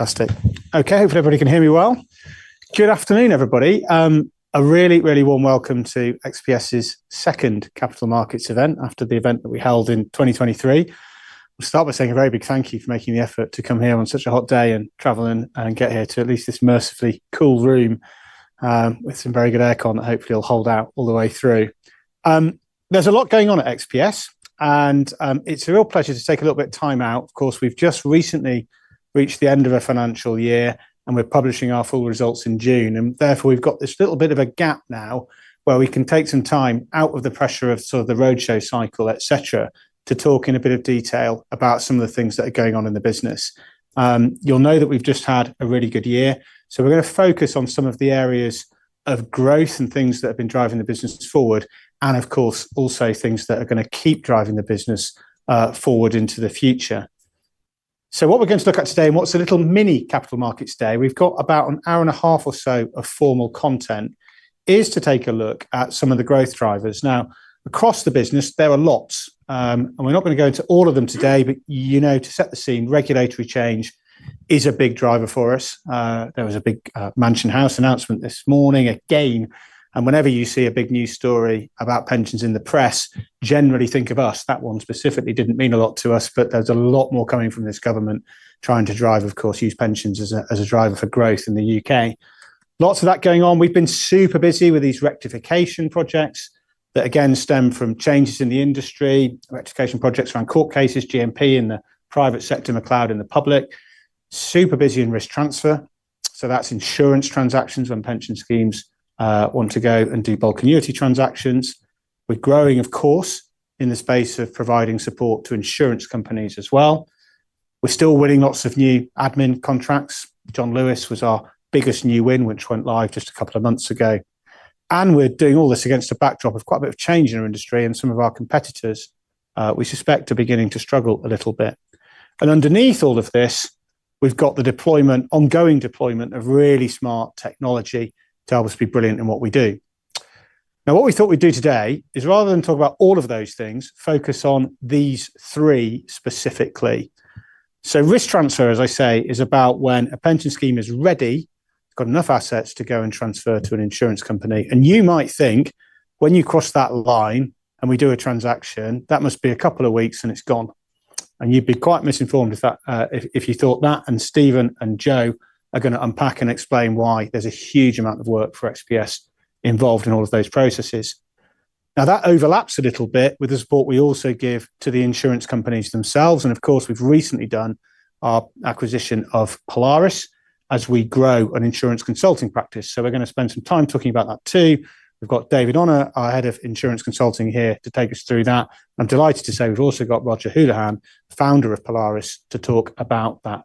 Fantastic. Okay, hopefully everybody can hear me well. Good afternoon, everybody. A really, really warm welcome to XPS's second Capital Markets event after the event that we held in 2023. We'll start by saying a very big thank you for making the effort to come here on such a hot day and travel and get here to at least this mercifully cool room with some very good aircon that hopefully will hold out all the way through. There's a lot going on at XPS, and it's a real pleasure to take a little bit of time out. Of course, we've just recently reached the end of a financial year, and we're publishing our full results in June. Therefore, we've got this little bit of a gap now where we can take some time out of the pressure of sort of the roadshow cycle, etc., to talk in a bit of detail about some of the things that are going on in the business. You'll know that we've just had a really good year. We're going to focus on some of the areas of growth and things that have been driving the business forward, and of course, also things that are going to keep driving the business forward into the future. What we're going to look at today in what's a little mini Capital Markets Day—we've got about an hour and a half or so of formal content—is to take a look at some of the growth drivers. Now, across the business, there are lots, and we're not going to go into all of them today, but you know, to set the scene, regulatory change is a big driver for us. There was a big Mansion House announcement this morning again. Whenever you see a big news story about pensions in the press, generally think of us. That one specifically did not mean a lot to us, but there is a lot more coming from this government trying to drive, of course, use pensions as a driver for growth in the U.K. Lots of that going on. We've been super busy with these rectification projects that again stem from changes in the industry, rectification projects around court cases, GMP in the private sector, McCloud in the public, super busy in risk transfer. That is insurance transactions when pension schemes want to go and do bulk annuity transactions. We're growing, of course, in the space of providing support to insurance companies as well. We're still winning lots of new admin contracts. John Lewis was our biggest new win, which went live just a couple of months ago. We're doing all this against a backdrop of quite a bit of change in our industry, and some of our competitors, we suspect, are beginning to struggle a little bit. Underneath all of this, we've got the deployment, ongoing deployment of really smart technology to help us be brilliant in what we do. Now, what we thought we'd do today is, rather than talk about all of those things, focus on these three specifically. Risk transfer, as I say, is about when a pension scheme is ready, got enough assets to go and transfer to an insurance company. You might think when you cross that line and we do a transaction, that must be a couple of weeks and it's gone. You'd be quite misinformed if you thought that. Stephen and Jo are going to unpack and explain why there's a huge amount of work for XPS involved in all of those processes. That overlaps a little bit with the support we also give to the insurance companies themselves. Of course, we've recently done our acquisition of Polaris as we grow an insurance consulting practice. We're going to spend some time talking about that too. We've got David Honour, our Head of Insurance Consulting here, to take us through that. I'm delighted to say we've also got Roger Houlihan, founder of Polaris, to talk about that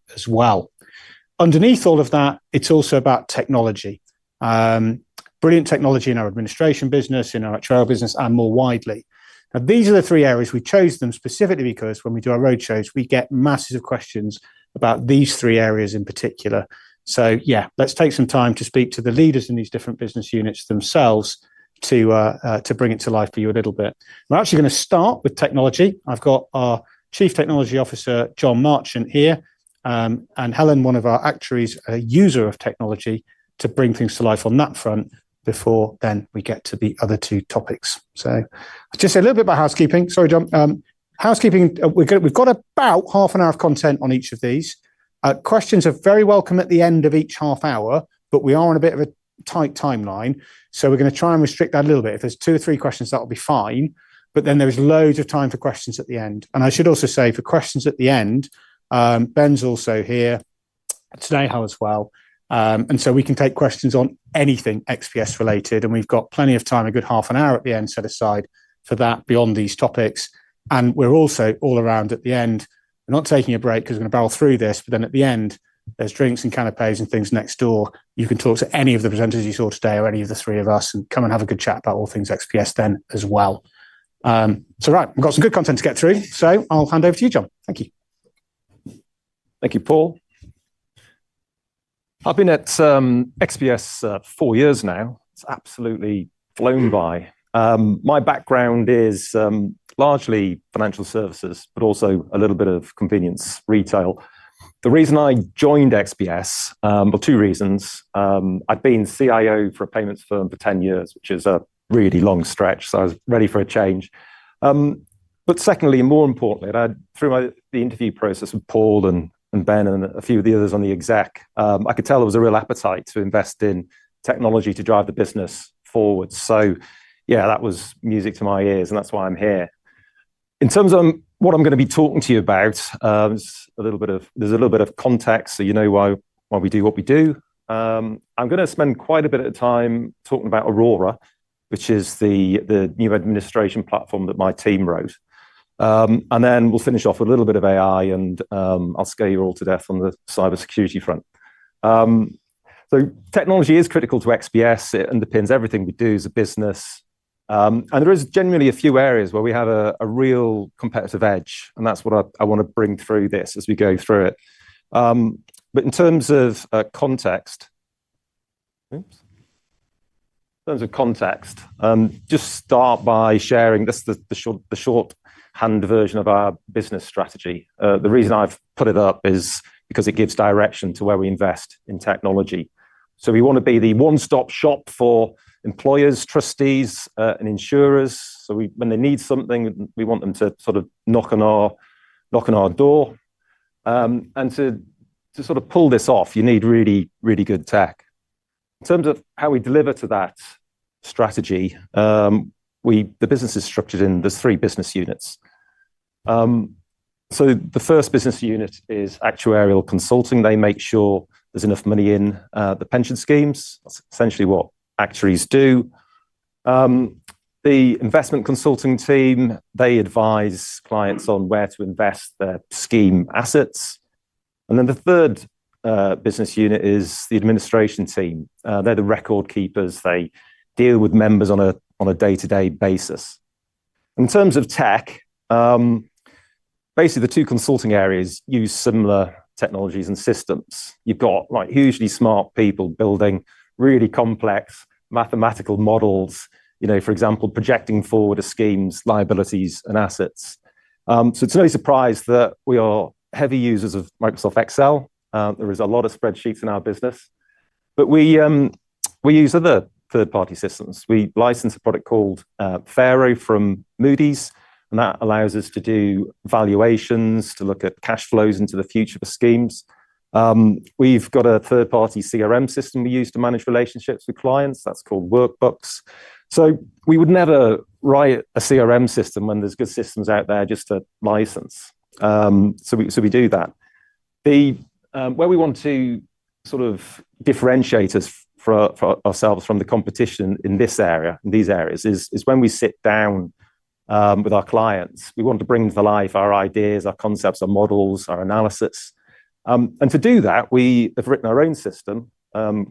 as well. Underneath all of that, it's also about technology, brilliant technology in our administration business, in our trail business, and more widely. Now, these are the three areas. We chose them specifically because when we do our roadshows, we get masses of questions about these three areas in particular. Yeah, let's take some time to speak to the leaders in these different business units themselves to bring it to life for you a little bit. We're actually going to start with technology. I've got our Chief Technology Officer, Jon Marchant, here, and Helen, one of our actuaries, a user of technology, to bring things to life on that front before then we get to the other two topics. Just a little bit about housekeeping. Sorry, Jon. Housekeeping, we've got about half an hour of content on each of these. Questions are very welcome at the end of each half hour, but we are on a bit of a tight timeline. We are going to try and restrict that a little bit. If there are two or three questions, that will be fine. There is loads of time for questions at the end. I should also say for questions at the end, Ben is also here today as well, and we can take questions on anything XPS related. We have plenty of time, a good half an hour at the end, set aside for that beyond these topics. We are also all around at the end. We are not taking a break because we are going to barrel through this. At the end, there are drinks and canapés and things next door. You can talk to any of the presenters you saw today or any of the three of us and come and have a good chat about all things XPS then as well. Right, we have got some good content to get through. I will hand over to you, Jon. Thank you. Thank you, Paul. I've been at XPS four years now. It's absolutely blown by. My background is largely financial services, but also a little bit of convenience retail. The reason I joined XPS, well, two reasons. I'd been CIO for a payments firm for 10 years, which is a really long stretch. I was ready for a change. Secondly, and more importantly, through the interview process with Paul and Ben and a few of the others on the exec, I could tell there was a real appetite to invest in technology to drive the business forward. Yeah, that was music to my ears, and that's why I'm here. In terms of what I'm going to be talking to you about, there's a little bit of context, so you know why we do what we do. I'm going to spend quite a bit of time talking about Aurora, which is the new administration platform that my team wrote. And then we'll finish off with a little bit of AI, and I'll scare you all to death on the cybersecurity front. Technology is critical to XPS. It underpins everything we do as a business. There is genuinely a few areas where we have a real competitive edge. That's what I want to bring through this as we go through it. In terms of context, just start by sharing just the shorthand version of our business strategy. The reason I've put it up is because it gives direction to where we invest in technology. We want to be the one-stop shop for employers, trustees, and insurers. When they need something, we want them to sort of knock on our door. To sort of pull this off, you need really, really good tech. In terms of how we deliver to that strategy, the business is structured in there's three business units. The first business unit is actuarial consulting. They make sure there's enough money in the pension schemes. That's essentially what actuaries do. The investment consulting team, they advise clients on where to invest their scheme assets. The third business unit is the administration team. They're the record keepers. They deal with members on a day-to-day basis. In terms of tech, basically the two consulting areas use similar technologies and systems. You've got hugely smart people building really complex mathematical models, for example, projecting forward of schemes, liabilities, and assets. It's no surprise that we are heavy users of Microsoft Excel. There is a lot of spreadsheets in our business. We use other third-party systems. We license a product called PFaroe from Moody's. That allows us to do valuations, to look at cash flows into the future of schemes. We've got a third-party CRM system we use to manage relationships with clients. That's called Workbooks. We would never write a CRM system when there's good systems out there just to license. We do that. Where we want to sort of differentiate ourselves from the competition in this area, in these areas, is when we sit down with our clients. We want to bring to life our ideas, our concepts, our models, our analysis. To do that, we have written our own system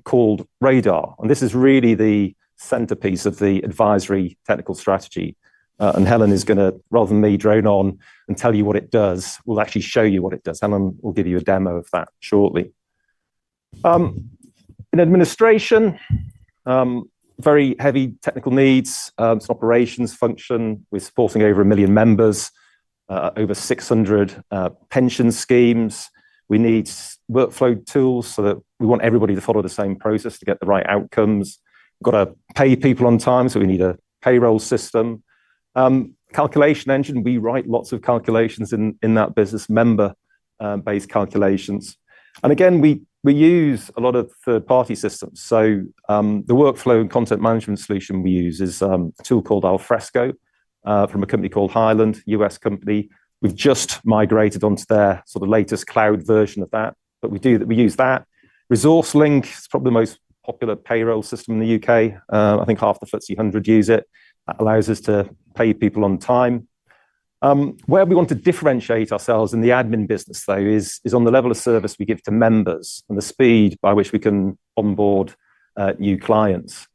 called Radar. This is really the centerpiece of the advisory technical strategy. Helen is going to, rather than me drone on and tell you what it does, actually show you what it does. Helen will give you a demo of that shortly. In administration, very heavy technical needs. It's operations function. We're supporting over a million members, over 600 pension schemes. We need workflow tools so that we want everybody to follow the same process to get the right outcomes. We've got to pay people on time, so we need a payroll system. Calculation engine, we write lots of calculations in that business, member-based calculations. And again, we use a lot of third-party systems. The workflow and content management solution we use is a tool called Alfresco from a company called Hyland, a U.S. company. We've just migrated onto their sort of latest cloud version of that, but we use that. ResourceLink is probably the most popular payroll system in the U.K.. I think half the FTSE 100 use it. That allows us to pay people on time. Where we want to differentiate ourselves in the admin business, though, is on the level of service we give to members and the speed by which we can onboard new clients.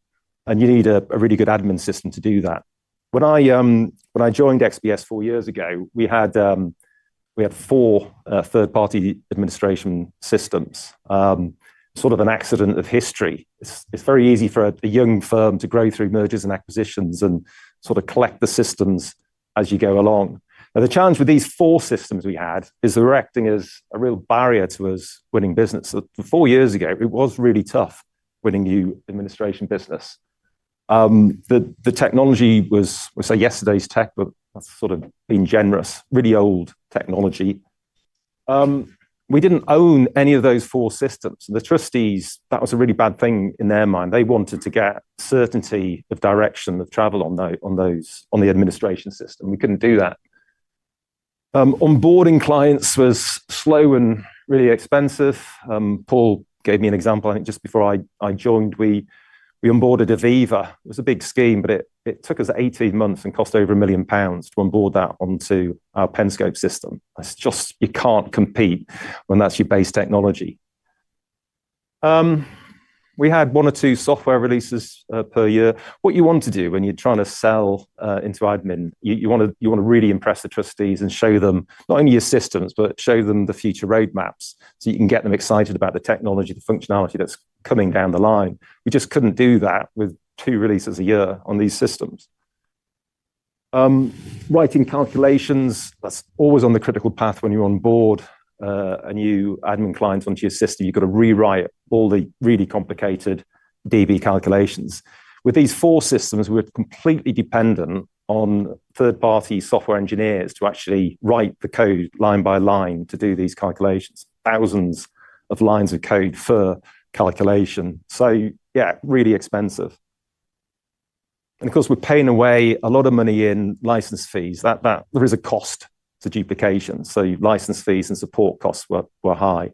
You need a really good admin system to do that. When I joined XPS four years ago, we had four third-party administration systems. Sort of an accident of history. It's very easy for a young firm to grow through mergers and acquisitions and sort of collect the systems as you go along. The challenge with these four systems we had is the recting is a real barrier to us winning business. Four years ago, it was really tough winning new administration business. The technology was, we'll say yesterday's tech, but that's sort of being generous, really old technology. We did not own any of those four systems. The trustees, that was a really bad thing in their mind. They wanted to get certainty of direction of travel on the administration system. We could not do that. Onboarding clients was slow and really expensive. Paul gave me an example, I think, just before I joined. We onboarded Aviva. It was a big scheme, but it took us 18 months and cost over 1 million pounds to onboard that onto our Penscope system. It is just you cannot compete when that is your base technology. We had one or two software releases per year. What you want to do when you are trying to sell into admin, you want to really impress the trustees and show them not only your systems, but show them the future roadmaps so you can get them excited about the technology, the functionality that is coming down the line. We just could not do that with two releases a year on these systems. Writing calculations, that's always on the critical path when you onboard a new admin client onto your system. You've got to rewrite all the really complicated DB calculations. With these four systems, we're completely dependent on third-party software engineers to actually write the code line by line to do these calculations. Thousands of lines of code per calculation. Yeah, really expensive. Of course, we're paying away a lot of money in license fees. There is a cost to duplication. License fees and support costs were high.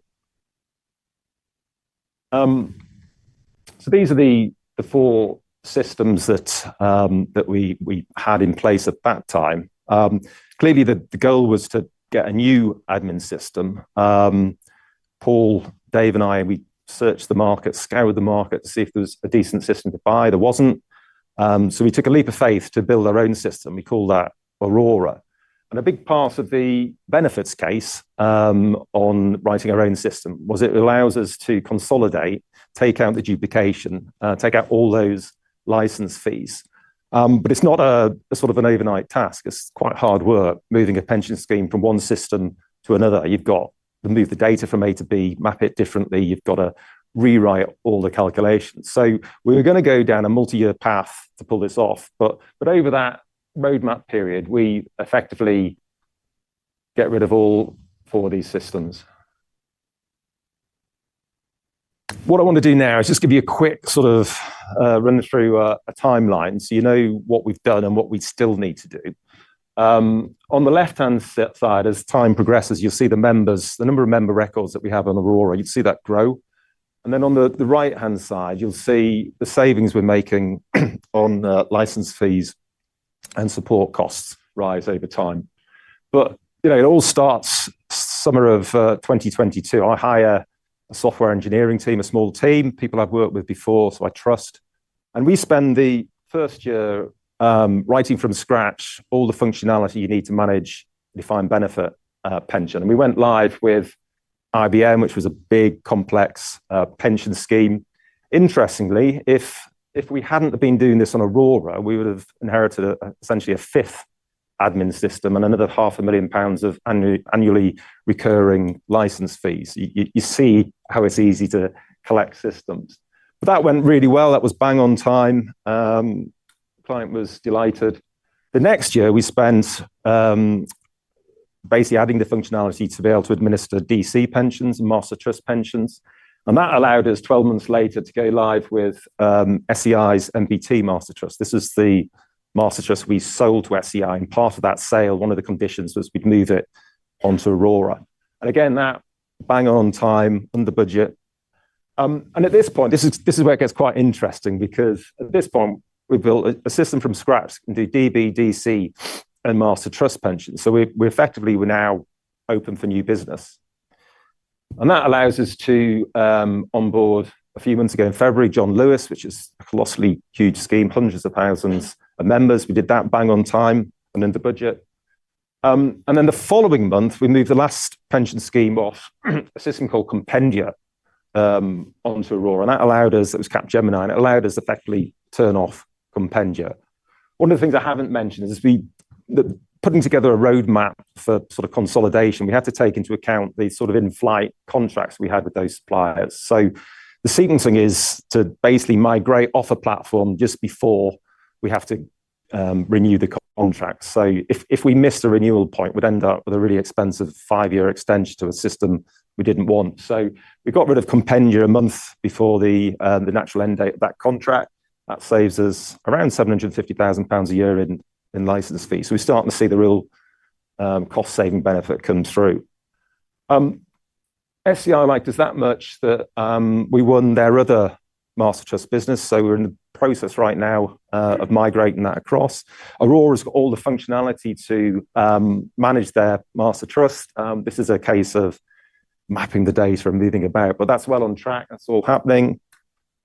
These are the four systems that we had in place at that time. Clearly, the goal was to get a new admin system. Paul, Dave, and I, we searched the market, scoured the market to see if there was a decent system to buy. There wasn't. We took a leap of faith to build our own system. We call that Aurora. A big part of the benefits case on writing our own system was it allows us to consolidate, take out the duplication, take out all those license fees. It is not sort of an overnight task. It is quite hard work moving a pension scheme from one system to another. You have got to move the data from A to B, map it differently. You have got to rewrite all the calculations. We were going to go down a multi-year path to pull this off. Over that roadmap period, we effectively get rid of all four of these systems. What I want to do now is just give you a quick sort of run-through, a timeline so you know what we have done and what we still need to do. On the left-hand side, as time progresses, you'll see the members, the number of member records that we have on Aurora. You'll see that grow. On the right-hand side, you'll see the savings we're making on license fees and support costs rise over time. It all starts summer of 2022. I hire a software engineering team, a small team, people I've worked with before, so I trust. We spend the first year writing from scratch all the functionality you need to manage and define benefit pension. We went live with IBM, which was a big, complex pension scheme. Interestingly, if we hadn't been doing this on Aurora, we would have inherited essentially a fifth admin system and another 500,000 pounds of annually recurring license fees. You see how it's easy to collect systems. That went really well. That was bang on time. The client was delighted. The next year, we spent basically adding the functionality to be able to administer DC pensions and Master Trust pensions. That allowed us, 12 months later, to go live with SEI's MBT Master Trust. This is the Master Trust we sold to SEI. Part of that sale, one of the conditions was we'd move it onto Aurora. That went bang on time, under budget. At this point, this is where it gets quite interesting because at this point, we built a system from scratch and do DB, DC, and Master Trust pensions. We effectively were now open for new business. That allows us to onboard a few months ago in February, John Lewis, which is a colossally huge scheme, hundreds of thousands of members. We did that bang on time and under budget. The following month, we moved the last pension scheme off a system called Compendia onto Aurora. That allowed us, it was Capgemini, and it allowed us effectively to turn off Compendia. One of the things I have not mentioned is putting together a roadmap for sort of consolidation. We had to take into account the sort of in-flight contracts we had with those suppliers. The sequencing is to basically migrate off a platform just before we have to renew the contract. If we missed a renewal point, we would end up with a really expensive five-year extension to a system we did not want. We got rid of Compendia a month before the natural end date of that contract. That saves us around 750,000 pounds a year in license fees. We are starting to see the real cost-saving benefit come through. SEI liked us that much that we won their other Master Trust business. We are in the process right now of migrating that across. Aurora's got all the functionality to manage their Master Trust. This is a case of mapping the data and moving about. That is well on track. That is all happening.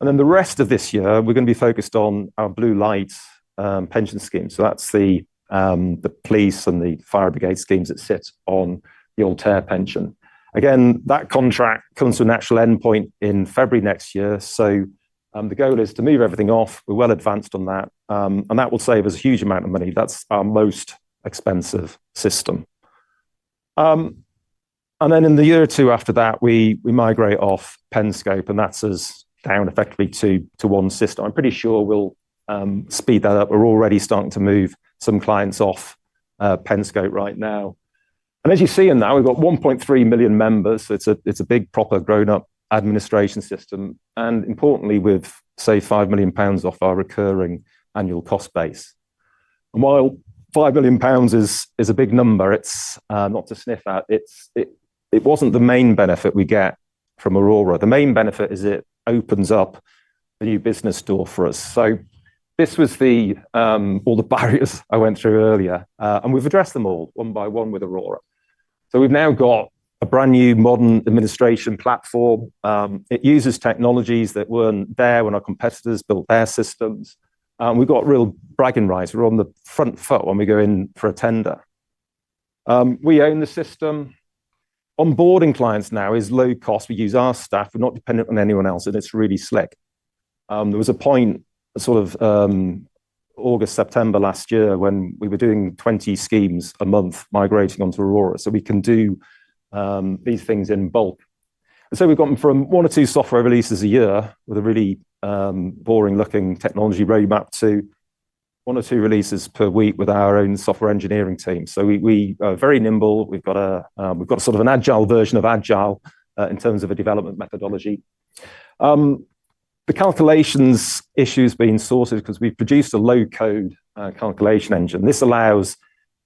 The rest of this year, we are going to be focused on our Blue Light Pension Scheme. That is the police and the fire brigade schemes that sit on the old TARE pension. That contract comes to a natural end point in February next year. The goal is to move everything off. We are well advanced on that. That will save us a huge amount of money. That is our most expensive system. In the year or two after that, we migrate off Penscope. That is us down effectively to one system. I'm pretty sure we'll speed that up. We're already starting to move some clients off Penscope right now. As you see in that, we've got 1.3 million members. It's a big, proper, grown-up administration system. Importantly, we've saved 5 million pounds off our recurring annual cost base. While 5 million pounds is a big number, it's not to sniff at. It wasn't the main benefit we get from Aurora. The main benefit is it opens up a new business door for us. This was all the barriers I went through earlier. We've addressed them all one by one with Aurora. We've now got a brand new modern administration platform. It uses technologies that weren't there when our competitors built their systems. We've got real bragging rights. We're on the front foot when we go in for a tender. We own the system. Onboarding clients now is low cost. We use our staff. We're not dependent on anyone else. It is really slick. There was a point, sort of August, September last year, when we were doing 20 schemes a month migrating onto Aurora. We can do these things in bulk. We have gone from one or two software releases a year with a really boring-looking technology roadmap to one or two releases per week with our own software engineering team. We are very nimble. We have sort of an agile version of agile in terms of a development methodology. The calculations issues being sourced is because we've produced a low-code calculation engine. This allows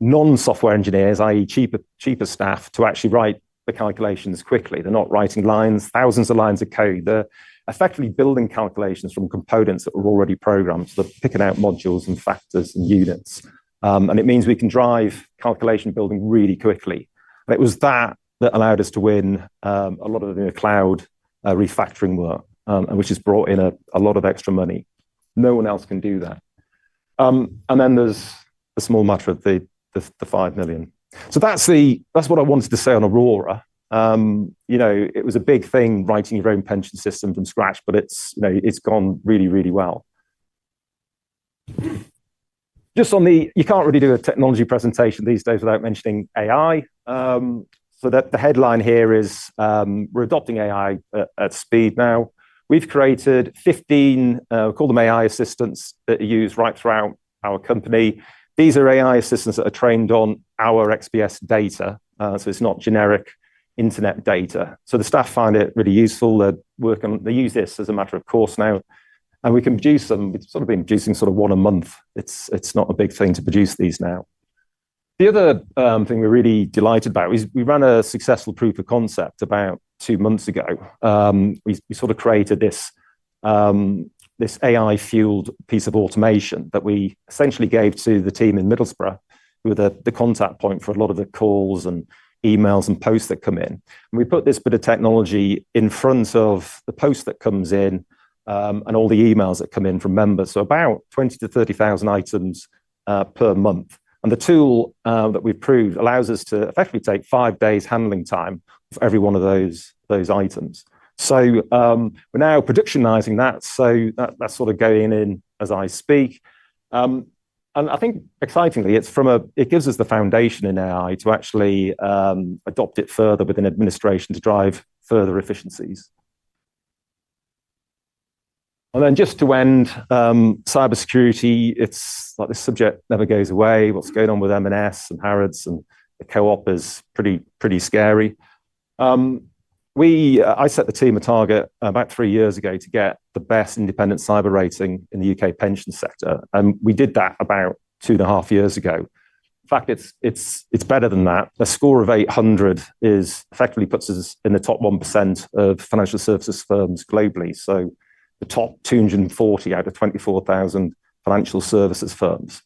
non-software engineers, i.e., cheaper staff, to actually write the calculations quickly. They're not writing thousands of lines of code. They're effectively building calculations from components that are already programmed. They're picking out modules and factors and units. It means we can drive calculation building really quickly. It was that that allowed us to win a lot of the cloud refactoring work, which has brought in a lot of extra money. No one else can do that. There is the small matter of the 5 million. That is what I wanted to say on Aurora. It was a big thing writing your own pension system from scratch, but it has gone really, really well. Just on the, you cannot really do a technology presentation these days without mentioning AI. The headline here is we are adopting AI at speed now. We have created 15, we call them AI assistants that are used right throughout our company. These are AI assistants that are trained on our XPS data. It is not generic internet data. The staff find it really useful. They use this as a matter of course now. We can produce them. We have sort of been producing one a month. It is not a big thing to produce these now. The other thing we are really delighted about is we ran a successful proof of concept about two months ago. We sort of created this AI-fueled piece of automation that we essentially gave to the team in Middlesbrough, who are the contact point for a lot of the calls and emails and posts that come in. We put this bit of technology in front of the post that comes in and all the emails that come in from members. About 20,000-30,000 items per month. The tool that we have proved allows us to effectively take five days handling time for every one of those items. We're now productionizing that. That's sort of going in as I speak. I think excitingly, it gives us the foundation in AI to actually adopt it further within administration to drive further efficiencies. Just to end, cybersecurity, it's like this subject never goes away. What's going on with M&S and Harrods and the Co-op is pretty scary. I set the team a target about three years ago to get the best independent cyber rating in the U.K. pension sector. We did that about two and a half years ago. In fact, it's better than that. A score of 800 effectively puts us in the top 1% of financial services firms globally. So the top 240 out of 24,000 financial services firms.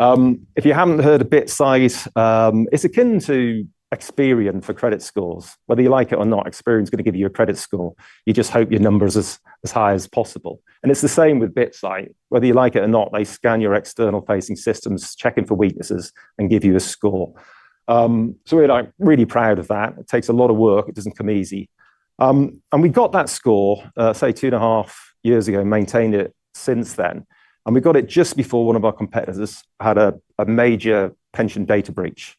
If you haven't heard of BitSight, it's akin to Experian for credit scores. Whether you like it or not, Experian is going to give you a credit score. You just hope your number is as high as possible. It is the same with BitSight. Whether you like it or not, they scan your external facing systems, check in for weaknesses, and give you a score. We are really proud of that. It takes a lot of work. It does not come easy. We got that score, say, two and a half years ago and maintained it since then. We got it just before one of our competitors had a major pension data breach.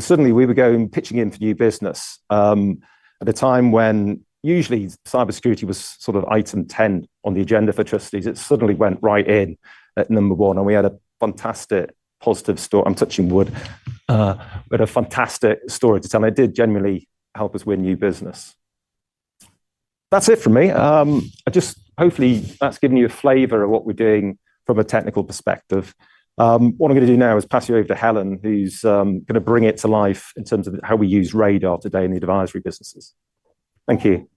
Suddenly, we were going pitching in for new business. At a time when usually cybersecurity was sort of item 10 on the agenda for trustees, it suddenly went right in at number one. We had a fantastic positive story. I am touching wood. We had a fantastic story to tell. It did genuinely help us win new business. That's it for me. I just hopefully that's given you a flavor of what we're doing from a technical perspective. What I'm going to do now is pass you over to Helen, who's going to bring it to life in terms of how we use Radar today in the advisory businesses. Thank you.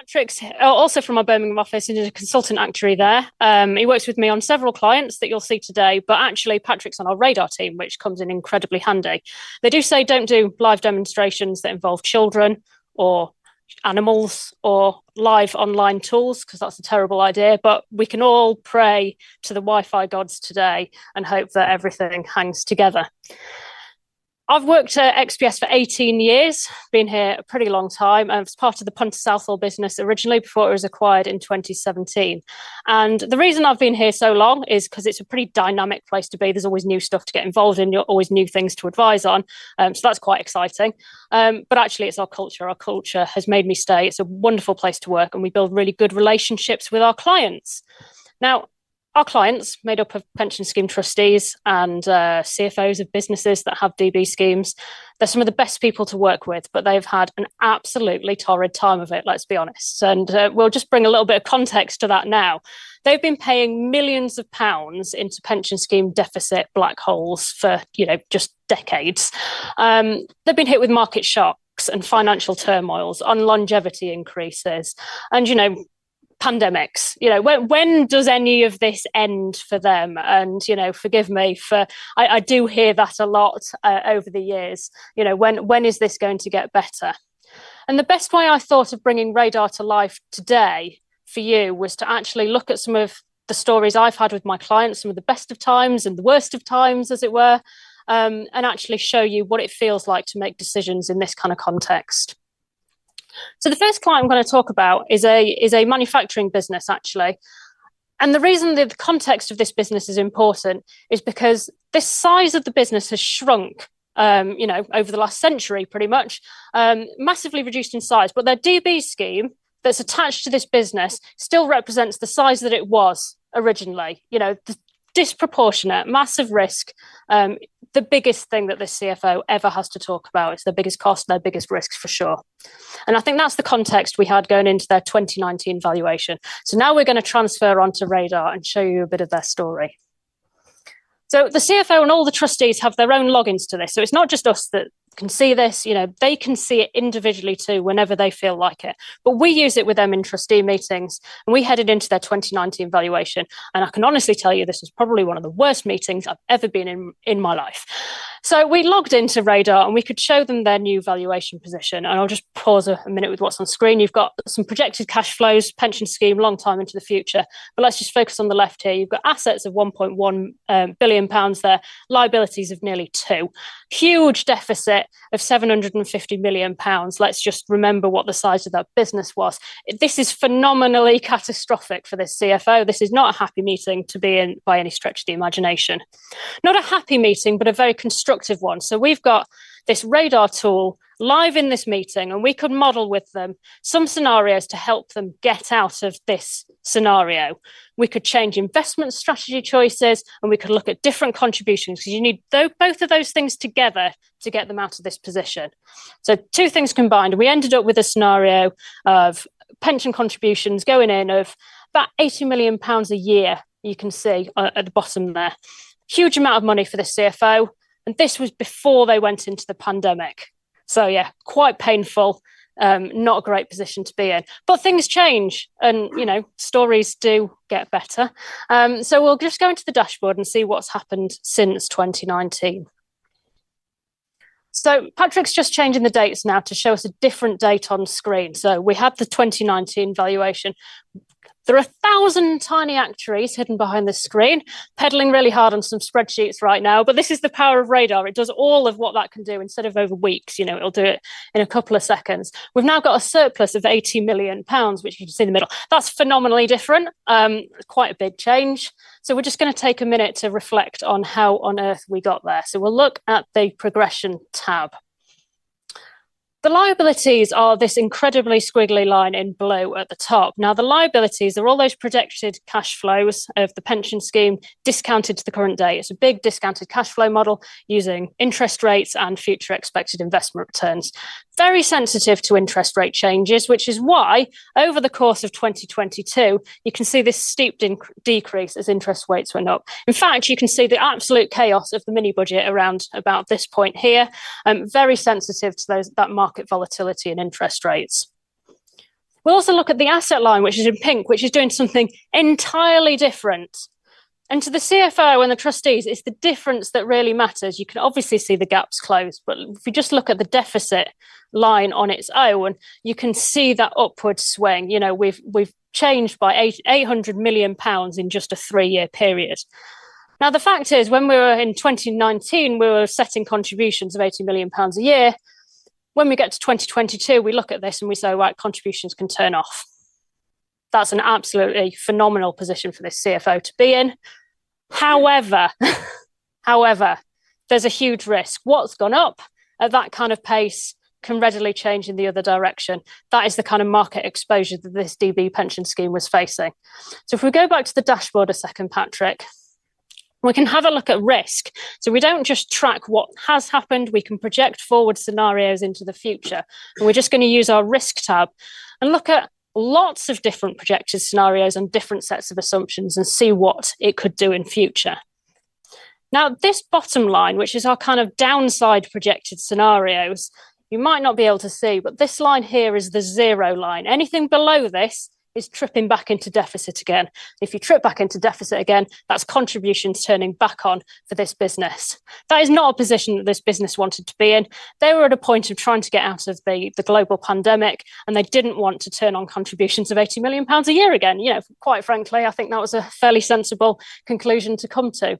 Patrick's also from a Birmingham office and a consultant actuary there. He works with me on several clients that you'll see today. Actually, Patrick's on our Radar team, which comes in incredibly handy. They do say don't do live demonstrations that involve children or animals or live online tools because that's a terrible idea. We can all pray to the Wi-Fi gods today and hope that everything hangs together. I've worked at XPS for 18 years, been here a pretty long time. I was part of the Punter Southall business originally before it was acquired in 2017. The reason I've been here so long is because it's a pretty dynamic place to be. There's always new stuff to get involved in. You're always new things to advise on. That's quite exciting. Actually, it's our culture. Our culture has made me stay. It's a wonderful place to work. We build really good relationships with our clients. Our clients are made up of pension scheme trustees and CFOs of businesses that have DB schemes. They're some of the best people to work with, but they've had an absolutely torrid time of it, let's be honest. We'll just bring a little bit of context to that now. They've been paying millions of GBP into pension scheme deficit black holes for just decades. They've been hit with market shocks and financial turmoils on longevity increases and pandemics. When does any of this end for them? Forgive me, I do hear that a lot over the years. When is this going to get better? The best way I thought of bringing Radar to life today for you was to actually look at some of the stories I've had with my clients, some of the best of times and the worst of times, as it were, and actually show you what it feels like to make decisions in this kind of context. The first client I'm going to talk about is a manufacturing business, actually. The reason the context of this business is important is because the size of the business has shrunk over the last century, pretty much, massively reduced in size. Their DB scheme that's attached to this business still represents the size that it was originally. The disproportionate, massive risk, the biggest thing that the CFO ever has to talk about is their biggest cost and their biggest risk, for sure. I think that's the context we had going into their 2019 valuation. Now we're going to transfer on to Radar and show you a bit of their story. The CFO and all the trustees have their own logins to this. It's not just us that can see this. They can see it individually too whenever they feel like it. We use it with them in trustee meetings. We headed into their 2019 valuation. I can honestly tell you this was probably one of the worst meetings I've ever been in my life. We logged into Radar, and we could show them their new valuation position. I'll just pause a minute with what's on screen. You've got some projected cash flows, pension scheme long time into the future. Let's just focus on the left here. You've got assets of 1.1 billion pounds there, liabilities of nearly 2 billion, huge deficit of 750 million pounds. Let's just remember what the size of that business was. This is phenomenally catastrophic for this CFO. This is not a happy meeting to be in by any stretch of the imagination. Not a happy meeting, but a very constructive one. We've got this Radar tool live in this meeting, and we could model with them some scenarios to help them get out of this scenario. We could change investment strategy choices, and we could look at different contributions because you need both of those things together to get them out of this position. Two things combined. We ended up with a scenario of pension contributions going in of about 80 million pounds a year, you can see at the bottom there. Huge amount of money for the CFO. This was before they went into the pandemic. Quite painful, not a great position to be in. Things change, and stories do get better. We'll just go into the dashboard and see what's happened since 2019. Patrick's just changing the dates now to show us a different date on screen. We have the 2019 valuation. There are 1,000 tiny actuaries hidden behind the screen, peddling really hard on some spreadsheets right now. This is the power of Radar. It does all of what that can do instead of over weeks. It'll do it in a couple of seconds. We've now got a surplus of 80 million pounds, which you can see in the middle. That's phenomenally different. Quite a big change. We're just going to take a minute to reflect on how on earth we got there. We'll look at the progression tab. The liabilities are this incredibly squiggly line in blue at the top. Now, the liabilities are all those projected cash flows of the pension scheme discounted to the current day. It's a big discounted cash flow model using interest rates and future expected investment returns. Very sensitive to interest rate changes, which is why over the course of 2022, you can see this steep decrease as interest rates went up. In fact, you can see the absolute chaos of the mini budget around about this point here. Very sensitive to that market volatility and interest rates. We will also look at the asset line, which is in pink, which is doing something entirely different. To the CFO and the trustees, it is the difference that really matters. You can obviously see the gaps closed. If you just look at the deficit line on its own, you can see that upward swing. We have changed by 800 million pounds in just a three-year period. The fact is, when we were in 2019, we were setting contributions of 80 million pounds a year. When we get to 2022, we look at this and we say, right, contributions can turn off. That is an absolutely phenomenal position for this CFO to be in. However, there is a huge risk. What's gone up at that kind of pace can readily change in the other direction. That is the kind of market exposure that this DB pension scheme was facing. If we go back to the dashboard a second, Patrick, we can have a look at risk. We do not just track what has happened. We can project forward scenarios into the future. We are just going to use our risk tab and look at lots of different projected scenarios and different sets of assumptions and see what it could do in future. Now, this bottom line, which is our kind of downside projected scenarios, you might not be able to see, but this line here is the zero line. Anything below this is tripping back into deficit again. If you trip back into deficit again, that is contributions turning back on for this business. That is not a position that this business wanted to be in. They were at a point of trying to get out of the global pandemic, and they did not want to turn on contributions of 80 million pounds a year again. Quite frankly, I think that was a fairly sensible conclusion to come to.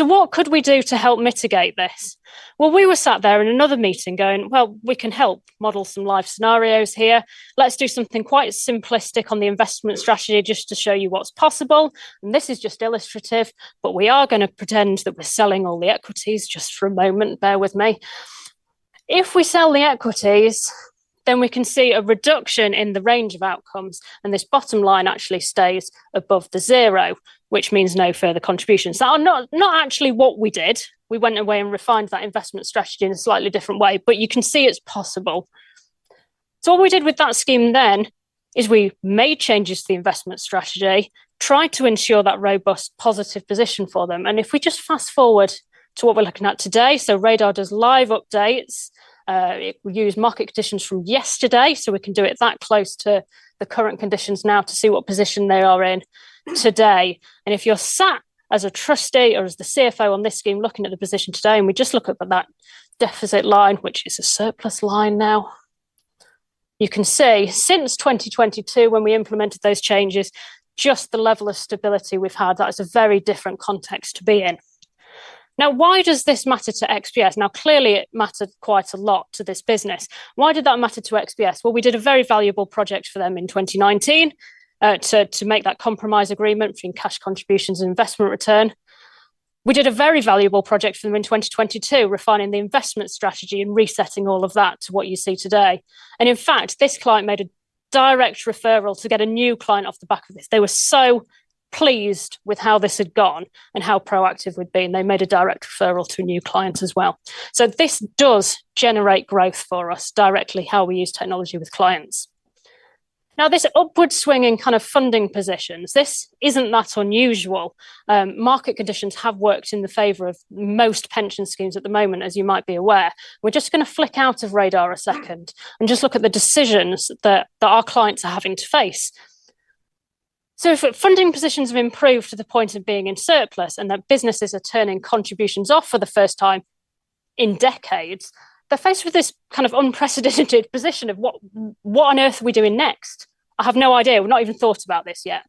What could we do to help mitigate this? We were sat there in another meeting going, we can help model some live scenarios here. Let's do something quite simplistic on the investment strategy just to show you what is possible. This is just illustrative, but we are going to pretend that we are selling all the equities just for a moment. Bear with me. If we sell the equities, then we can see a reduction in the range of outcomes. This bottom line actually stays above the zero, which means no further contributions. That is not actually what we did. We went away and refined that investment strategy in a slightly different way. You can see it is possible. What we did with that scheme then is we made changes to the investment strategy, tried to ensure that robust positive position for them. If we just fast forward to what we are looking at today, Radar does live updates. We use market conditions from yesterday. We can do it that close to the current conditions now to see what position they are in today. If you're sat as a trustee or as the CFO on this scheme looking at the position today, and we just look at that deficit line, which is a surplus line now, you can see since 2022, when we implemented those changes, just the level of stability we've had. That is a very different context to be in. Why does this matter to XPS? Clearly, it mattered quite a lot to this business. Why did that matter to XPS? We did a very valuable project for them in 2019 to make that compromise agreement between cash contributions and investment return. We did a very valuable project for them in 2022, refining the investment strategy and resetting all of that to what you see today. In fact, this client made a direct referral to get a new client off the back of this. They were so pleased with how this had gone and how proactive we'd been. They made a direct referral to a new client as well. This does generate growth for us directly, how we use technology with clients. Now, this upward swinging kind of funding positions, this is not that unusual. Market conditions have worked in the favor of most pension schemes at the moment, as you might be aware. We are just going to flick out of Radar a second and just look at the decisions that our clients are having to face. If funding positions have improved to the point of being in surplus and businesses are turning contributions off for the first time in decades, they are faced with this kind of unprecedented position of what on earth are we doing next? I have no idea. We have not even thought about this yet.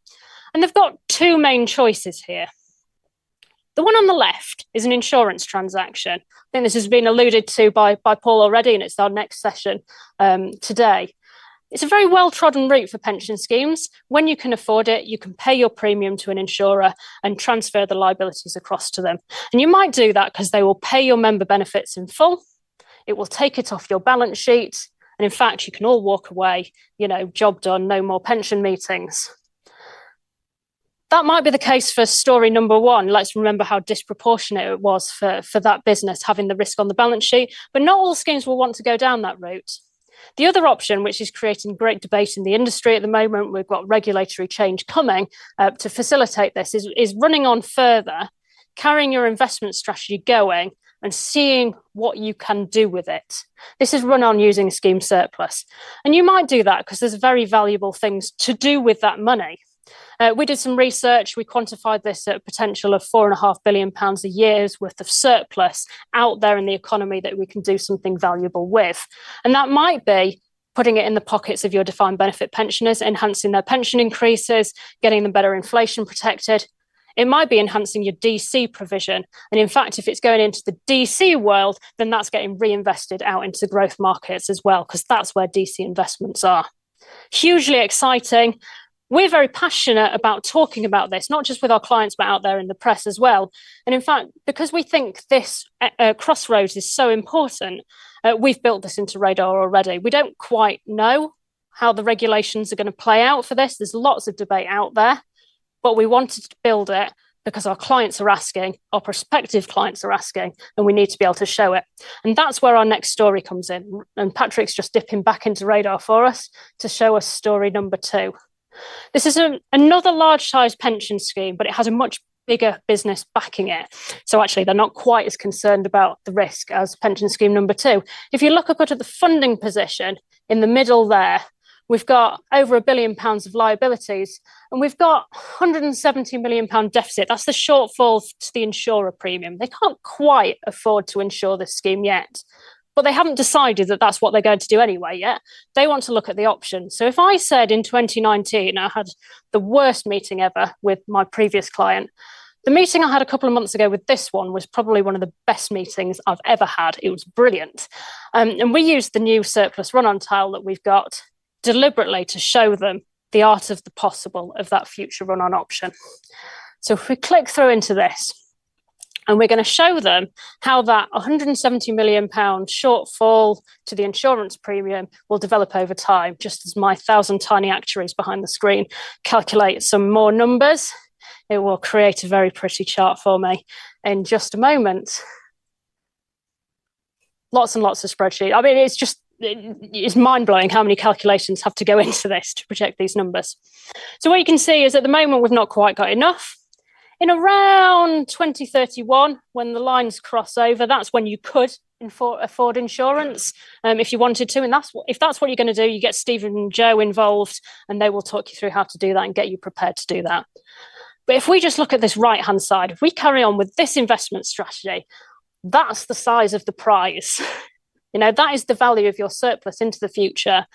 They have got two main choices here. The one on the left is an insurance transaction. I think this has been alluded to by Paul already, and it is our next session today. It is a very well-trodden route for pension schemes. When you can afford it, you can pay your premium to an insurer and transfer the liabilities across to them. You might do that because they will pay your member benefits in full. It will take it off your balance sheet. In fact, you can all walk away, job done, no more pension meetings. That might be the case for story number one. Let us remember how disproportionate it was for that business having the risk on the balance sheet. Not all schemes will want to go down that route. The other option, which is creating great debate in the industry at the moment, we've got regulatory change coming to facilitate this, is running on further, carrying your investment strategy going and seeing what you can do with it. This is run on using a scheme surplus. You might do that because there are very valuable things to do with that money. We did some research. We quantified this at a potential of 4.5 billion pounds a year's worth of surplus out there in the economy that we can do something valuable with. That might be putting it in the pockets of your defined benefit pensioners, enhancing their pension increases, getting them better inflation protected. It might be enhancing your DC provision. In fact, if it is going into the DC world, then that is getting reinvested out into growth markets as well because that is where DC investments are. Hugely exciting. We're very passionate about talking about this, not just with our clients, but out there in the press as well. In fact, because we think this crossroads is so important, we've built this into Radar already. We don't quite know how the regulations are going to play out for this. There's lots of debate out there. We wanted to build it because our clients are asking, our prospective clients are asking, and we need to be able to show it. That's where our next story comes in. Patrick's just dipping back into Radar for us to show us story number two. This is another large-sized pension scheme, but it has a much bigger business backing it. Actually, they're not quite as concerned about the risk as pension scheme number two. If you look up at the funding position in the middle there, we've got over 1 billion pounds of liabilities, and we've got a 170 million pound deficit. That's the shortfall to the insurer premium. They can't quite afford to insure this scheme yet. They haven't decided that that's what they're going to do anyway yet. They want to look at the options. If I said in 2019, I had the worst meeting ever with my previous client, the meeting I had a couple of months ago with this one was probably one of the best meetings I've ever had. It was brilliant. We used the new surplus run-on tile that we've got deliberately to show them the art of the possible of that future run-on option. If we click through into this, and we're going to show them how that 170 million pound shortfall to the insurance premium will develop over time. Just as my 1,000 tiny actuaries behind the screen calculate some more numbers, it will create a very pretty chart for me in just a moment. Lots and lots of spreadsheets. I mean, it's just mind-blowing how many calculations have to go into this to project these numbers. What you can see is at the moment, we've not quite got enough. In around 2031, when the lines cross over, that's when you could afford insurance if you wanted to. If that's what you're going to do, you get Steve and Jo involved, and they will talk you through how to do that and get you prepared to do that. If we just look at this right-hand side, if we carry on with this investment strategy, that is the size of the prize. That is the value of your surplus into the future.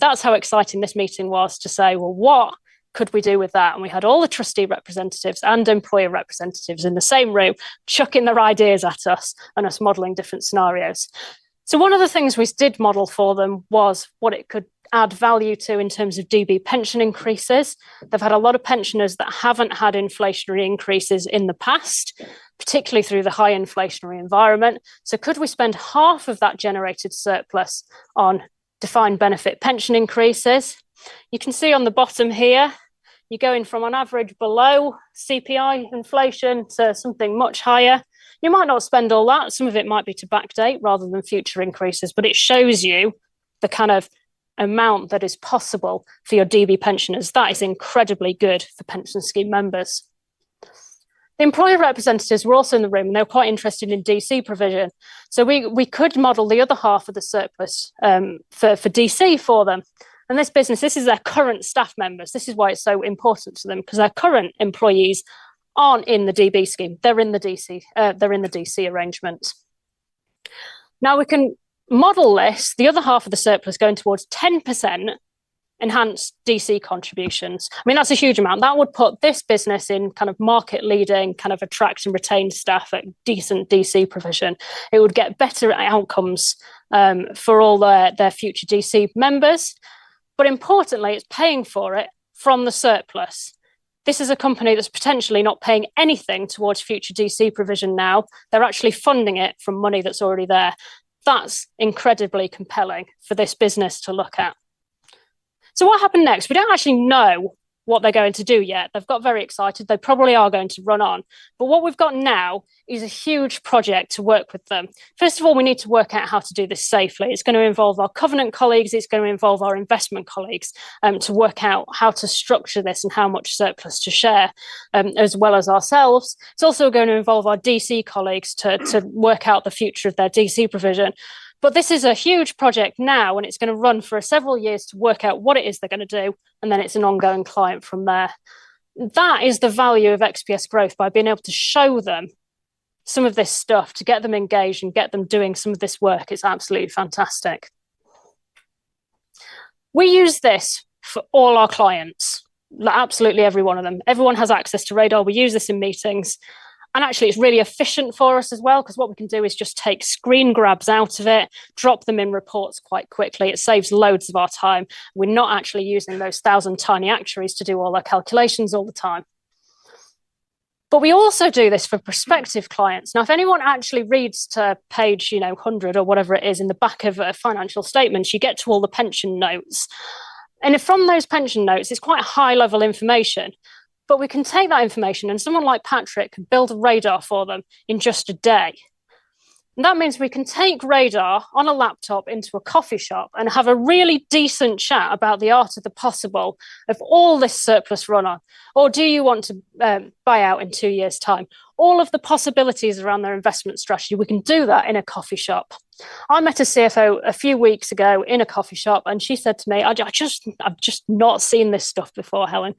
That is how exciting this meeting was to say, well, what could we do with that? We had all the trustee representatives and employer representatives in the same room chucking their ideas at us and us modeling different scenarios. One of the things we did model for them was what it could add value to in terms of DB pension increases. They have had a lot of pensioners that have not had inflationary increases in the past, particularly through the high inflationary environment. Could we spend half of that generated surplus on defined benefit pension increases? You can see on the bottom here, you are going from an average below CPI inflation to something much higher. You might not spend all that. Some of it might be to backdate rather than future increases. It shows you the kind of amount that is possible for your DB pensioners. That is incredibly good for pension scheme members. The employer representatives were also in the room. They were quite interested in DC provision. We could model the other half of the surplus for DC for them. This business, this is their current staff members. This is why it is so important to them because their current employees are not in the DB scheme. They are in the DC arrangements. Now, we can model this. The other half of the surplus going towards 10% enhanced DC contributions. I mean, that is a huge amount. That would put this business in kind of market-leading kind of attract and retain staff at decent DC provision. It would get better outcomes for all their future DC members. Importantly, it is paying for it from the surplus. This is a company that is potentially not paying anything towards future DC provision now. They are actually funding it from money that is already there. That is incredibly compelling for this business to look at. What happened next? We do not actually know what they are going to do yet. They have got very excited. They probably are going to run on. What we have got now is a huge project to work with them. First of all, we need to work out how to do this safely. It is going to involve our Covenant colleagues. It is going to involve our investment colleagues to work out how to structure this and how much surplus to share, as well as ourselves. is also going to involve our DC colleagues to work out the future of their DC provision. This is a huge project now, and it is going to run for several years to work out what it is they are going to do. It is an ongoing client from there. That is the value of XPS growth by being able to show them some of this stuff to get them engaged and get them doing some of this work. It is absolutely fantastic. We use this for all our clients, absolutely every one of them. Everyone has access to Radar. We use this in meetings. Actually, it is really efficient for us as well because what we can do is just take screen grabs out of it, drop them in reports quite quickly. It saves loads of our time. We're not actually using those 1,000 tiny actuaries to do all our calculations all the time. We also do this for prospective clients. Now, if anyone actually reads to page 100 or whatever it is in the back of a financial statement, you get to all the pension notes. From those pension notes, it's quite high-level information. We can take that information, and someone like Patrick can build a Radar for them in just a day. That means we can take Radar on a laptop into a coffee shop and have a really decent chat about the art of the possible of all this surplus run-on. Do you want to buy out in two years' time? All of the possibilities around their investment strategy, we can do that in a coffee shop. I met a CFO a few weeks ago in a coffee shop, and she said to me, "I've just not seen this stuff before, Helen."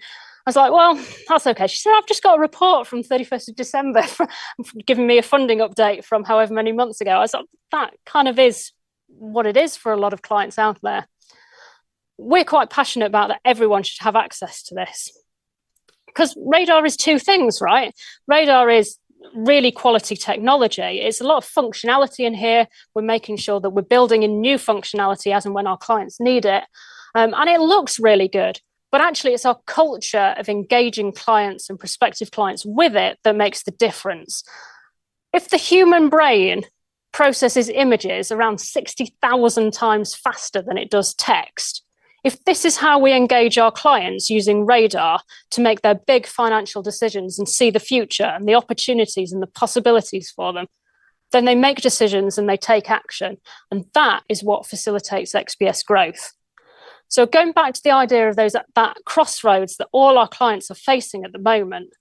I was like, "That's okay." She said, "I've just got a report from 31st of December giving me a funding update from however many months ago." I was like, "That kind of is what it is for a lot of clients out there." We're quite passionate about that everyone should have access to this because Radar is two things, right? Radar is really quality technology. It's a lot of functionality in here. We're making sure that we're building in new functionality as and when our clients need it. It looks really good. Actually, it's our culture of engaging clients and prospective clients with it that makes the difference. If the human brain processes images around 60,000 times faster than it does text, if this is how we engage our clients using Radar to make their big financial decisions and see the future and the opportunities and the possibilities for them, they make decisions and they take action. That is what facilitates XPS growth. Going back to the idea of that crossroads that all our clients are facing at the moment,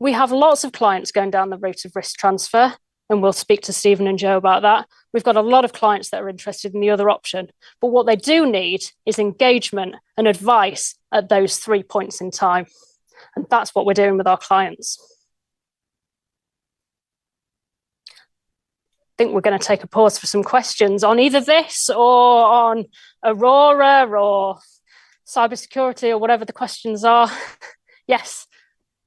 we have lots of clients going down the route of risk transfer. We will speak to Steve and Jo about that. We have a lot of clients that are interested in the other option. What they do need is engagement and advice at those three points in time. That is what we are doing with our clients. I think we're going to take a pause for some questions on either this or on Aurora or cybersecurity or whatever the questions are. Yes.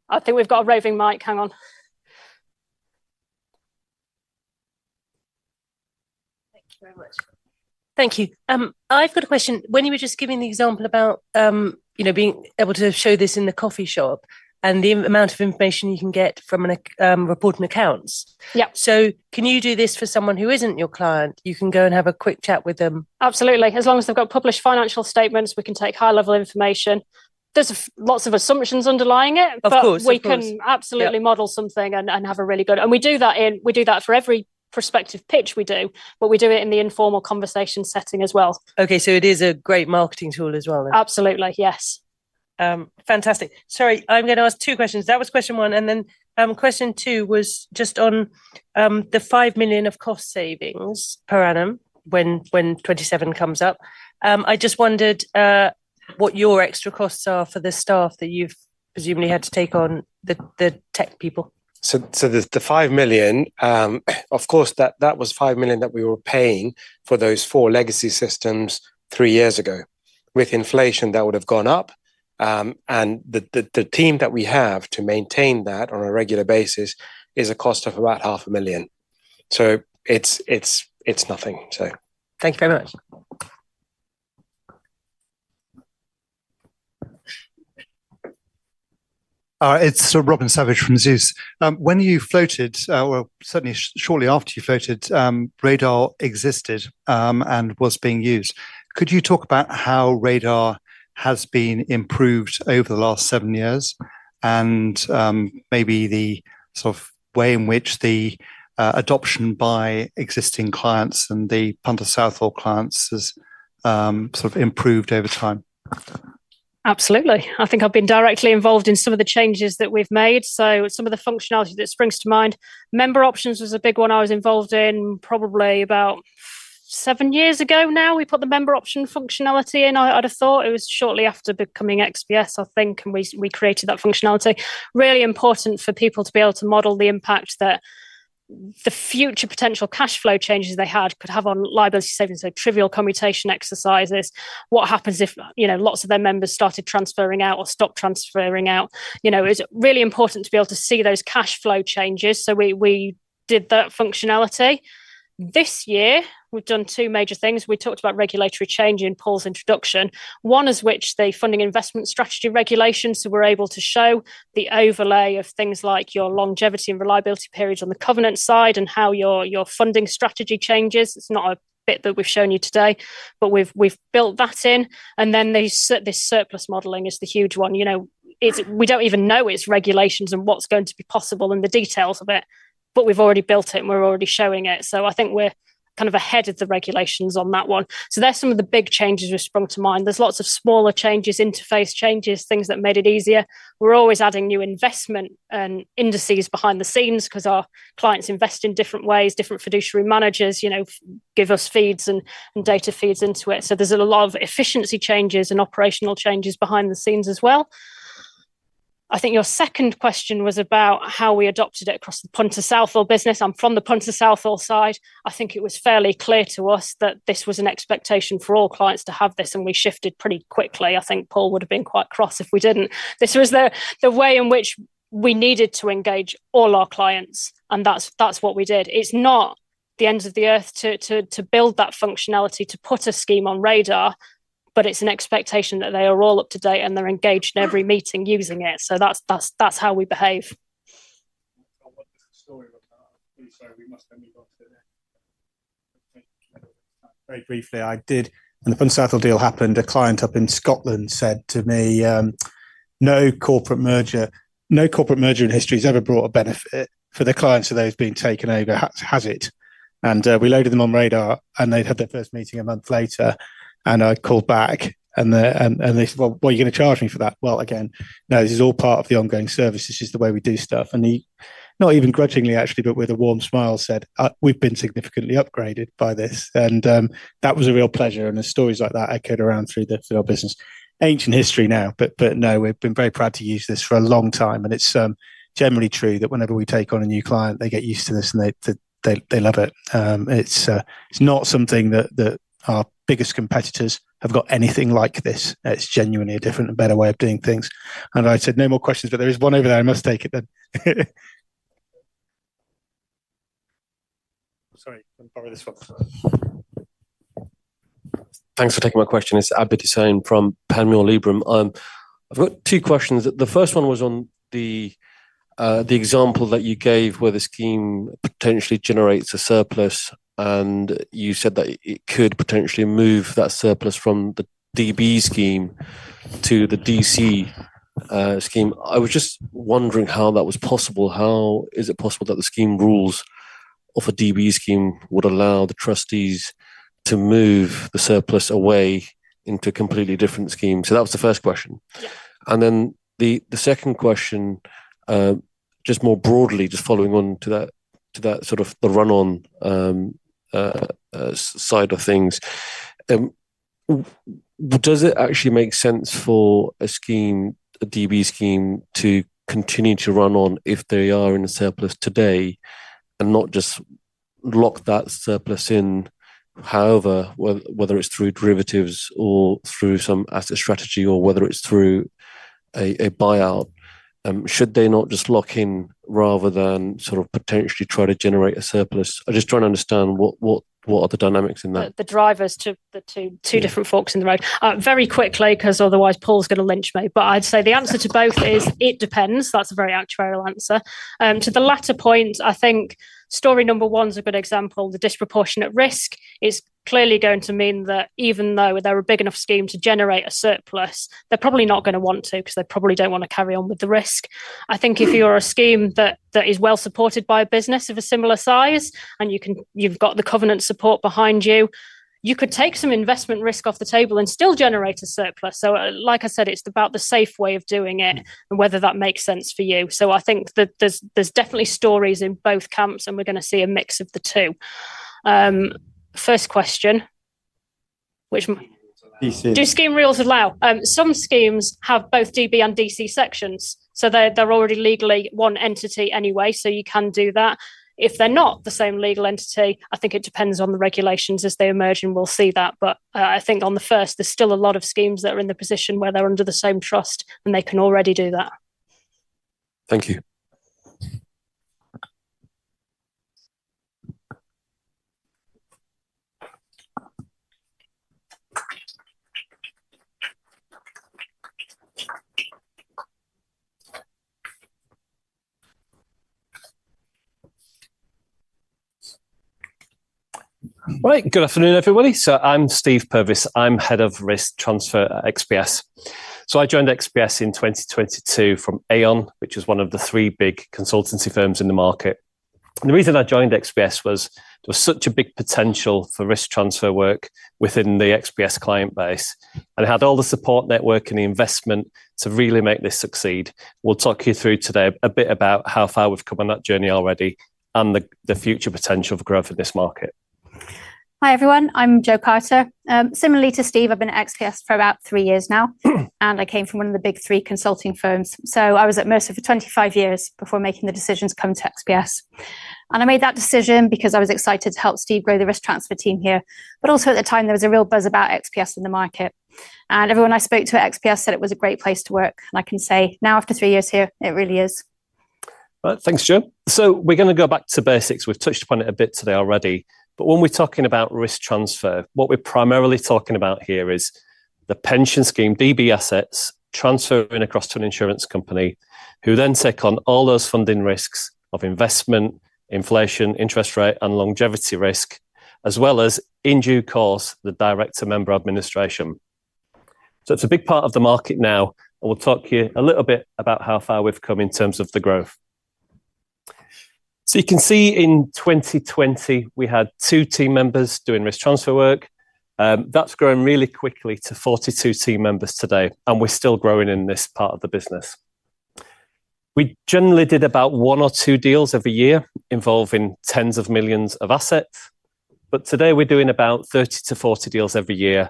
I think we've got a roving mic. Hang on. Thank you very much. Thank you. I've got a question. When you were just giving the example about being able to show this in the coffee shop and the amount of information you can get from reporting accounts, so can you do this for someone who isn't your client? You can go and have a quick chat with them. Absolutely. As long as they've got published financial statements, we can take high-level information. There's lots of assumptions underlying it, but we can absolutely model something and have a really good... And we do that for every prospective pitch we do, but we do it in the informal conversation setting as well. Okay. It is a great marketing tool as well. Absolutely. Yes. Fantastic. Sorry, I'm going to ask two questions. That was question one. Question two was just on the 5 million of cost savings per annum when 2027 comes up. I just wondered what your extra costs are for the staff that you've presumably had to take on, the tech people. The 5 million, of course, that was 5 million that we were paying for those four legacy systems three years ago. With inflation, that would have gone up. The team that we have to maintain that on a regular basis is a cost of about 500,000. It is nothing, so. Thank you very much. It is Robin Savage from Zeus. When you floated, or certainly shortly after you floated, Radar existed and was being used. Could you talk about how Radar has been improved over the last seven years and maybe the sort of way in which the adoption by existing clients and the Punter Southall clients has sort of improved over time? Absolutely. I think I've been directly involved in some of the changes that we've made. So some of the functionality that springs to mind, member options was a big one I was involved in probably about seven years ago now. We put the member option functionality in. I'd have thought it was shortly after becoming XPS, I think, and we created that functionality. Really important for people to be able to model the impact that the future potential cash flow changes they had could have on liability savings, so trivial commutation exercises. What happens if lots of their members started transferring out or stopped transferring out? It's really important to be able to see those cash flow changes. So we did that functionality. This year, we've done two major things. We talked about regulatory change in Paul's introduction, one is which the funding investment strategy regulation. So we're able to show the overlay of things like your longevity and reliability periods on the Covenant side and how your funding strategy changes. It's not a bit that we've shown you today, but we've built that in. And then this surplus modeling is the huge one. We don't even know its regulations and what's going to be possible and the details of it, but we've already built it and we're already showing it. So I think we're kind of ahead of the regulations on that one. So there's some of the big changes we've sprung to mind. There's lots of smaller changes, interface changes, things that made it easier. We're always adding new investment indices behind the scenes because our clients invest in different ways. Different fiduciary managers give us feeds and data feeds into it. There are a lot of efficiency changes and operational changes behind the scenes as well. I think your second question was about how we adopted it across the Punter Southall business. I'm from the Punter Southall side. I think it was fairly clear to us that this was an expectation for all clients to have this, and we shifted pretty quickly. I think Paul would have been quite cross if we didn't. This was the way in which we needed to engage all our clients, and that's what we did. It's not the end of the earth to build that functionality, to put a scheme on Radar, but it's an expectation that they are all up to date and they're engaged in every meeting using it. That is how we behave. I'll walk through the story of that. I'm sorry, we must then move on to the next. Very briefly, I did, when the Punter Southall deal happened, a client up in Scotland said to me, "No corporate merger in history has ever brought a benefit for the clients of those being taken over, has it?" We loaded them on Radar, and they'd had their first meeting a month later. I called back, and they said, "What are you going to charge me for that?" Again, no, this is all part of the ongoing service. This is the way we do stuff. He, not even grudgingly, actually, but with a warm smile, said, "We've been significantly upgraded by this." That was a real pleasure. Stories like that echoed around through the business. Ancient history now, but no, we've been very proud to use this for a long time. It is generally true that whenever we take on a new client, they get used to this and they love it. It is not something that our biggest competitors have got anything like. It is genuinely a different and better way of doing things. I said, "No more questions," but there is one over there. I must take it then. Sorry, I am borrowing this one. Thanks for taking my question. It is Abid Hussain from Panmure Liberum. I have got two questions. The first one was on the example that you gave where the scheme potentially generates a surplus, and you said that it could potentially move that surplus from the DB scheme to the DC scheme. I was just wondering how that was possible. How is it possible that the scheme rules of a DB scheme would allow the trustees to move the surplus away into a completely different scheme? That was the first question. The second question, just more broadly, just following on to that sort of the run-on side of things. Does it actually make sense for a scheme, a DB scheme, to continue to run on if they are in a surplus today and not just lock that surplus in, however, whether it's through derivatives or through some asset strategy or whether it's through a buyout? Should they not just lock in rather than sort of potentially try to generate a surplus? I'm just trying to understand what are the dynamics in that? The drivers to two different forks in the road. Very quickly, because otherwise Paul's going to lynch me. I'd say the answer to both is it depends. That's a very actuarial answer. To the latter point, I think story number one is a good example. The disproportionate risk is clearly going to mean that even though they're a big enough scheme to generate a surplus, they're probably not going to want to because they probably don't want to carry on with the risk. I think if you're a scheme that is well supported by a business of a similar size and you've got the Covenant support behind you, you could take some investment risk off the table and still generate a surplus. Like I said, it's about the safe way of doing it and whether that makes sense for you. I think there's definitely stories in both camps, and we're going to see a mix of the two. First question, which do scheme rules allow? Some schemes have both DB and DC sections, so they're already legally one entity anyway, so you can do that. If they're not the same legal entity, I think it depends on the regulations as they emerge, and we'll see that. I think on the first, there's still a lot of schemes that are in the position where they're under the same trust, and they can already do that. Thank you. Right. Good afternoon, everybody. I'm Steve Purves. I'm Head of Risk Transfer at XPS. I joined XPS in 2022 from Aon, which is one of the three big consultancy firms in the market. The reason I joined XPS was there was such a big potential for risk transfer work within the XPS client base and had all the support network and the investment to really make this succeed. We'll talk you through today a bit about how far we've come on that journey already and the future potential for growth in this market. Hi, everyone. I'm Jo Carter. Similarly to Steve, I've been at XPS for about three years now, and I came from one of the big three consulting firms. I was at Mercer for 25 years before making the decision to come to XPS. I made that decision because I was excited to help Steve grow the risk transfer team here. But also at the time, there was a real buzz about XPS in the market. Everyone I spoke to at XPS said it was a great place to work. I can say now, after three years here, it really is. Thanks, Jo. We are going to go back to basics. We have touched upon it a bit today already. When we are talking about risk transfer, what we are primarily talking about here is the pension scheme, DB assets transferring across to an insurance company who then take on all those funding risks of investment, inflation, interest rate, and longevity risk, as well as in due course, the direct member administration. It is a big part of the market now. We will talk to you a little bit about how far we have come in terms of the growth. You can see in 2020, we had two team members doing risk transfer work. That has grown really quickly to 42 team members today, and we're still growing in this part of the business. We generally did about one or two deals every year involving tens of millions of assets. Today, we're doing about 30-40 deals every year.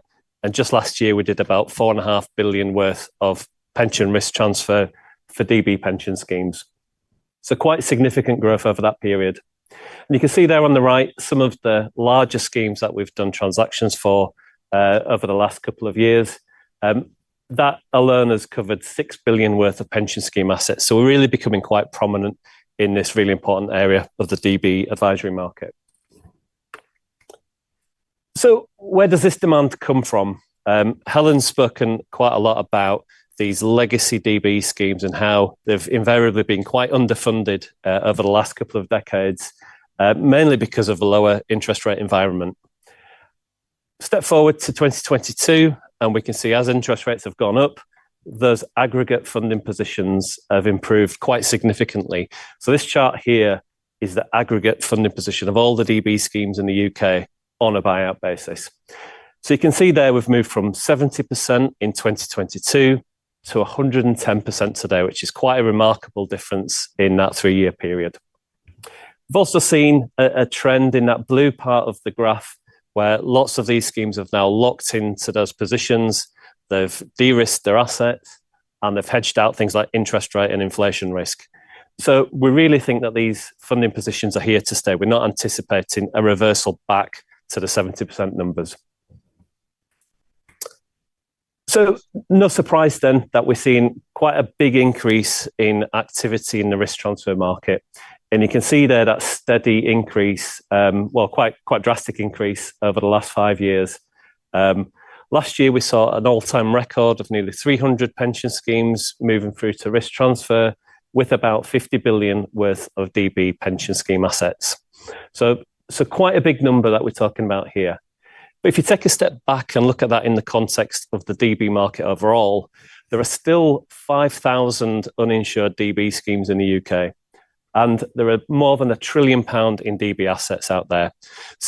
Just last year, we did about 4.5 billion worth of pension risk transfer for DB pension schemes. Quite significant growth over that period. You can see there on the right, some of the larger schemes that we've done transactions for over the last couple of years. That alone has covered 6 billion worth of pension scheme assets. We're really becoming quite prominent in this really important area of the DB advisory market. Where does this demand come from? Helen's spoken quite a lot about these legacy DB schemes and how they've invariably been quite underfunded over the last couple of decades, mainly because of a lower interest rate environment. Step forward to 2022, and we can see as interest rates have gone up, those aggregate funding positions have improved quite significantly. This chart here is the aggregate funding position of all the DB schemes in the U.K. on a buyout basis. You can see there we've moved from 70% in 2022 to 110% today, which is quite a remarkable difference in that three-year period. We've also seen a trend in that blue part of the graph where lots of these schemes have now locked into those positions. They've de-risked their assets, and they've hedged out things like interest rate and inflation risk. We really think that these funding positions are here to stay. We're not anticipating a reversal back to the 70% numbers. No surprise then that we're seeing quite a big increase in activity in the risk transfer market. You can see there that steady increase, quite a drastic increase over the last five years. Last year, we saw an all-time record of nearly 300 pension schemes moving through to risk transfer with about 50 billion worth of DB pension scheme assets. Quite a big number that we're talking about here. If you take a step back and look at that in the context of the DB market overall, there are still 5,000 uninsured DB schemes in the U.K., and there are more than 1 trillion pound in DB assets out there.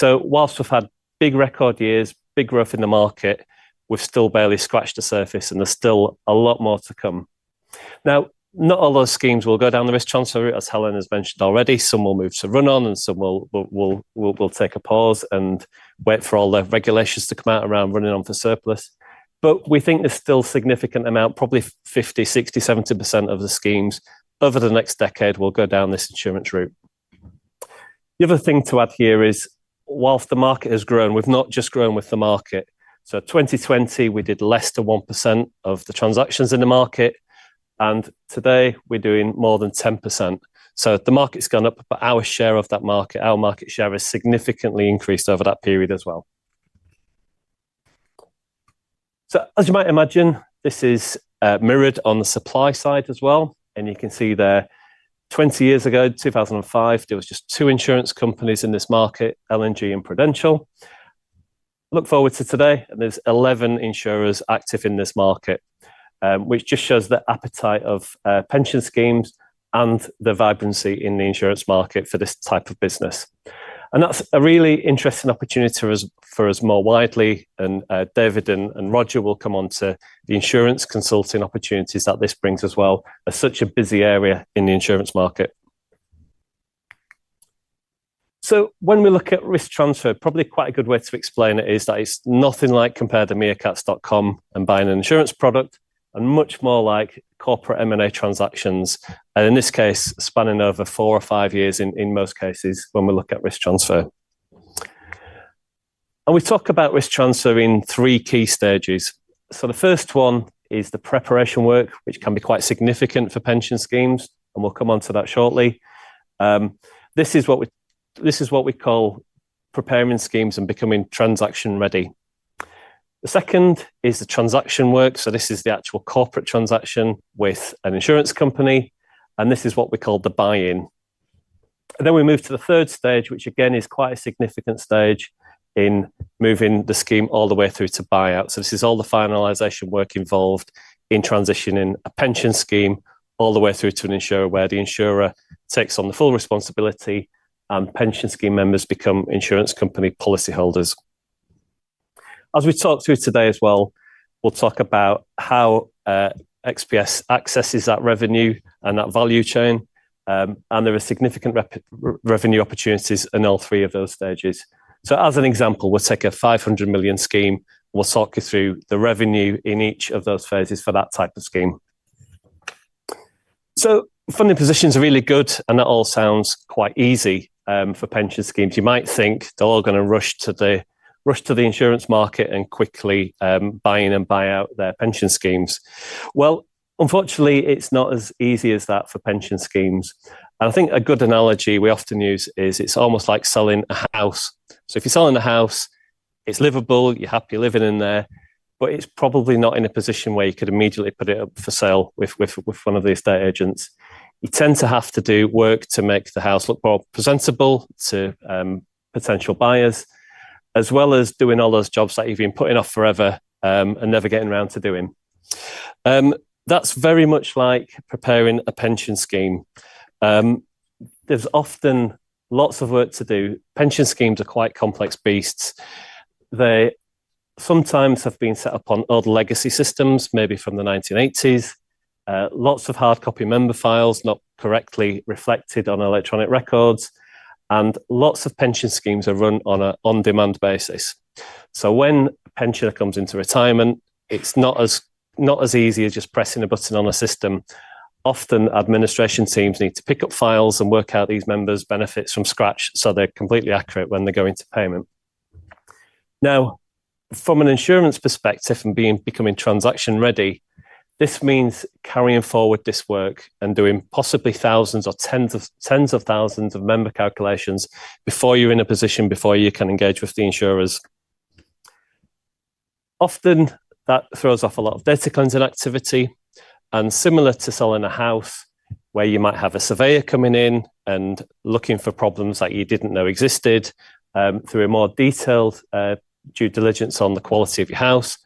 Whilst we've had big record years, big growth in the market, we've still barely scratched the surface, and there's still a lot more to come. Now, not all those schemes will go down the risk transfer, as Helen has mentioned already. Some will move to run on, and some will take a pause and wait for all the regulations to come out around running on for surplus. We think there's still a significant amount, probably 50%-60%-70% of the schemes over the next decade will go down this insurance route. The other thing to add here is whilst the market has grown, we've not just grown with the market. In 2020, we did less than 1% of the transactions in the market, and today, we're doing more than 10%. The market's gone up, but our share of that market, our market share has significantly increased over that period as well. As you might imagine, this is mirrored on the supply side as well. You can see there 20 years ago, 2005, there were just two insurance companies in this market, L&G and Prudential. Look forward to today, and there are 11 insurers active in this market, which just shows the appetite of pension schemes and the vibrancy in the insurance market for this type of business. That is a really interesting opportunity for us more widely. David and Roger will come on to the insurance consulting opportunities that this brings as well as such a busy area in the insurance market. When we look at risk transfer, probably quite a good way to explain it is that it's nothing like compare to meercaps.com and buying an insurance product, and much more like corporate M&A transactions, and in this case, spanning over four or five years in most cases when we look at risk transfer. We talk about risk transfer in three key stages. The first one is the preparation work, which can be quite significant for pension schemes, and we'll come on to that shortly. This is what we call preparing schemes and becoming transaction ready. The second is the transaction work. This is the actual corporate transaction with an insurance company, and this is what we call the buy-in. We move to the third stage, which again is quite a significant stage in moving the scheme all the way through to buyout. This is all the finalization work involved in transitioning a pension scheme all the way through to an insurer where the insurer takes on the full responsibility and pension scheme members become insurance company policyholders. As we talk through today as well, we'll talk about how XPS accesses that revenue and that value chain, and there are significant revenue opportunities in all three of those stages. As an example, we'll take a 500 million scheme. We'll talk you through the revenue in each of those phases for that type of scheme. Funding positions are really good, and that all sounds quite easy for pension schemes. You might think they're all going to rush to the insurance market and quickly buy in and buy out their pension schemes. Unfortunately, it's not as easy as that for pension schemes. I think a good analogy we often use is it's almost like selling a house. If you're selling a house, it's livable. You're happy living in there, but it's probably not in a position where you could immediately put it up for sale with one of these estate agents. You tend to have to do work to make the house look more presentable to potential buyers, as well as doing all those jobs that you've been putting off forever and never getting around to doing. That's very much like preparing a pension scheme. There's often lots of work to do. Pension schemes are quite complex beasts. They sometimes have been set up on old legacy systems, maybe from the 1980s. Lots of hard copy member files not correctly reflected on electronic records, and lots of pension schemes are run on an on-demand basis. When a pensioner comes into retirement, it's not as easy as just pressing a button on a system. Often administration teams need to pick up files and work out these members' benefits from scratch so they're completely accurate when they go into payment. Now, from an insurance perspective and becoming transaction ready, this means carrying forward this work and doing possibly thousands or tens of thousands of member calculations before you're in a position before you can engage with the insurers. Often that throws off a lot of data cleansing activity. Similar to selling a house where you might have a surveyor coming in and looking for problems that you didn't know existed through a more detailed due diligence on the quality of your house,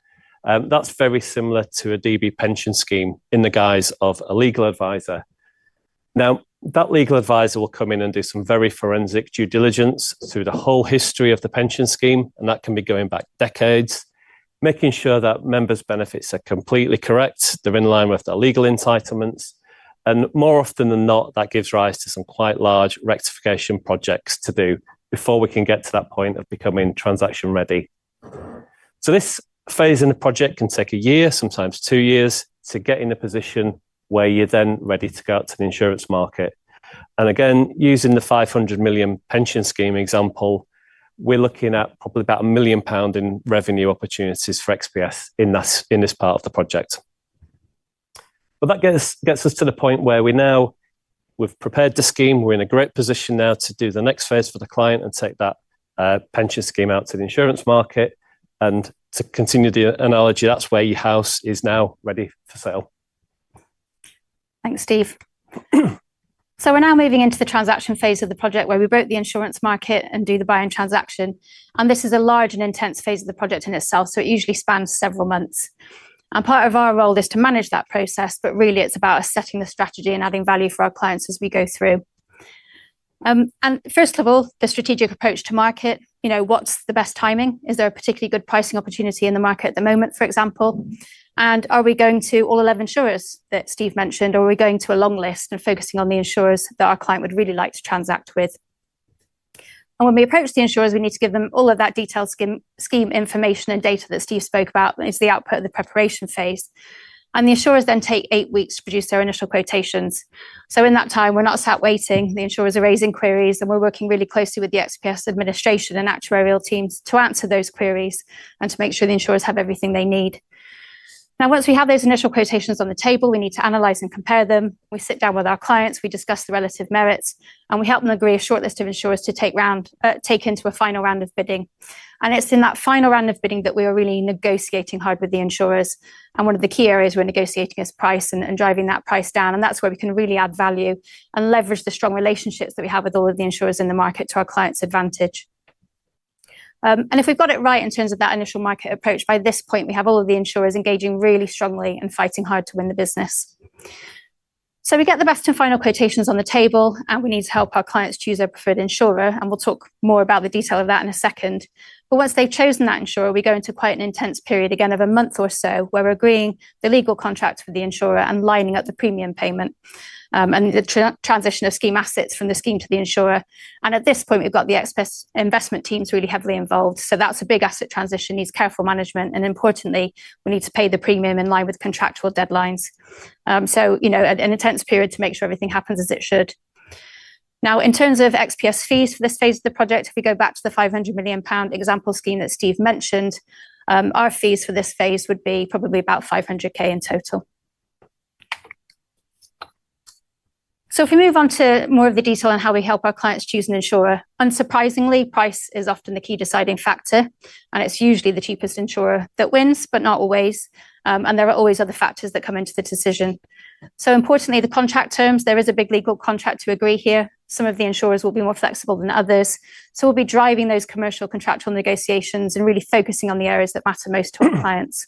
that's very similar to a DB pension scheme in the guise of a legal advisor. Now, that legal advisor will come in and do some very forensic due diligence through the whole history of the pension scheme, and that can be going back decades, making sure that members' benefits are completely correct, they're in line with their legal entitlements. More often than not, that gives rise to some quite large rectification projects to do before we can get to that point of becoming transaction ready. This phase in the project can take a year, sometimes two years, to get in a position where you're then ready to go out to the insurance market. Again, using the 500 million pension scheme example, we're looking at probably about 1 million pound in revenue opportunities for XPS in this part of the project. That gets us to the point where we've prepared the scheme. We're in a great position now to do the next phase for the client and take that pension scheme out to the insurance market. To continue the analogy, that's where your house is now ready for sale. Thanks, Steve. We are now moving into the transaction phase of the project where we approach the insurance market and do the buy-in transaction. This is a large and intense phase of the project in itself, so it usually spans several months. Part of our role is to manage that process, but really, it's about setting the strategy and adding value for our clients as we go through. First of all, the strategic approach to market. What's the best timing? Is there a particularly good pricing opportunity in the market at the moment, for example? Are we going to all 11 insurers that Steve mentioned, or are we going to a long list and focusing on the insurers that our client would really like to transact with? When we approach the insurers, we need to give them all of that detailed scheme information and data that Steve spoke about, which is the output of the preparation phase. The insurers then take eight weeks to produce their initial quotations. In that time, we're not sat waiting. The insurers are raising queries, and we're working really closely with the XPS administration and actuarial teams to answer those queries and to make sure the insurers have everything they need. Once we have those initial quotations on the table, we need to analyze and compare them. We sit down with our clients, we discuss the relative merits, and we help them agree a shortlist of insurers to take into a final round of bidding. It is in that final round of bidding that we are really negotiating hard with the insurers. One of the key areas we are negotiating is price and driving that price down. That is where we can really add value and leverage the strong relationships that we have with all of the insurers in the market to our client's advantage. If we have got it right in terms of that initial market approach, by this point, we have all of the insurers engaging really strongly and fighting hard to win the business. We get the best and final quotations on the table, and we need to help our clients choose their preferred insurer. We will talk more about the detail of that in a second. Once they have chosen that insurer, we go into quite an intense period, again, of a month or so, where we are agreeing the legal contract with the insurer and lining up the premium payment and the transition of scheme assets from the scheme to the insurer. At this point, we have got the XPS investment teams really heavily involved. That is a big asset transition, needs careful management. Importantly, we need to pay the premium in line with contractual deadlines. It is an intense period to make sure everything happens as it should. Now, in terms of XPS fees for this phase of the project, if we go back to the 500 million pound example scheme that Steve mentioned, our fees for this phase would be probably about 500,000 in total. If we move on to more of the detail on how we help our clients choose an insurer, unsurprisingly, price is often the key deciding factor, and it's usually the cheapest insurer that wins, but not always. There are always other factors that come into the decision. Importantly, the contract terms, there is a big legal contract to agree here. Some of the insurers will be more flexible than others. We'll be driving those commercial contractual negotiations and really focusing on the areas that matter most to our clients.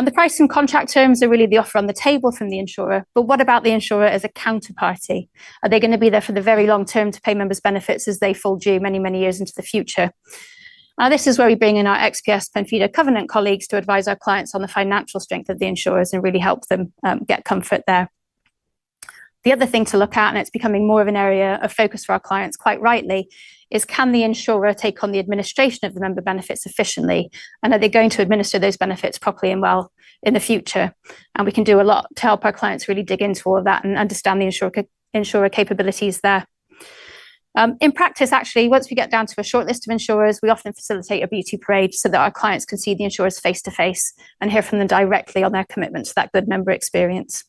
The price and contract terms are really the offer on the table from the insurer. What about the insurer as a counterparty? Are they going to be there for the very long term to pay members' benefits as they fall due many, many years into the future? Now, this is where we bring in our XPS Covenant colleagues to advise our clients on the financial strength of the insurers and really help them get comfort there. The other thing to look at, and it's becoming more of an area of focus for our clients quite rightly, is can the insurer take on the administration of the member benefits efficiently, and are they going to administer those benefits properly and well in the future? We can do a lot to help our clients really dig into all of that and understand the insurer capabilities there. In practice, actually, once we get down to a shortlist of insurers, we often facilitate a beauty parade so that our clients can see the insurers face to face and hear from them directly on their commitment to that good member experience.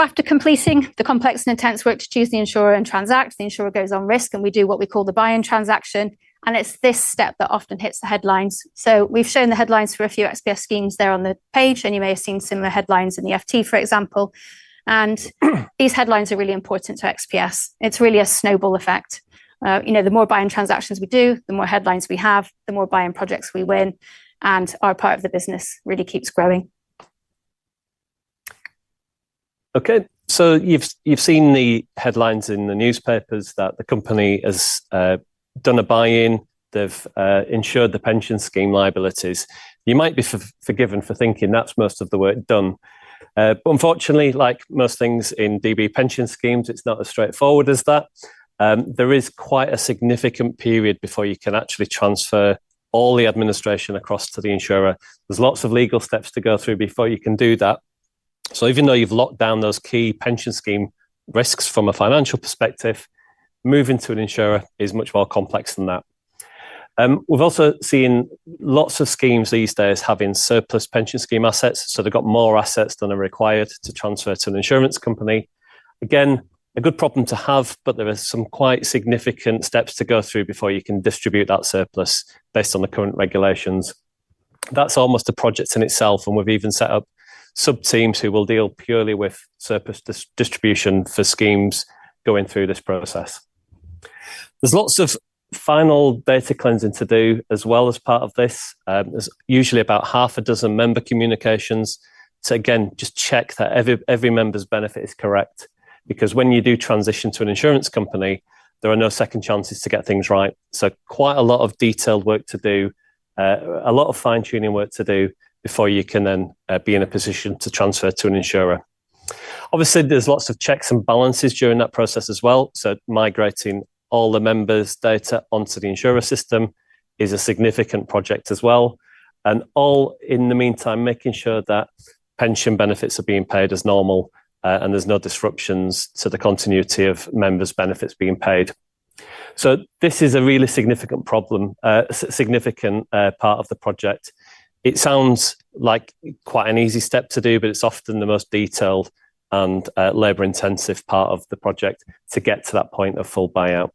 After completing the complex and intense work to choose the insurer and transact, the insurer goes on risk, and we do what we call the buy-in transaction. It is this step that often hits the headlines. We have shown the headlines for a few XPS schemes there on the page, and you may have seen similar headlines in the FT, for example. These headlines are really important to XPS. It is really a snowball effect. The more buy-in transactions we do, the more headlines we have, the more buy-in projects we win, and our part of the business really keeps growing. Okay. You have seen the headlines in the newspapers that the company has done a buy-in. They have insured the pension scheme liabilities. You might be forgiven for thinking that is most of the work done. Unfortunately, like most things in DB pension schemes, it's not as straightforward as that. There is quite a significant period before you can actually transfer all the administration across to the insurer. There are lots of legal steps to go through before you can do that. Even though you've locked down those key pension scheme risks from a financial perspective, moving to an insurer is much more complex than that. We've also seen lots of schemes these days having surplus pension scheme assets. They've got more assets than are required to transfer to an insurance company. Again, a good problem to have, but there are some quite significant steps to go through before you can distribute that surplus based on the current regulations. That's almost a project in itself, and we've even set up sub-teams who will deal purely with surplus distribution for schemes going through this process. There's lots of final data cleansing to do as well as part of this. There's usually about half a dozen member communications. Again, just check that every member's benefit is correct, because when you do transition to an insurance company, there are no second chances to get things right. Quite a lot of detailed work to do, a lot of fine-tuning work to do before you can then be in a position to transfer to an insurer. Obviously, there's lots of checks and balances during that process as well. Migrating all the members' data onto the insurer system is a significant project as well. In the meantime, making sure that pension benefits are being paid as normal and there's no disruptions to the continuity of members' benefits being paid. This is a really significant problem, a significant part of the project. It sounds like quite an easy step to do, but it's often the most detailed and labor-intensive part of the project to get to that point of full buyout.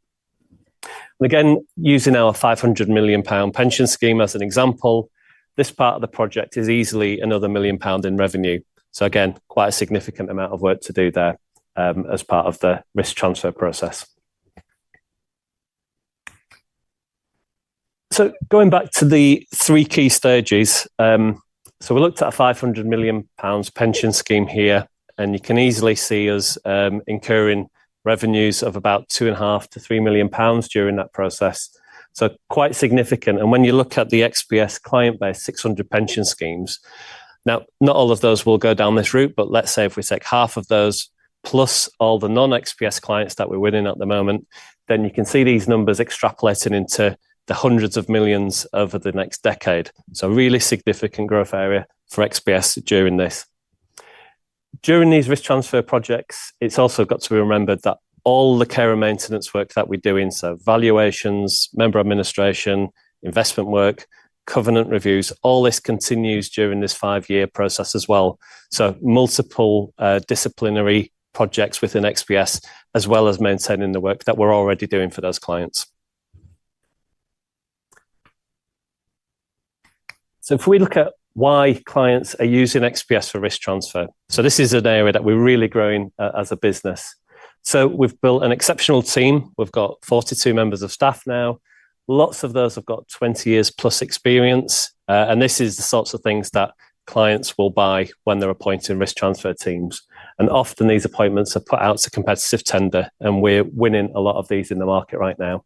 Again, using our 500 million pound pension scheme as an example, this part of the project is easily another 1 million pound in revenue. Again, quite a significant amount of work to do there as part of the risk transfer process. Going back to the three key stages, we looked at a 500 million pounds pension scheme here, and you can easily see us incurring revenues of about 2.5 million-3 million pounds during that process. Quite significant. When you look at the XPS client base, 600 pension schemes, now, not all of those will go down this route, but let's say if we take half of those plus all the non-XPS clients that we're winning at the moment, then you can see these numbers extrapolating into the hundreds of millions over the next decade. Really significant growth area for XPS during this. During these risk transfer projects, it's also got to be remembered that all the care and maintenance work that we're doing, so valuations, member administration, investment work, covenant reviews, all this continues during this five-year process as well. Multiple disciplinary projects within XPS, as well as maintaining the work that we're already doing for those clients. If we look at why clients are using XPS for risk transfer, this is an area that we're really growing as a business. We've built an exceptional team. We've got 42 members of staff now. Lots of those have got 20 years plus experience. This is the sorts of things that clients will buy when they're appointing risk transfer teams. Often these appointments are put out to competitive tender, and we're winning a lot of these in the market right now.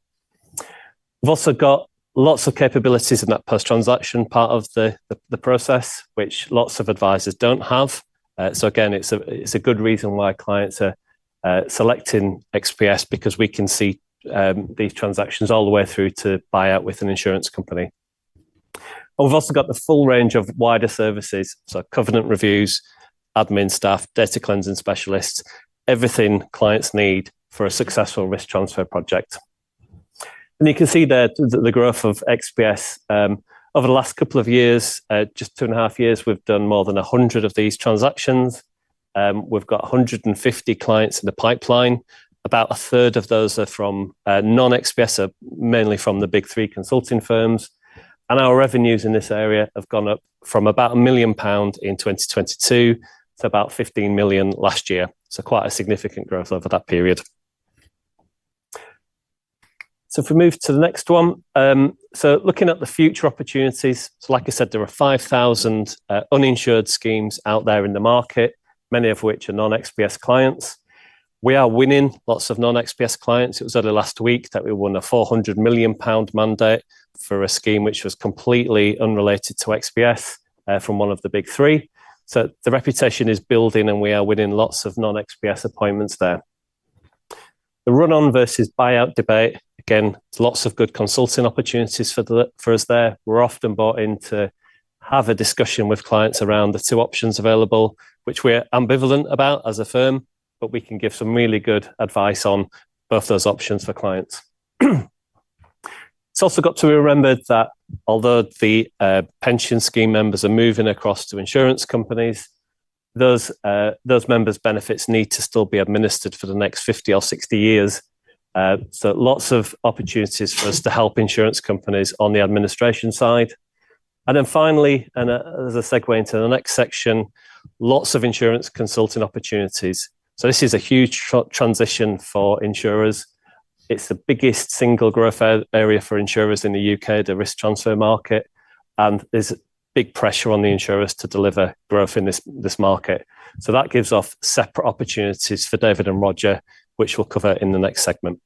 We've also got lots of capabilities in that post-transaction part of the process, which lots of advisors don't have. Again, it's a good reason why clients are selecting XPS, because we can see these transactions all the way through to buyout with an insurance company. We've also got the full range of wider services, so covenant reviews, admin staff, data cleansing specialists, everything clients need for a successful risk transfer project. You can see there the growth of XPS over the last couple of years, just two and a half years, we have done more than 100 of these transactions. We have 150 clients in the pipeline. About a third of those are from non-XPS, mainly from the big three consulting firms. Our revenues in this area have gone up from about 1 million pound in 2022 to about 15 million last year. Quite a significant growth over that period. If we move to the next one, looking at the future opportunities, like I said, there are 5,000 uninsured schemes out there in the market, many of which are non-XPS clients. We are winning lots of non-XPS clients. It was early last week that we won a 400 million pound mandate for a scheme which was completely unrelated to XPS from one of the big three. The reputation is building, and we are winning lots of non-XPS appointments there. The run-on versus buyout debate, again, lots of good consulting opportunities for us there. We're often brought in to have a discussion with clients around the two options available, which we're ambivalent about as a firm, but we can give some really good advice on both those options for clients. It is also got to be remembered that although the pension scheme members are moving across to insurance companies, those members' benefits need to still be administered for the next 50 or 60 years. Lots of opportunities for us to help insurance companies on the administration side. Finally, and as a segue into the next section, lots of insurance consulting opportunities. This is a huge transition for insurers. It is the biggest single growth area for insurers in the U.K., the risk transfer market. There is big pressure on the insurers to deliver growth in this market. That gives off separate opportunities for David and Roger, which we will cover in the next segment.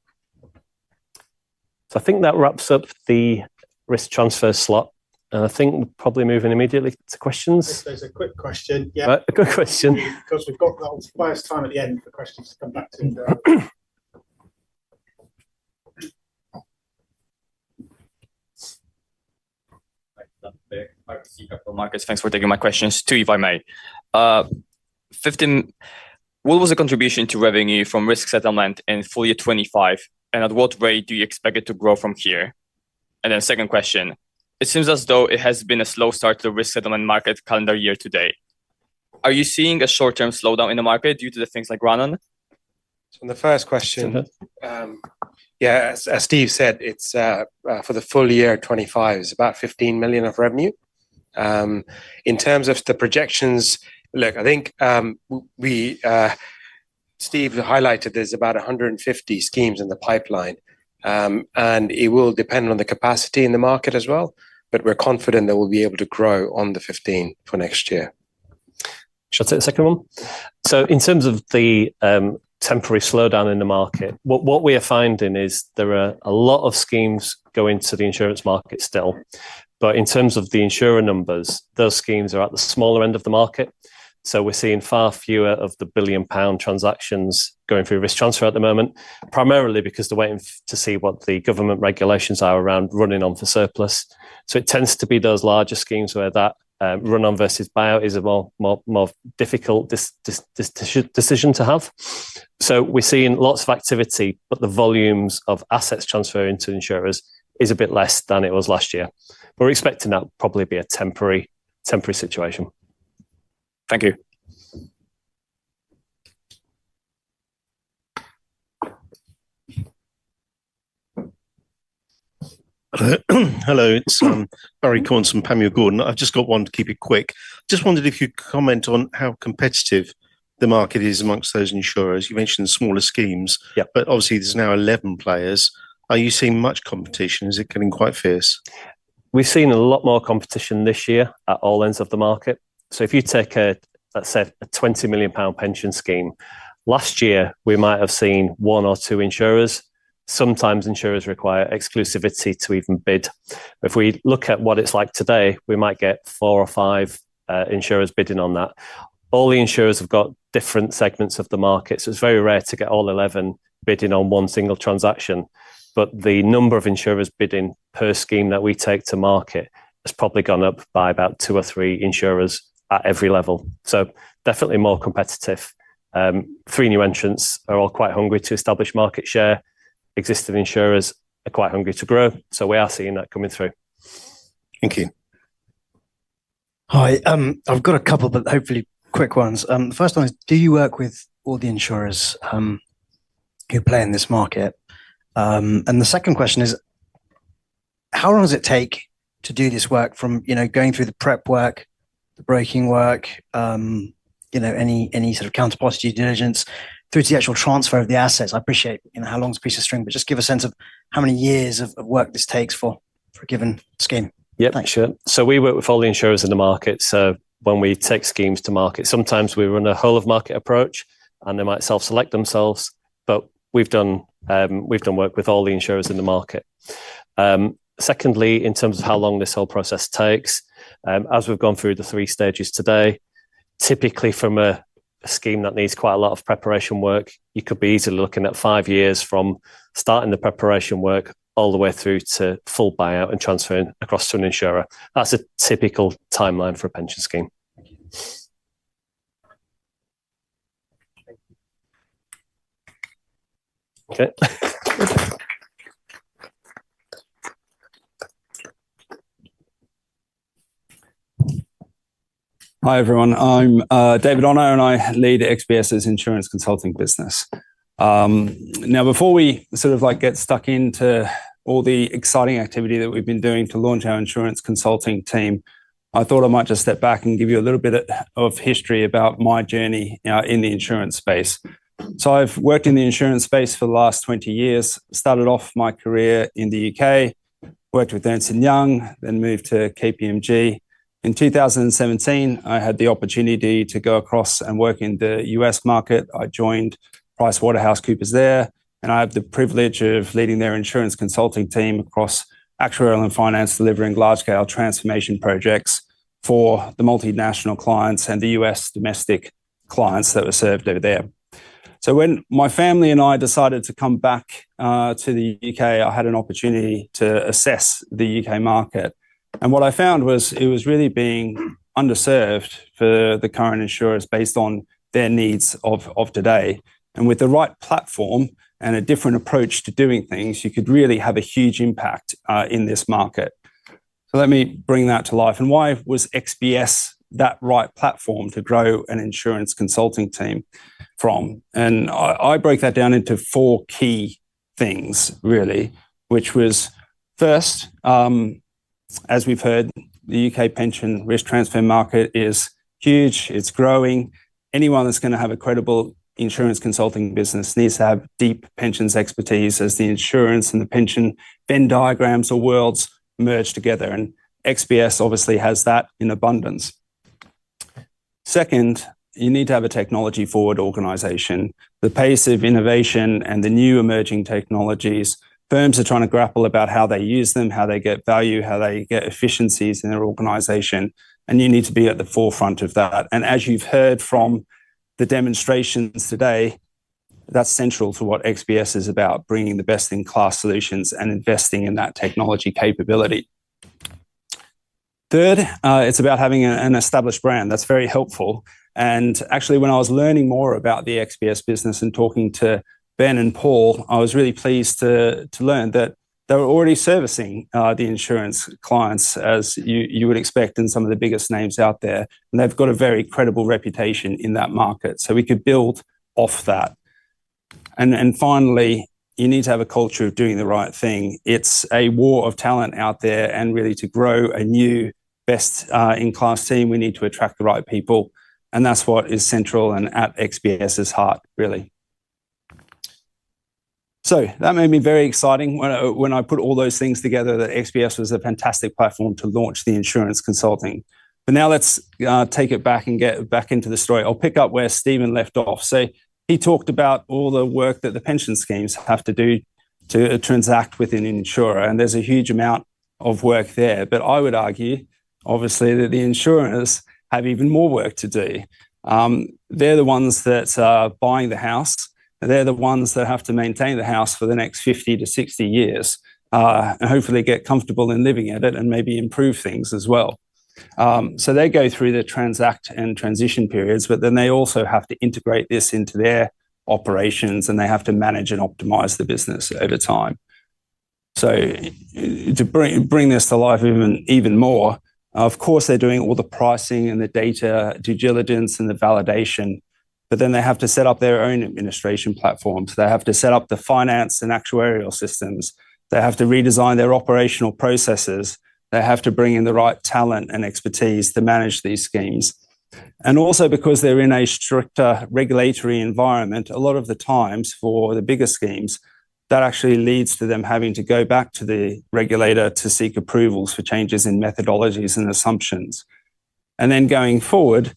I think that wraps up the risk transfer slot. I think we are probably moving immediately to questions. There is a quick question. Yeah. A quick question. Because we have got the whole first time at the end for questions to come back to. Thanks for digging my questions too, if I may. What was the contribution to revenue from risk settlement in full year 2025? At what rate do you expect it to grow from here? Second question, it seems as though it has been a slow start to the risk settlement market calendar year to date. Are you seeing a short-term slowdown in the market due to things like run-on? The first question, yeah, as Steve said, it's for the full year 2025, it's about 15 million of revenue. In terms of the projections, look, I think Steve highlighted there's about 150 schemes in the pipeline. It will depend on the capacity in the market as well. We're confident that we'll be able to grow on the 15 for next year. Shall I take the second one? In terms of the temporary slowdown in the market, what we are finding is there are a lot of schemes going to the insurance market still. In terms of the insurer numbers, those schemes are at the smaller end of the market. We're seeing far fewer of the billion-pound transactions going through risk transfer at the moment, primarily because they're waiting to see what the government regulations are around running on for surplus. It tends to be those larger schemes where that run-on versus buyout is a more difficult decision to have. We are seeing lots of activity, but the volumes of assets transferring to insurers is a bit less than it was last year. We are expecting that will probably be a temporary situation. Thank you. Hello, it is Barrie Cornes from Panmure Gordon. I have just got one to keep it quick. Just wondered if you could comment on how competitive the market is amongst those insurers. You mentioned smaller schemes, but obviously there are now 11 players. Are you seeing much competition? Is it getting quite fierce? We have seen a lot more competition this year at all ends of the market. If you take a, let us say, a 20 million pound pension scheme, last year we might have seen one or two insurers. Sometimes insurers require exclusivity to even bid. If we look at what it's like today, we might get four or five insurers bidding on that. All the insurers have got different segments of the market. It is very rare to get all 11 bidding on one single transaction. The number of insurers bidding per scheme that we take to market has probably gone up by about two or three insurers at every level. Definitely more competitive. Three new entrants are all quite hungry to establish market share. Existing insurers are quite hungry to grow. We are seeing that coming through. Thank you. Hi, I've got a couple, but hopefully quick ones. The first one is, do you work with all the insurers who play in this market? The second question is, how long does it take to do this work from going through the prep work, the breaking work, any sort of accountability due diligence, through to the actual transfer of the assets? I appreciate how long is a piece of string, but just give a sense of how many years of work this takes for a given scheme. Yeah, sure. We work with all the insurers in the market. When we take schemes to market, sometimes we run a whole-of-market approach, and they might self-select themselves. We have done work with all the insurers in the market. Secondly, in terms of how long this whole process takes, as we've gone through the three stages today, typically from a scheme that needs quite a lot of preparation work, you could be easily looking at five years from starting the preparation work all the way through to full buyout and transferring across to an insurer. That's a typical timeline for a pension scheme. Okay. Hi everyone. I'm David Honour, and I lead XPS's insurance consulting business. Now, before we sort of get stuck into all the exciting activity that we've been doing to launch our insurance consulting team, I thought I might just step back and give you a little bit of history about my journey in the insurance space. So I've worked in the insurance space for the last 20 years. Started off my career in the U.K., worked with Ernst & Young, then moved to KPMG. In 2017, I had the opportunity to go across and work in the U.S. market. I joined PricewaterhouseCoopers there, and I had the privilege of leading their insurance consulting team across actuarial and finance, delivering large-scale transformation projects for the multinational clients and the U.S. domestic clients that were served over there. When my family and I decided to come back to the U.K., I had an opportunity to assess the U.K. market. What I found was it was really being underserved for the current insurers based on their needs of today. With the right platform and a different approach to doing things, you could really have a huge impact in this market. Let me bring that to life. Why was XPS that right platform to grow an insurance consulting team from? I break that down into four key things, really, which was, first, as we've heard, the U.K. pension risk transfer market is huge. It's growing. Anyone that's going to have a credible insurance consulting business needs to have deep pensions expertise as the insurance and the pension Venn diagrams or worlds merge together. XPS obviously has that in abundance. Second, you need to have a technology-forward organization. The pace of innovation and the new emerging technologies, firms are trying to grapple about how they use them, how they get value, how they get efficiencies in their organization. You need to be at the forefront of that. As you've heard from the demonstrations today, that's central to what XPS is about, bringing the best-in-class solutions and investing in that technology capability. Third, it's about having an established brand. That's very helpful. Actually, when I was learning more about the XPS business and talking to Ben and Paul, I was really pleased to learn that they were already servicing the insurance clients, as you would expect in some of the biggest names out there. They have a very credible reputation in that market. We could build off that. Finally, you need to have a culture of doing the right thing. It is a war of talent out there. Really, to grow a new best-in-class team, we need to attract the right people. That is what is central and at XPS's heart, really. That made me very excited when I put all those things together, that XPS was a fantastic platform to launch the insurance consulting. Now, let us take it back and get back into the story. I will pick up where Stephen left off. He talked about all the work that the pension schemes have to do to transact with an insurer. There's a huge amount of work there. I would argue, obviously, that the insurers have even more work to do. They're the ones that are buying the house. They're the ones that have to maintain the house for the next 50-60 years, and hopefully get comfortable in living at it and maybe improve things as well. They go through the transact and transition periods, but then they also have to integrate this into their operations, and they have to manage and optimize the business over time. To bring this to life even more, of course, they're doing all the pricing and the data due diligence and the validation. Then they have to set up their own administration platforms. They have to set up the finance and actuarial systems. They have to redesign their operational processes. They have to bring in the right talent and expertise to manage these schemes. Also, because they're in a stricter regulatory environment, a lot of the times for the bigger schemes, that actually leads to them having to go back to the regulator to seek approvals for changes in methodologies and assumptions. Going forward,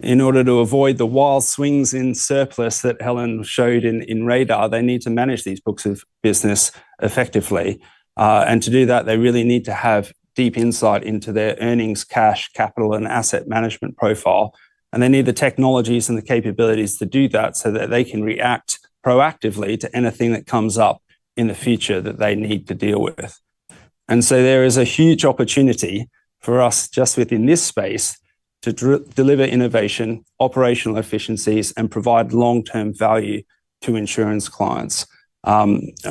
in order to avoid the wild swings in surplus that Helen showed in Radar, they need to manage these books of business effectively. To do that, they really need to have deep insight into their earnings, cash, capital, and asset management profile. They need the technologies and the capabilities to do that so that they can react proactively to anything that comes up in the future that they need to deal with. There is a huge opportunity for us just within this space to deliver innovation, operational efficiencies, and provide long-term value to insurance clients.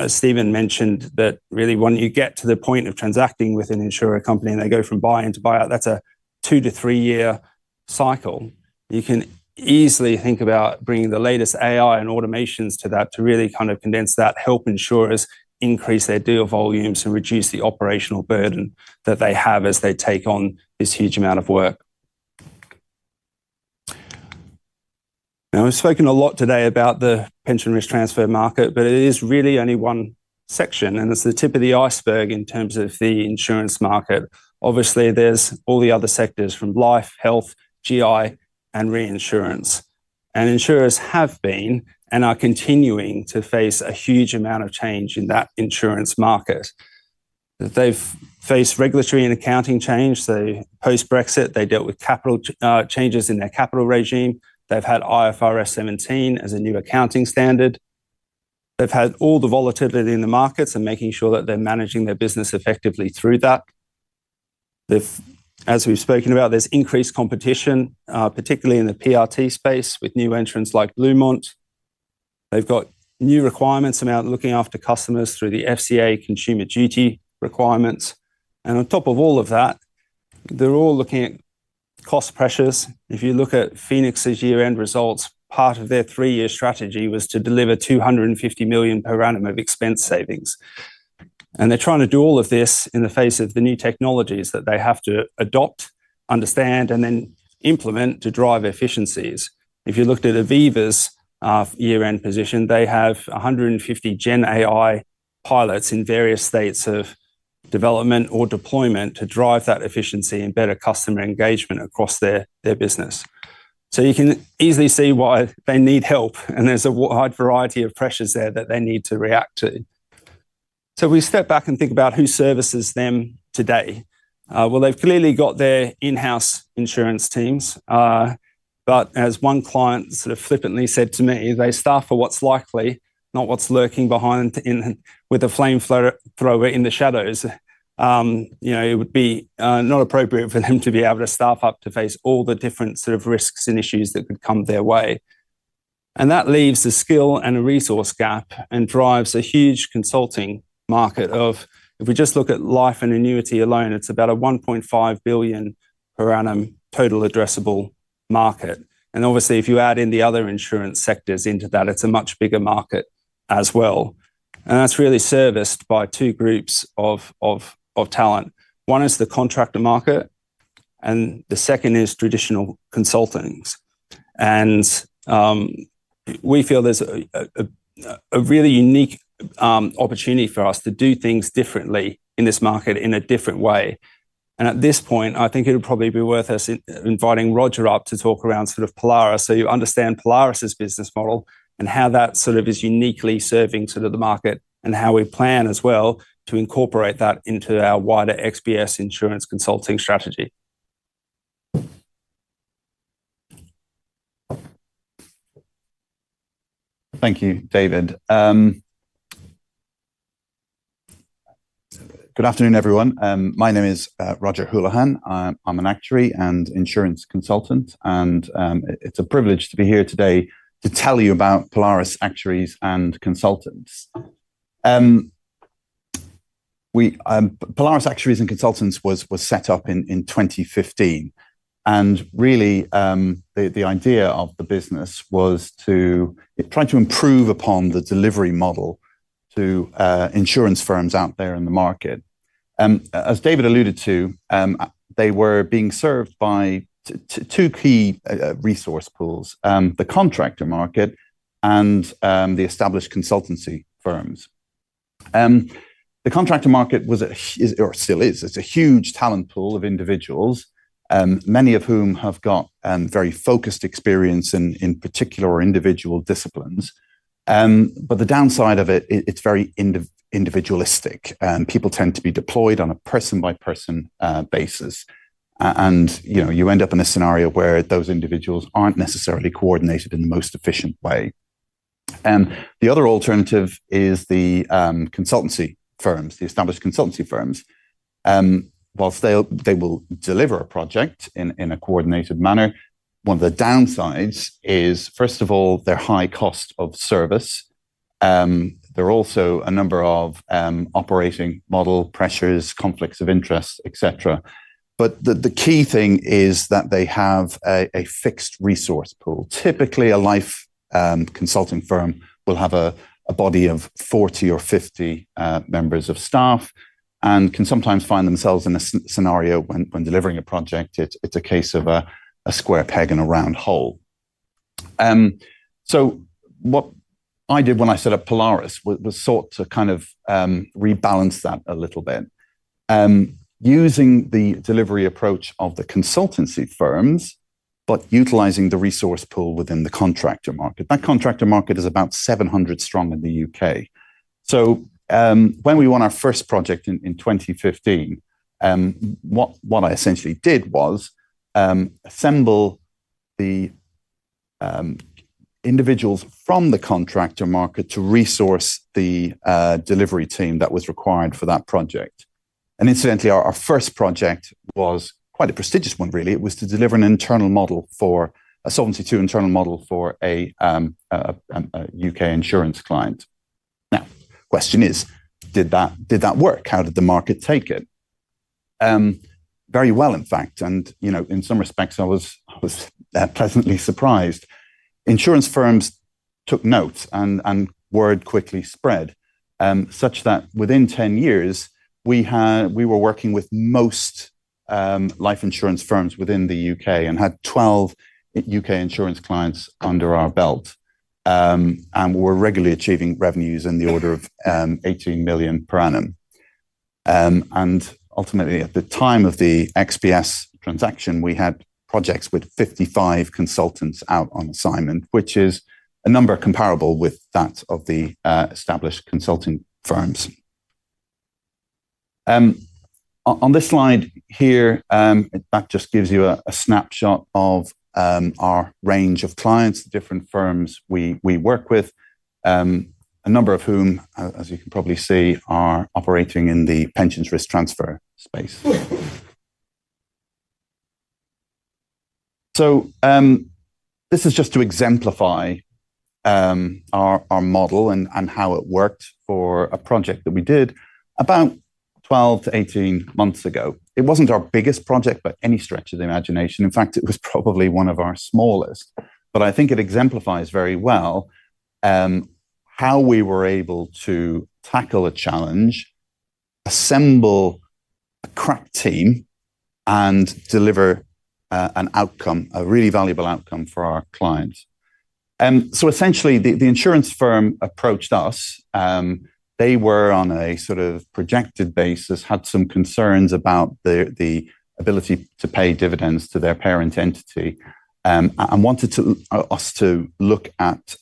Stephen mentioned that really, when you get to the point of transacting with an insurer company and they go from buy-in to buyout, that is a two- to three-year cycle. You can easily think about bringing the latest AI and automations to that to really kind of condense that, help insurers increase their deal volumes and reduce the operational burden that they have as they take on this huge amount of work. We have spoken a lot today about the pension risk transfer market, but it is really only one section, and it is the tip of the iceberg in terms of the insurance market. Obviously, there are all the other sectors from life, health, GI, and reinsurance. Insurers have been and are continuing to face a huge amount of change in that insurance market. They have faced regulatory and accounting change. Post-Brexit, they dealt with capital changes in their capital regime. They have had IFRS 17 as a new accounting standard. They have had all the volatility in the markets and making sure that they are managing their business effectively through that. As we have spoken about, there is increased competition, particularly in the PRT space with new entrants like Blue Mont. They have new requirements about looking after customers through the FCA consumer duty requirements. On top of all of that, they are all looking at cost pressures. If you look at Phoenix's year-end results, part of their three-year strategy was to deliver 250 million per annum of expense savings. They are trying to do all of this in the face of the new technologies that they have to adopt, understand, and then implement to drive efficiencies. If you looked at Aviva's year-end position, they have 150 GenAI pilots in various states of development or deployment to drive that efficiency and better customer engagement across their business. You can easily see why they need help, and there is a wide variety of pressures there that they need to react to. We step back and think about who services them today. They have clearly got their in-house insurance teams. As one client sort of flippantly said to me, "They staff for what's likely, not what's lurking behind with a flamethrower in the shadows." It would not be appropriate for them to be able to staff up to face all the different sort of risks and issues that could come their way. That leaves a skill and a resource gap and drives a huge consulting market of, if we just look at life and annuity alone, it's about 1.5 billion per annum total addressable market. Obviously, if you add in the other insurance sectors into that, it's a much bigger market as well. That's really serviced by two groups of talent. One is the contractor market, and the second is traditional consultants. We feel there's a really unique opportunity for us to do things differently in this market in a different way. At this point, I think it would probably be worth us inviting Roger up to talk around sort of Polaris so you understand Polaris's business model and how that sort of is uniquely serving sort of the market and how we plan as well to incorporate that into our wider XPS insurance consulting strategy. Thank you, David. Good afternoon, everyone. My name is Roger Houlihan. I'm an actuary and insurance consultant, and it's a privilege to be here today to tell you about Polaris Actuaries and Consultants. Polaris Actuaries and Consultants was set up in 2015. Really, the idea of the business was to try to improve upon the delivery model to insurance firms out there in the market. As David alluded to, they were being served by two key resource pools, the contractor market and the established consultancy firms. The contractor market was, or still is, it's a huge talent pool of individuals, many of whom have got very focused experience in particular or individual disciplines. The downside of it, it's very individualistic. People tend to be deployed on a person-by-person basis. You end up in a scenario where those individuals aren't necessarily coordinated in the most efficient way. The other alternative is the consultancy firms, the established consultancy firms. Whilst they will deliver a project in a coordinated manner, one of the downsides is, first of all, their high cost of service. There are also a number of operating model pressures, conflicts of interest, etc. The key thing is that they have a fixed resource pool. Typically, a life consulting firm will have a body of 40 or 50 members of staff and can sometimes find themselves in a scenario when delivering a project, it's a case of a square peg and a round hole. What I did when I set up Polaris was sought to kind of rebalance that a little bit using the delivery approach of the consultancy firms, but utilizing the resource pool within the contractor market. That contractor market is about 700 strong in the U.K. When we won our first project in 2015, what I essentially did was assemble the individuals from the contractor market to resource the delivery team that was required for that project. Incidentally, our first project was quite a prestigious one, really. It was to deliver an internal model for a Solvency II internal model for a U.K. insurance client. Now, the question is, did that work? How did the market take it? Very well, in fact. In some respects, I was pleasantly surprised. Insurance firms took note and word quickly spread such that within 10 years, we were working with most life insurance firms within the U.K. and had 12 U.K. insurance clients under our belt. We were regularly achieving revenues in the order of 18 million per annum. Ultimately, at the time of the XPS transaction, we had projects with 55 consultants out on assignment, which is a number comparable with that of the established consulting firms. On this slide here, that just gives you a snapshot of our range of clients, the different firms we work with, a number of whom, as you can probably see, are operating in the pensions risk transfer space. This is just to exemplify our model and how it worked for a project that we did about 12-18 months ago. It was not our biggest project by any stretch of the imagination. In fact, it was probably one of our smallest. I think it exemplifies very well how we were able to tackle a challenge, assemble a crack team, and deliver an outcome, a really valuable outcome for our clients. Essentially, the insurance firm approached us. They were, on a sort of projected basis, having some concerns about the ability to pay dividends to their parent entity and wanted us to look at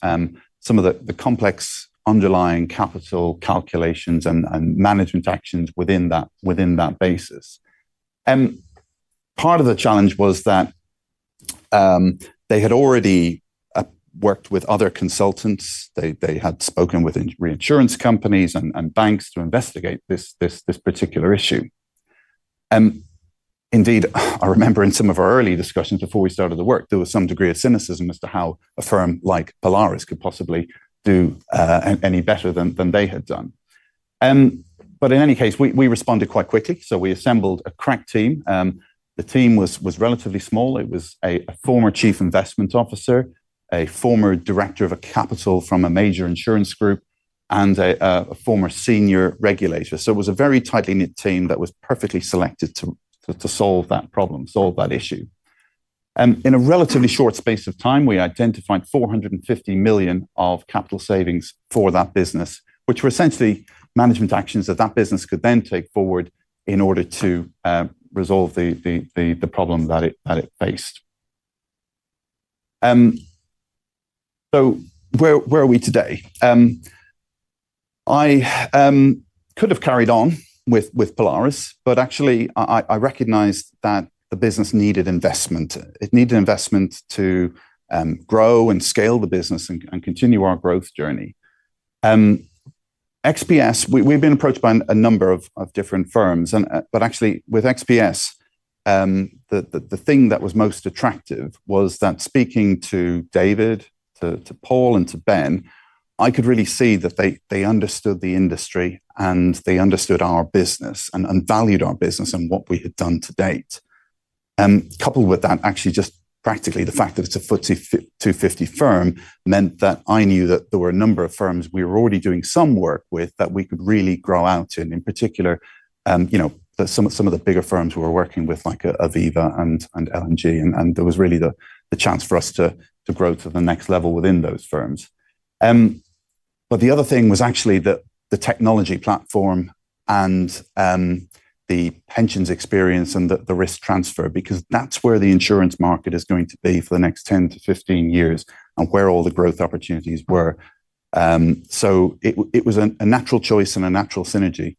some of the complex underlying capital calculations and management actions within that basis. Part of the challenge was that they had already worked with other consultants. They had spoken with reinsurance companies and banks to investigate this particular issue. Indeed, I remember in some of our early discussions before we started the work, there was some degree of cynicism as to how a firm like Polaris could possibly do any better than they had done. In any case, we responded quite quickly. We assembled a crack team. The team was relatively small. It was a former Chief Investment Officer, a former Director of a capital from a major insurance group, and a former senior regulator. It was a very tightly knit team that was perfectly selected to solve that problem, solve that issue. In a relatively short space of time, we identified 450 million of capital savings for that business, which were essentially management actions that that business could then take forward in order to resolve the problem that it faced. Where are we today? I could have carried on with Polaris, but actually, I recognized that the business needed investment. It needed investment to grow and scale the business and continue our growth journey. XPS, we've been approached by a number of different firms. Actually, with XPS, the thing that was most attractive was that speaking to David, to Paul, and to Ben, I could really see that they understood the industry and they understood our business and valued our business and what we had done to date. Coupled with that, actually, just practically the fact that it's a FTSE 250 firm meant that I knew that there were a number of firms we were already doing some work with that we could really grow out in. In particular, some of the bigger firms we were working with, like Aviva and L&G, and there was really the chance for us to grow to the next level within those firms. The other thing was actually that the technology platform and the pensions experience and the risk transfer, because that's where the insurance market is going to be for the next 10-15 years and where all the growth opportunities were. It was a natural choice and a natural synergy.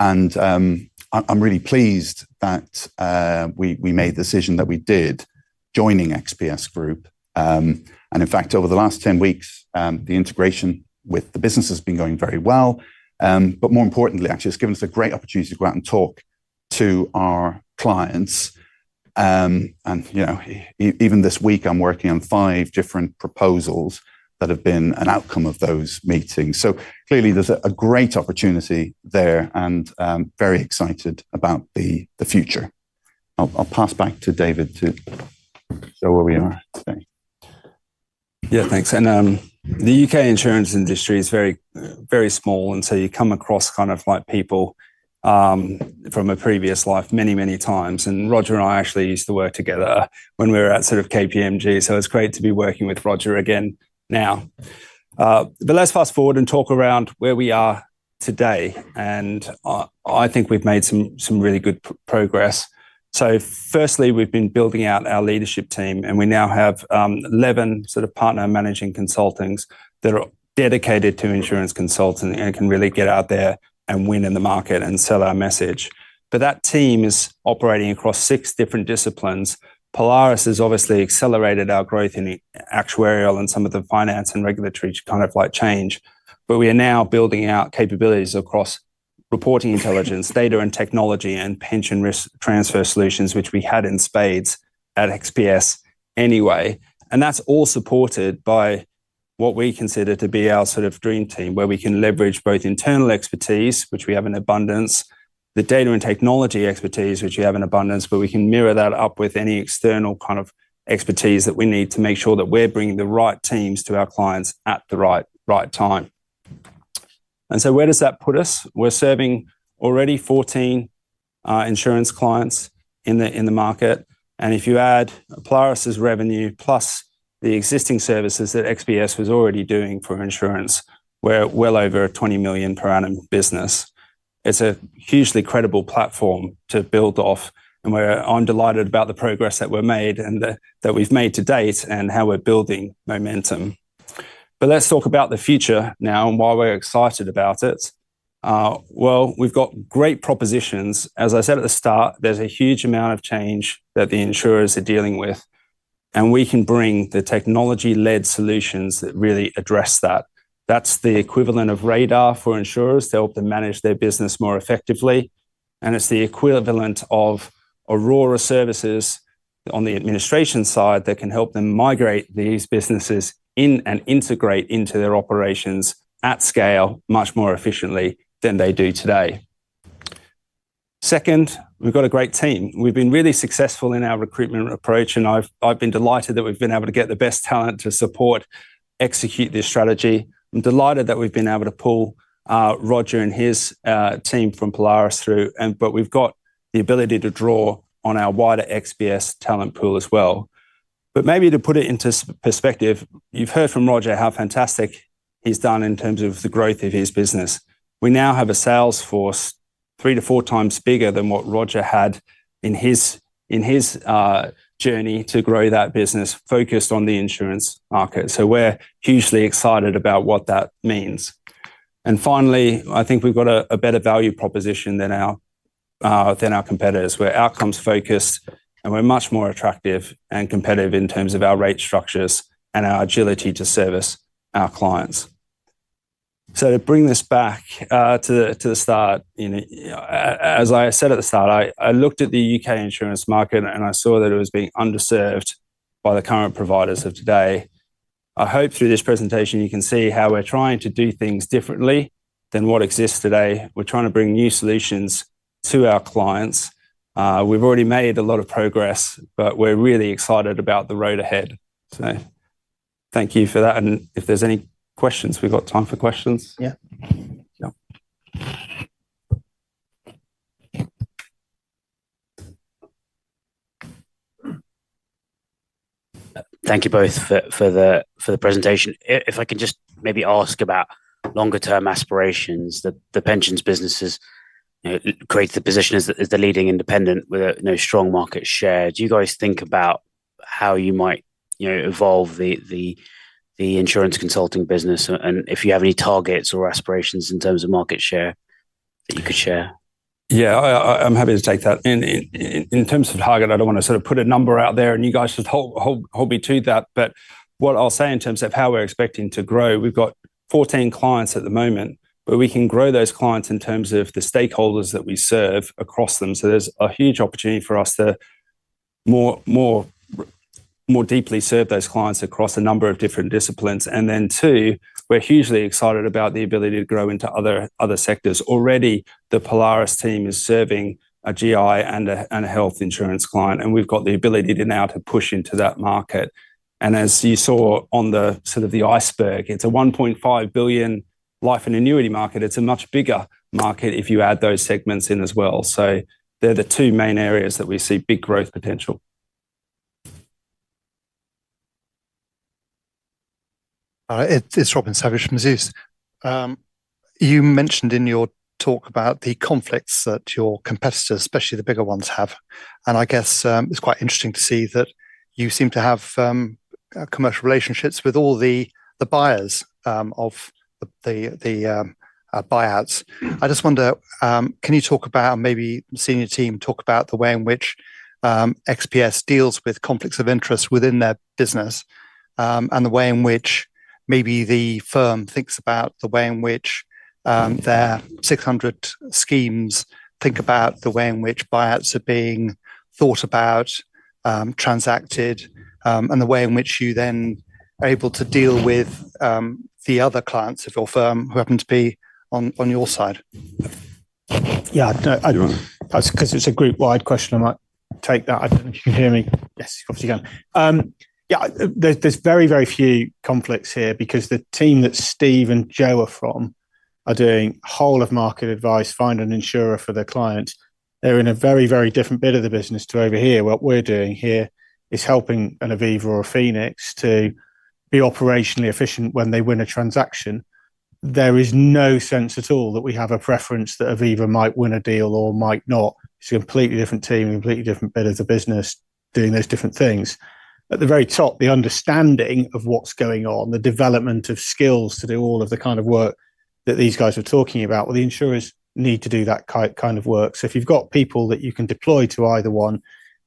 I'm really pleased that we made the decision that we did joining XPS Group. In fact, over the last 10 weeks, the integration with the business has been going very well. More importantly, actually, it's given us a great opportunity to go out and talk to our clients. Even this week, I'm working on five different proposals that have been an outcome of those meetings. Clearly, there's a great opportunity there and very excited about the future. I'll pass back to David to show where we are today. Yeah, thanks. The U.K. insurance industry is very small, and you come across kind of like people from a previous life many, many times. Roger and I actually used to work together when we were at sort of KPMG. It's great to be working with Roger again now. Let's fast forward and talk around where we are today. I think we've made some really good progress. Firstly, we've been building out our leadership team, and we now have 11 sort of partner managing consultants that are dedicated to insurance consultants and can really get out there and win in the market and sell our message. That team is operating across six different disciplines. Polaris has obviously accelerated our growth in actuarial and some of the finance and regulatory kind of like change. We are now building out capabilities across reporting intelligence, data and technology, and pension risk transfer solutions, which we had in spades at XPS anyway. That is all supported by what we consider to be our sort of dream team, where we can leverage both internal expertise, which we have in abundance, the data and technology expertise, which we have in abundance, but we can mirror that up with any external kind of expertise that we need to make sure that we are bringing the right teams to our clients at the right time. Where does that put us? We are serving already 14 insurance clients in the market. If you add Polaris's revenue plus the existing services that XPS was already doing for insurance, we are well over 20 million per annum business. It is a hugely credible platform to build off. I am delighted about the progress that we have made to date and how we are building momentum. Let us talk about the future now and why we are excited about it. We have great propositions. As I said at the start, there is a huge amount of change that the insurers are dealing with. We can bring the technology-led solutions that really address that. That is the equivalent of Radar for insurers to help them manage their business more effectively. It is the equivalent of Aurora Services on the administration side that can help them migrate these businesses in and integrate into their operations at scale much more efficiently than they do today. Second, we have a great team. We have been really successful in our recruitment approach, and I have been delighted that we have been able to get the best talent to support, execute this strategy. I am delighted that we have been able to pull Roger and his team from Polaris through, but we have the ability to draw on our wider XPS talent pool as well. Maybe to put it into perspective, you've heard from Roger how fantastic he's done in terms of the growth of his business. We now have a sales force three to four times bigger than what Roger had in his journey to grow that business focused on the insurance market. We're hugely excited about what that means. Finally, I think we've got a better value proposition than our competitors. We're outcomes focused, and we're much more attractive and competitive in terms of our rate structures and our agility to service our clients. To bring this back to the start, as I said at the start, I looked at the U.K. insurance market, and I saw that it was being underserved by the current providers of today. I hope through this presentation, you can see how we're trying to do things differently than what exists today. We're trying to bring new solutions to our clients. We've already made a lot of progress, but we're really excited about the road ahead. Thank you for that. If there's any questions, we've got time for questions. Yeah. Thank you both for the presentation. If I can just maybe ask about longer-term aspirations, the pensions businesses create the position as the leading independent with a strong market share. Do you guys think about how you might evolve the insurance consulting business? And if you have any targets or aspirations in terms of market share that you could share? Yeah, I'm happy to take that. In terms of target, I don't want to sort of put a number out there, and you guys should hold me to that. What I'll say in terms of how we're expecting to grow, we've got 14 clients at the moment, but we can grow those clients in terms of the stakeholders that we serve across them. There's a huge opportunity for us to more deeply serve those clients across a number of different disciplines. Two, we're hugely excited about the ability to grow into other sectors. Already, the Polaris team is serving a GI and a health insurance client, and we've got the ability now to push into that market. As you saw on the sort of the iceberg, it's a 1.5 billion life and annuity market. It's a much bigger market if you add those segments in as well. They're the two main areas that we see big growth potential. All right. It's Robin Savage from Zeus. You mentioned in your talk about the conflicts that your competitors, especially the bigger ones, have. I guess it's quite interesting to see that you seem to have commercial relationships with all the buyers of the buyouts. I just wonder, can you talk about, and maybe seeing your team talk about the way in which XPS deals with conflicts of interest within their business and the way in which maybe the firm thinks about the way in which their 600 schemes think about the way in which buyouts are being thought about, transacted, and the way in which you then are able to deal with the other clients of your firm who happen to be on your side. Yeah, because it's a group-wide question. I might take that. I don't know if you can hear me. Yes, of course you can. Yeah, there's very, very few conflicts here because the team that Steve and Jo are from are doing whole-of-market advice, find an insurer for their clients. They're in a very, very different bit of the business to over here. What we're doing here is helping an Aviva or a Phoenix to be operationally efficient when they win a transaction. There is no sense at all that we have a preference that Aviva might win a deal or might not. It's a completely different team, a completely different bit of the business doing those different things. At the very top, the understanding of what's going on, the development of skills to do all of the kind of work that these guys are talking about, the insurers need to do that kind of work. If you have people that you can deploy to either one,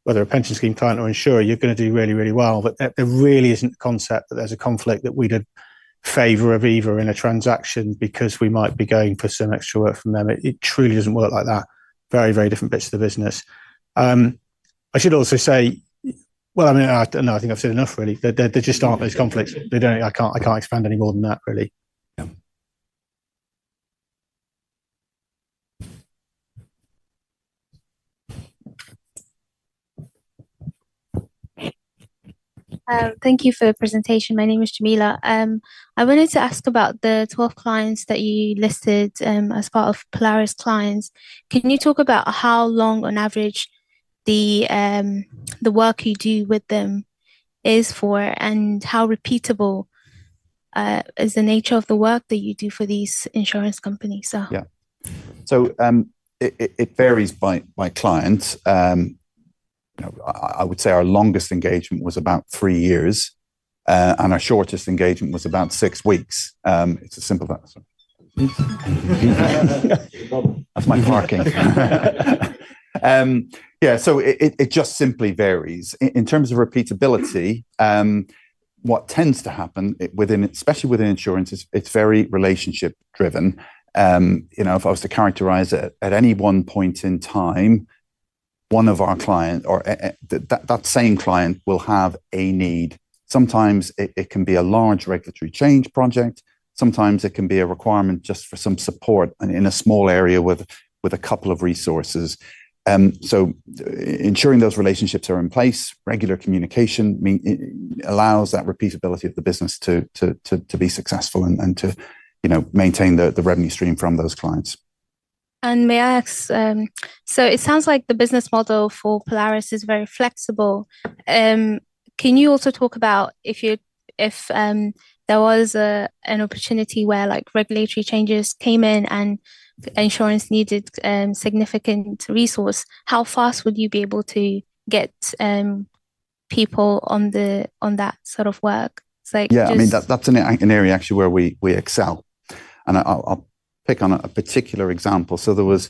whether a pension scheme client or insurer, you are going to do really, really well. There really is not a concept that there is a conflict that we would favor Aviva in a transaction because we might be going for some extra work from them. It truly does not work like that. Very, very different bits of the business. I should also say, I mean, I think I have said enough, really. There just are not those conflicts. I cannot expand any more than that, really. Yeah. Thank you for the presentation. My name is Jamila. I wanted to ask about the 12 clients that you listed as part of Polaris clients. Can you talk about how long, on average, the work you do with them is for and how repeatable is the nature of the work that you do for these insurance companies? Yeah. So it varies by client. I would say our longest engagement was about three years, and our shortest engagement was about six weeks. It's a simple fact. That's my parking. Yeah, it just simply varies. In terms of repeatability, what tends to happen, especially within insurance, it's very relationship-driven. If I was to characterize it, at any one point in time, one of our clients or that same client will have a need. Sometimes it can be a large regulatory change project. Sometimes it can be a requirement just for some support in a small area with a couple of resources. Ensuring those relationships are in place, regular communication allows that repeatability of the business to be successful and to maintain the revenue stream from those clients. May I ask? It sounds like the business model for Polaris is very flexible. Can you also talk about if there was an opportunity where regulatory changes came in and insurance needed significant resource, how fast would you be able to get people on that sort of work? I mean, that's an area actually where we excel. I'll pick on a particular example. There was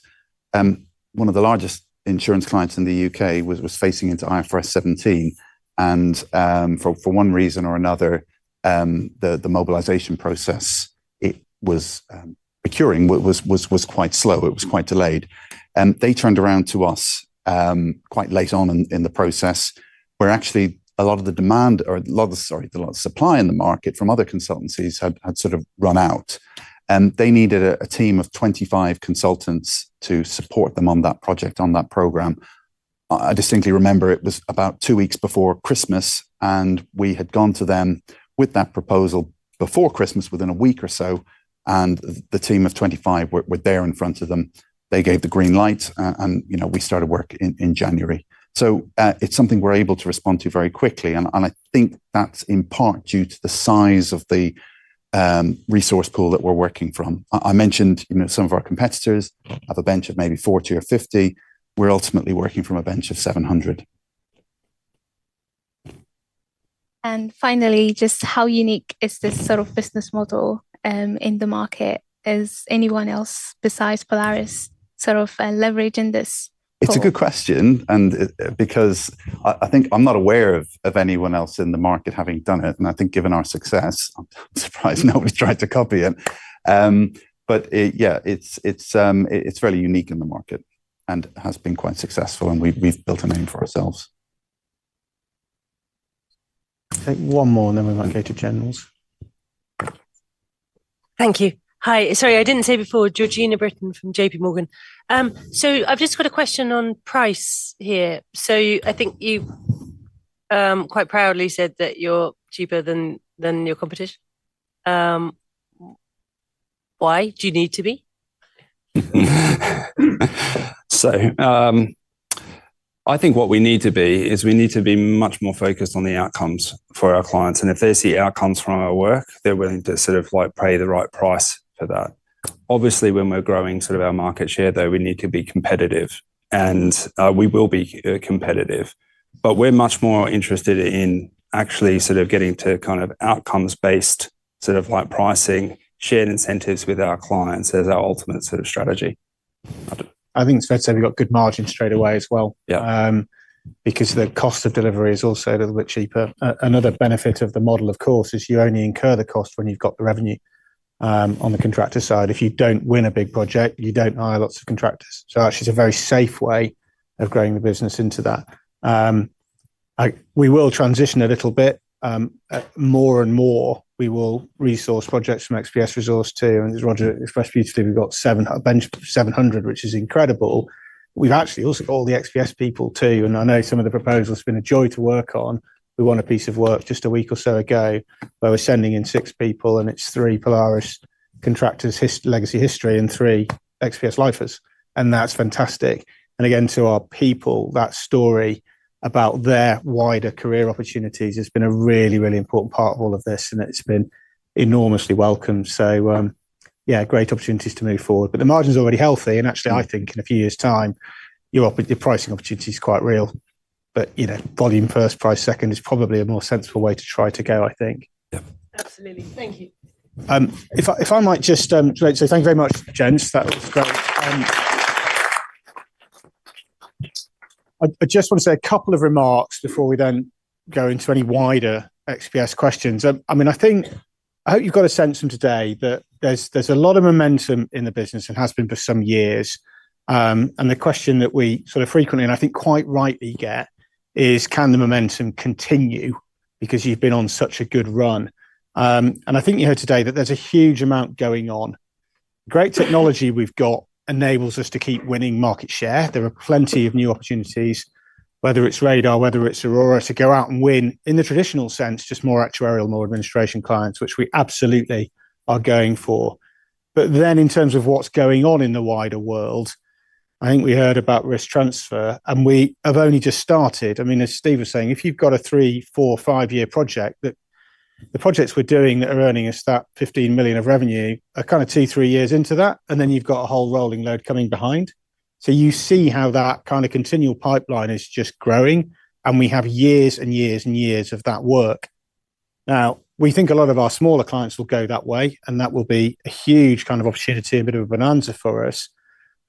one of the largest insurance clients in the U.K. facing into IFRS 17, and for one reason or another, the mobilization process it was procuring was quite slow. It was quite delayed. They turned around to us quite late on in the process, where actually a lot of the demand, or a lot of the, sorry, a lot of the supply in the market from other consultancies had sort of run out. They needed a team of 25 consultants to support them on that project, on that program. I distinctly remember it was about two weeks before Christmas, and we had gone to them with that proposal before Christmas within a week or so. The team of 25 were there in front of them. They gave the green light, and we started work in January. It is something we are able to respond to very quickly. I think that is in part due to the size of the resource pool that we are working from. I mentioned some of our competitors have a bench of maybe 40 or 50. We're ultimately working from a bench of 700. Finally, just how unique is this sort of business model in the market? Is anyone else besides Polaris sort of leveraging this? It's a good question because I think I'm not aware of anyone else in the market having done it. I think given our success, I'm surprised nobody's tried to copy it. Yeah, it's fairly unique in the market and has been quite successful, and we've built a name for ourselves. Take one more, and then we might go to Generals. Thank you. Hi. Sorry, I didn't say before, Georgina Brittain from JPMorgan. I've just got a question on price here. I think you quite proudly said that you're cheaper than your competition. Why? Do you need to be? I think what we need to be is we need to be much more focused on the outcomes for our clients. If they see outcomes from our work, they're willing to sort of pay the right price for that. Obviously, when we're growing sort of our market share there, we need to be competitive, and we will be competitive. We're much more interested in actually sort of getting to kind of outcomes-based sort of pricing, shared incentives with our clients as our ultimate sort of strategy. I think it's fair to say we've got good margin straight away as well because the cost of delivery is also a little bit cheaper. Another benefit of the model, of course, is you only incur the cost when you've got the revenue on the contractor side. If you don't win a big project, you don't hire lots of contractors. Actually, it's a very safe way of growing the business into that. We will transition a little bit. More and more, we will resource projects from XPS resource too. As Roger expressed beautifully, we've got 700, which is incredible. We've actually also got all the XPS people too. I know some of the proposals have been a joy to work on. We won a piece of work just a week or so ago where we're sending in six people, and it's three Polaris contractors, legacy history, and three XPS lifers. That's fantastic. Again, to our people, that story about their wider career opportunities has been a really, really important part of all of this, and it's been enormously welcomed. Great opportunities to move forward. The margin's already healthy. Actually, I think in a few years' time, your pricing opportunity is quite real. Volume first, price second is probably a more sensible way to try to go, I think. Yeah. Absolutely. Thank you. If I might just say thank you very much, James. That was great. I just want to say a couple of remarks before we then go into any wider XPS questions. I mean, I hope you've got a sense from today that there's a lot of momentum in the business and has been for some years. The question that we sort of frequently, and I think quite rightly get, is, can the momentum continue because you've been on such a good run? I think you heard today that there's a huge amount going on. Great technology we've got enables us to keep winning market share. There are plenty of new opportunities, whether it's Radar, whether it's Aurora, to go out and win in the traditional sense, just more actuarial, more administration clients, which we absolutely are going for. In terms of what's going on in the wider world, I think we heard about risk transfer, and we have only just started. I mean, as Steve was saying, if you've got a three, four, five-year project, the projects we're doing that are earning us that 15 million of revenue are kind of two, three years into that, and then you've got a whole rolling load coming behind. You see how that kind of continual pipeline is just growing, and we have years and years and years of that work. Now, we think a lot of our smaller clients will go that way, and that will be a huge kind of opportunity, a bit of a bonanza for us.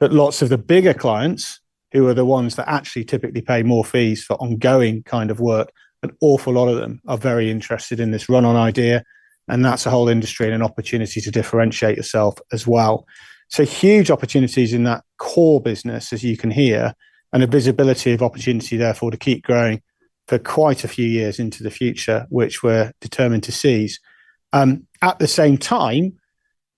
Lots of the bigger clients, who are the ones that actually typically pay more fees for ongoing kind of work, an awful lot of them are very interested in this run-on idea. That is a whole industry and an opportunity to differentiate yourself as well. Huge opportunities in that core business, as you can hear, and a visibility of opportunity therefore to keep growing for quite a few years into the future, which we are determined to seize. At the same time,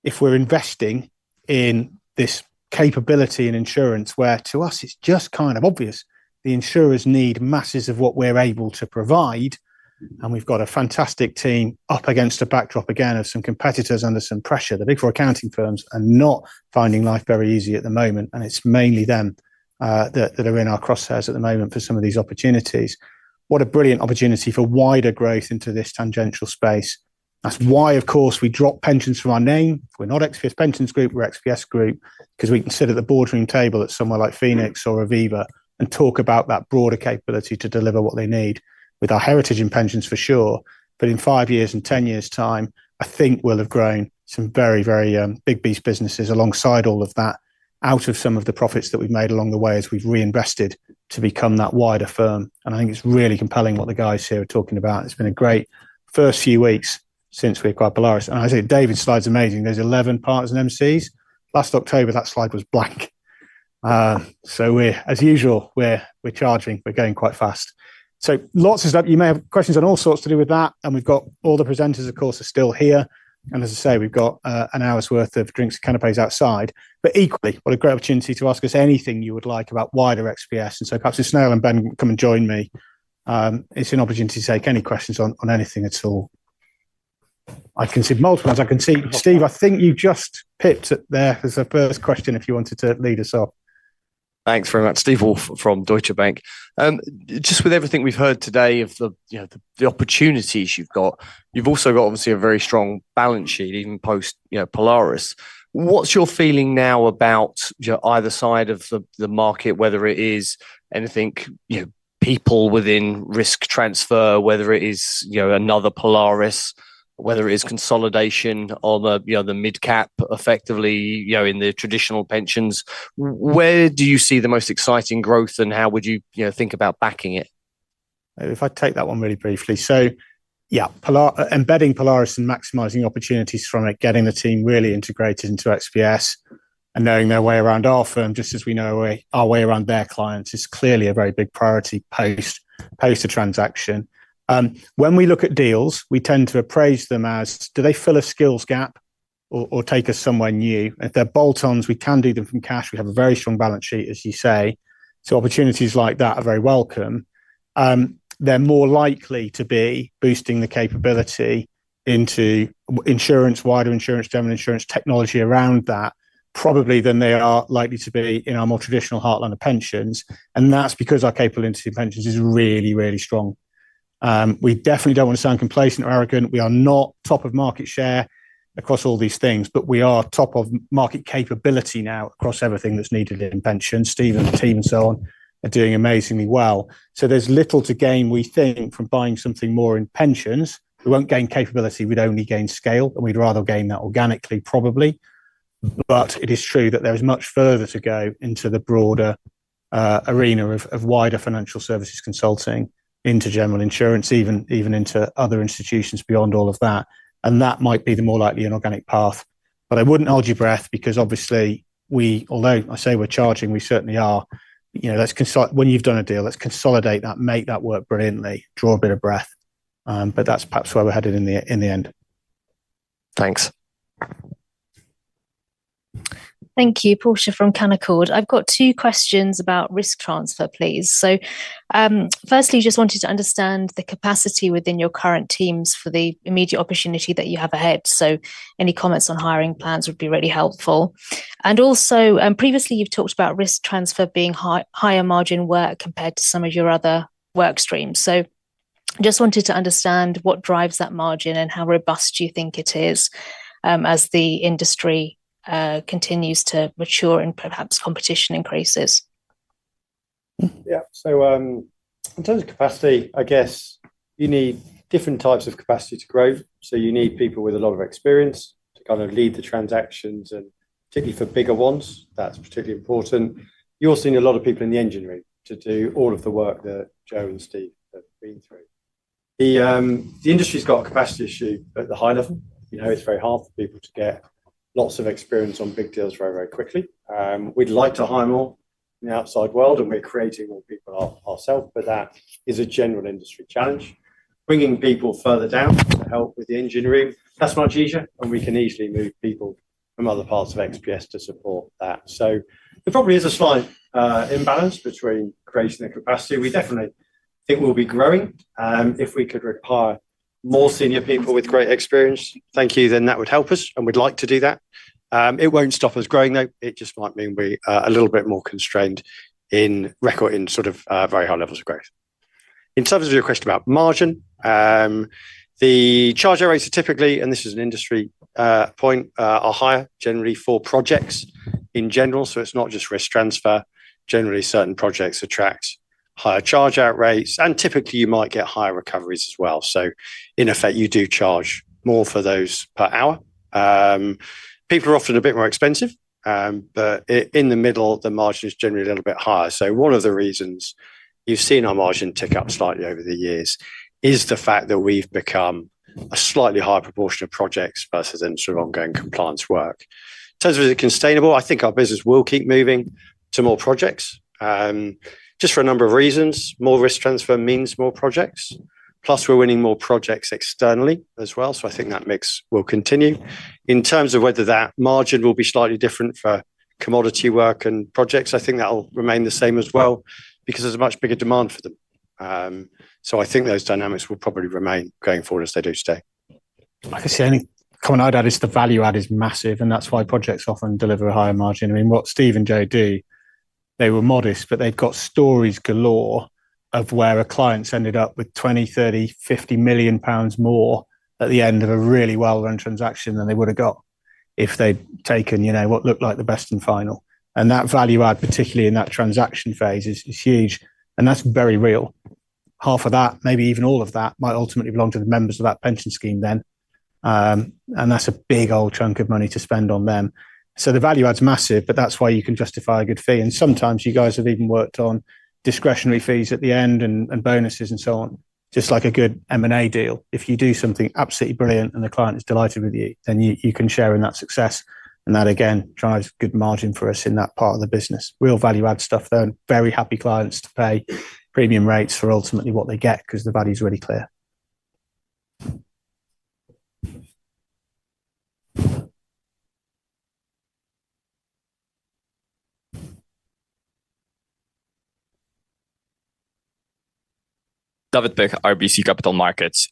if we're investing in this capability in insurance, where to us it's just kind of obvious, the insurers need masses of what we're able to provide, and we've got a fantastic team up against a backdrop again of some competitors under some pressure. The big four accounting firms are not finding life very easy at the moment, and it's mainly them that are in our crosshairs at the moment for some of these opportunities. What a brilliant opportunity for wider growth into this tangential space. That's why, of course, we drop pensions from our name. We're not XPS Pensions Group. We're XPS Group because we can sit at the boardroom table at somewhere like Phoenix or Aviva and talk about that broader capability to deliver what they need with our heritage in pensions for sure. In five years and ten years' time, I think we'll have grown some very, very big beast businesses alongside all of that out of some of the profits that we've made along the way as we've reinvested to become that wider firm. I think it's really compelling what the guys here are talking about. It's been a great first few weeks since we acquired Polaris. I say David's slide's amazing. There are 11 partners and MCs. Last October, that slide was blank. As usual, we're charging. We're going quite fast. Lots of stuff. You may have questions on all sorts to do with that. We've got all the presenters, of course, still here. As I say, we've got an hour's worth of drinks and canapés outside. Equally, what a great opportunity to ask us anything you would like about wider XPS. Perhaps if Snehal and Ben come and join me, it's an opportunity to take any questions on anything at all. I can see multiple ones. I can see Steve, I think you just pipped there as a first question if you wanted to lead us off. Thanks very much. Steve Woolf from Deutsche Bank. Just with everything we've heard today of the opportunities you've got, you've also got, obviously, a very strong balance sheet even post Polaris. What's your feeling now about either side of the market, whether it is, I think, people within risk transfer, whether it is another Polaris, whether it is consolidation on the mid-cap effectively in the traditional pensions? Where do you see the most exciting growth, and how would you think about backing it? If I take that one really briefly. Yeah, embedding Polaris and maximizing opportunities from it, getting the team really integrated into XPS and knowing their way around our firm, just as we know our way around their clients, is clearly a very big priority post a transaction. When we look at deals, we tend to appraise them as, do they fill a skills gap or take us somewhere new? If they're bolt-ons, we can do them from cash. We have a very strong balance sheet, as you say. Opportunities like that are very welcome. They're more likely to be boosting the capability into insurance, wider insurance, general insurance technology around that, probably than they are likely to be in our more traditional heartland of pensions. That is because our capability in pensions is really, really strong. We definitely do not want to sound complacent or arrogant. We are not top of market share across all these things, but we are top of market capability now across everything that's needed in pensions. Steve and the team and so on are doing amazingly well. There is little to gain, we think, from buying something more in pensions. We will not gain capability. We would only gain scale, and we would rather gain that organically, probably. It is true that there is much further to go into the broader arena of wider financial services consulting into general insurance, even into other institutions beyond all of that. That might be the more likely inorganic path. I would not hold your breath because obviously, although I say we are charging, we certainly are. When you have done a deal, let us consolidate that, make that work brilliantly, draw a bit of breath. That is perhaps where we are headed in the end. Thanks. Thank you. Portia from Cannacord. I've got two questions about risk transfer, please. Firstly, just wanted to understand the capacity within your current teams for the immediate opportunity that you have ahead. Any comments on hiring plans would be really helpful. Also, previously, you've talked about risk transfer being higher margin work compared to some of your other work streams. Just wanted to understand what drives that margin and how robust you think it is as the industry continues to mature and perhaps competition increases. Yeah. In terms of capacity, I guess you need different types of capacity to grow. You need people with a lot of experience to kind of lead the transactions, and particularly for bigger ones, that's particularly important. You're seeing a lot of people in the engineering to do all of the work that Jo and Steve have been through. The industry's got a capacity issue at the high level. It's very hard for people to get lots of experience on big deals very, very quickly. We'd like to hire more in the outside world, and we're creating more people ourselves, but that is a general industry challenge. Bringing people further down to help with the engineering, that's much easier, and we can easily move people from other parts of XPS to support that. There probably is a slight imbalance between creating the capacity. We definitely think we'll be growing. If we could require more senior people with great experience, thank you, then that would help us, and we'd like to do that. It won't stop us growing, though. It just might mean we are a little bit more constrained in record in sort of very high levels of growth. In terms of your question about margin, the charge out rates are typically, and this is an industry point, are higher generally for projects in general. It is not just risk transfer. Generally, certain projects attract higher charge out rates, and typically, you might get higher recoveries as well. In effect, you do charge more for those per hour. People are often a bit more expensive, but in the middle, the margin is generally a little bit higher. One of the reasons you have seen our margin tick up slightly over the years is the fact that we have become a slightly higher proportion of projects versus sort of ongoing compliance work. In terms of the sustainable, I think our business will keep moving to more projects just for a number of reasons. More risk transfer means more projects. Plus, we are winning more projects externally as well. I think that mix will continue. In terms of whether that margin will be slightly different for commodity work and projects, I think that'll remain the same as well because there's a much bigger demand for them. I think those dynamics will probably remain going forward as they do today. I can see any comment I'd add is the value add is massive, and that's why projects often deliver a higher margin. I mean, what Steve and Jo do, they were modest, but they've got stories galore of where a client's ended up with 20 million, 30 million, 50 million pounds more at the end of a really well-run transaction than they would have got if they'd taken what looked like the best and final. That value add, particularly in that transaction phase, is huge. That is very real. Half of that, maybe even all of that, might ultimately belong to the members of that pension scheme then. That is a big old chunk of money to spend on them. The value add's massive, but that is why you can justify a good fee. Sometimes you guys have even worked on discretionary fees at the end and bonuses and so on, just like a good M&A deal. If you do something absolutely brilliant and the client is delighted with you, then you can share in that success. That, again, drives good margin for us in that part of the business. Real value add stuff there. Very happy clients to pay premium rates for ultimately what they get because the value's really clear. David Beck, RBC Capital Markets.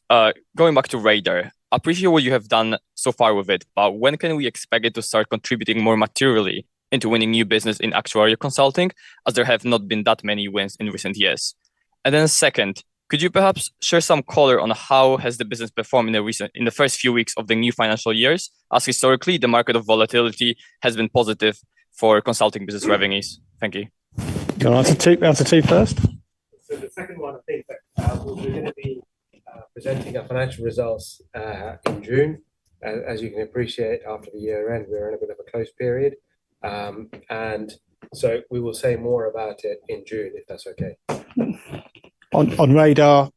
Going back to Radar, I appreciate what you have done so far with it, but when can we expect it to start contributing more materially into winning new business in actuarial consulting as there have not been that many wins in recent years? Second, could you perhaps share some color on how has the business performed in the first few weeks of the new financial years as historically the market of volatility has been positive for consulting business revenues? Thank you. Can I answer two first? The second one, I think that we're going to be presenting our financial results in June. As you can appreciate, after the year end, we're in a bit of a close period. We will say more about it in June, if that's okay. On Radar,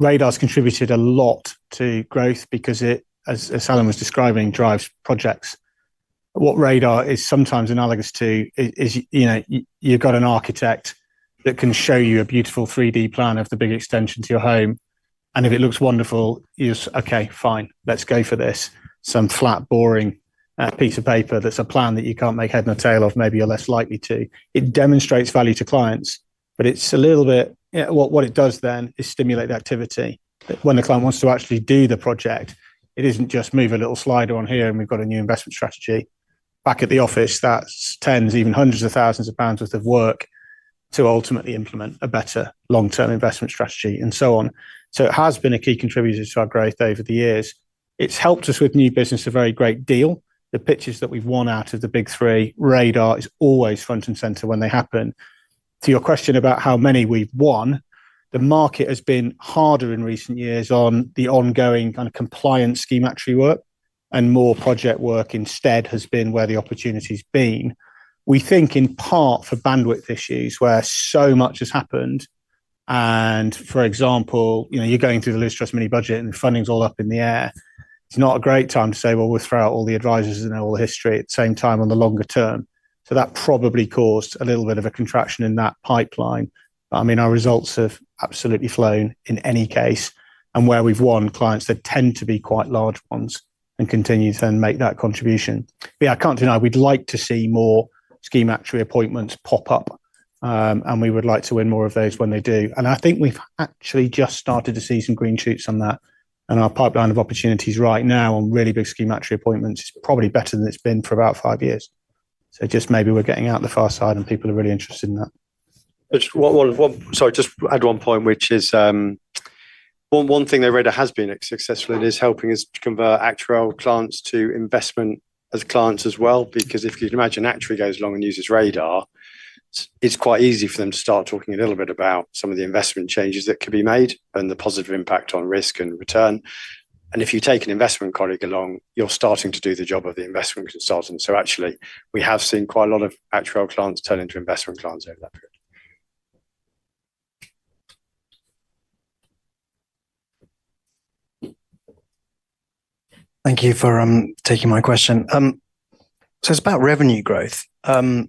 Radar's contributed a lot to growth because it, as Alan was describing, drives projects. What Radar is sometimes analogous to is you've got an architect that can show you a beautiful 3D plan of the big extension to your home. And if it looks wonderful, you're just, "Okay, fine. Let's go for this." Some flat, boring piece of paper that's a plan that you can't make head and a tail of, maybe you're less likely to. It demonstrates value to clients, but it's a little bit what it does then is stimulate the activity. When the client wants to actually do the project, it isn't just move a little slider on here and we've got a new investment strategy. Back at the office, that's tens, even hundreds of thousands of GBP worth of work to ultimately implement a better long-term investment strategy and so on. It has been a key contributor to our growth over the years. It's helped us with new business a very great deal. The pitches that we've won out of the big three, Radar is always front and center when they happen. To your question about how many we've won, the market has been harder in recent years on the ongoing kind of compliance schematry work and more project work instead has been where the opportunity's been. We think in part for bandwidth issues where so much has happened. For example, you're going through the Liz Truss mini budget and funding's all up in the air. It's not a great time to say, "Well, we'll throw out all the advisors and all the history at the same time on the longer term." That probably caused a little bit of a contraction in that pipeline. I mean, our results have absolutely flown in any case. Where we have won clients, they tend to be quite large ones and continue to then make that contribution. Yeah, I cannot deny we would like to see more schematry appointments pop up, and we would like to win more of those when they do. I think we have actually just started to see some green shoots on that. Our pipeline of opportunities right now on really big schematry appointments is probably better than it has been for about five years. Just maybe we are getting out the far side and people are really interested in that. Sorry, just to add one point, which is one thing that Radar has been successful in is helping us convert actuarial clients to investment as clients as well. Because if you can imagine actuaries going along and using Radar, it's quite easy for them to start talking a little bit about some of the investment changes that could be made and the positive impact on risk and return. If you take an investment colleague along, you're starting to do the job of the investment consultant. Actually, we have seen quite a lot of actuarial clients turn into investment clients over that period. Thank you for taking my question. It's about revenue growth. I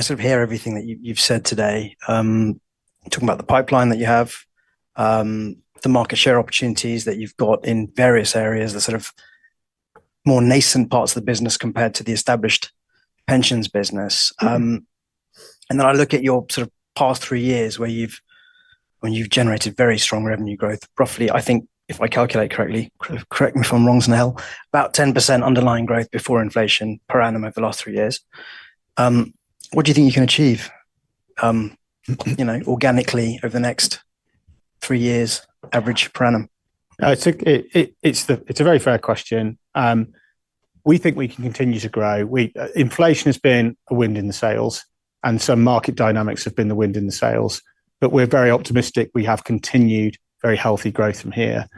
sort of hear everything that you've said today, talking about the pipeline that you have, the market share opportunities that you've got in various areas, the sort of more nascent parts of the business compared to the established pensions business. I look at your sort of past three years when you've generated very strong revenue growth. Roughly, I think, if I calculate correctly, correct me if I'm wrong, Snehal, about 10% underlying growth before inflation per annum over the last three years. What do you think you can achieve organically over the next three years, average per annum? It's a very fair question. We think we can continue to grow. Inflation has been a wind in the sails, and market dynamics have been the wind in the sails. We are very optimistic we have continued very healthy growth from here.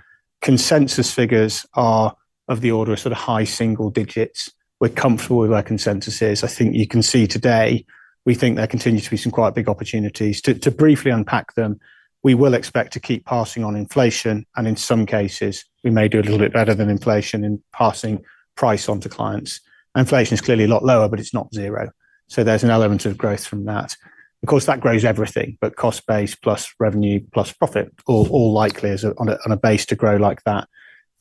Consensus figures are of the order of sort of high single digits. We are comfortable with where consensus is. I think you can see today, we think there continues to be some quite big opportunities. To briefly unpack them, we will expect to keep passing on inflation. In some cases, we may do a little bit better than inflation in passing price onto clients. Inflation is clearly a lot lower, but it's not zero. So there's an element of growth from that. Of course, that grows everything, but cost base plus revenue plus profit are all likely on a base to grow like that.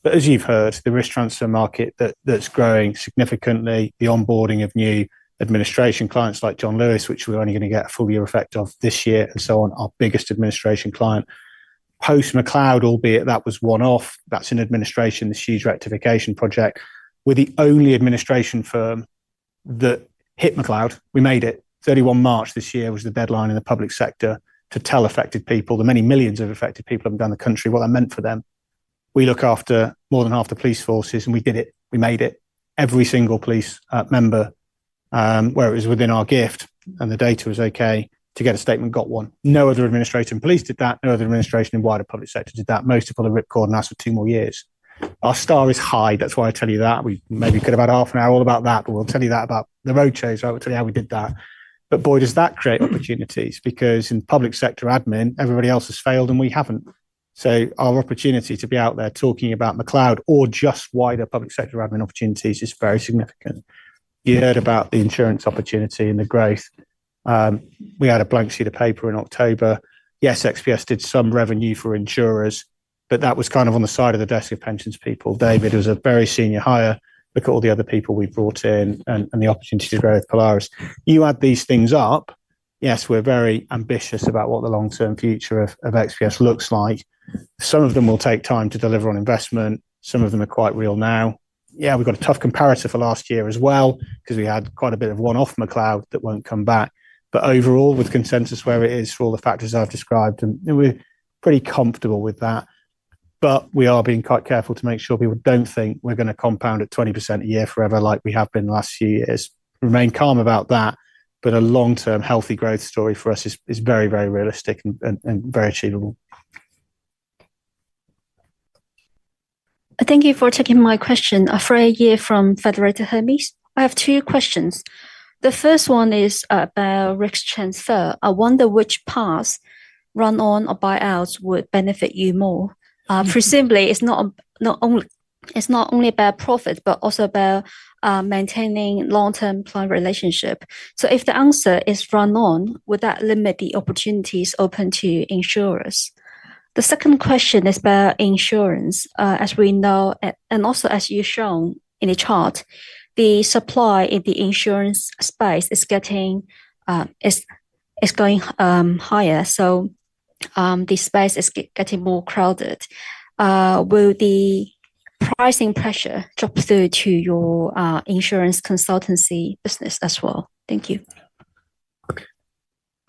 But as you've heard, the risk transfer market, that's growing significantly, the onboarding of new administration clients like John Lewis, which we're only going to get a full year effect of this year and so on, our biggest administration client. Post McCloud, albeit that was one-off, that's an administration, this huge rectification project. We're the only administration firm that hit McCloud. We made it. 31 March this year was the deadline in the public sector to tell affected people, the many millions of affected people around the country, what that meant for them. We look after more than half the police forces, and we did it. We made it. Every single police member, where it was within our gift and the data was okay, to get a statement, got one. No other administration in police did that. No other administration in wider public sector did that. Most have got a ripcord and asked for two more years. Our star is high. That is why I tell you that. We maybe could have had half an hour all about that, but we will tell you that about the roadshows, right? We will tell you how we did that. Boy, does that create opportunities because in public sector admin, everybody else has failed and we have not. Our opportunity to be out there talking about McCloud or just wider public sector admin opportunities is very significant. You heard about the insurance opportunity and the growth. We had a blank sheet of paper in October. Yes, XPS did some revenue for insurers, but that was kind of on the side of the desk of pensions people. David was a very senior hire. Look at all the other people we've brought in and the opportunity to grow with Polaris. You add these things up, yes, we're very ambitious about what the long-term future of XPS looks like. Some of them will take time to deliver on investment. Some of them are quite real now. Yeah, we've got a tough comparator for last year as well because we had quite a bit of one-off McCloud that won't come back. Overall, with consensus where it is for all the factors I've described, we're pretty comfortable with that. We are being quite careful to make sure people don't think we're going to compound at 20% a year forever like we have been the last few years. Remain calm about that, but a long-term healthy growth story for us is very, very realistic and very achievable. Thank you for taking my question. Afraid here from Federated Hermes. I have two questions. The first one is about risk transfer. I wonder which paths, run-on or buyouts, would benefit you more. Presumably, it is not only about profit, but also about maintaining long-term plan relationship. If the answer is run-on, would that limit the opportunities open to insurers? The second question is about insurance. As we know, and also as you have shown in the chart, the supply in the insurance space is going higher. The space is getting more crowded. Will the pricing pressure drop through to your insurance consultancy business as well? Thank you.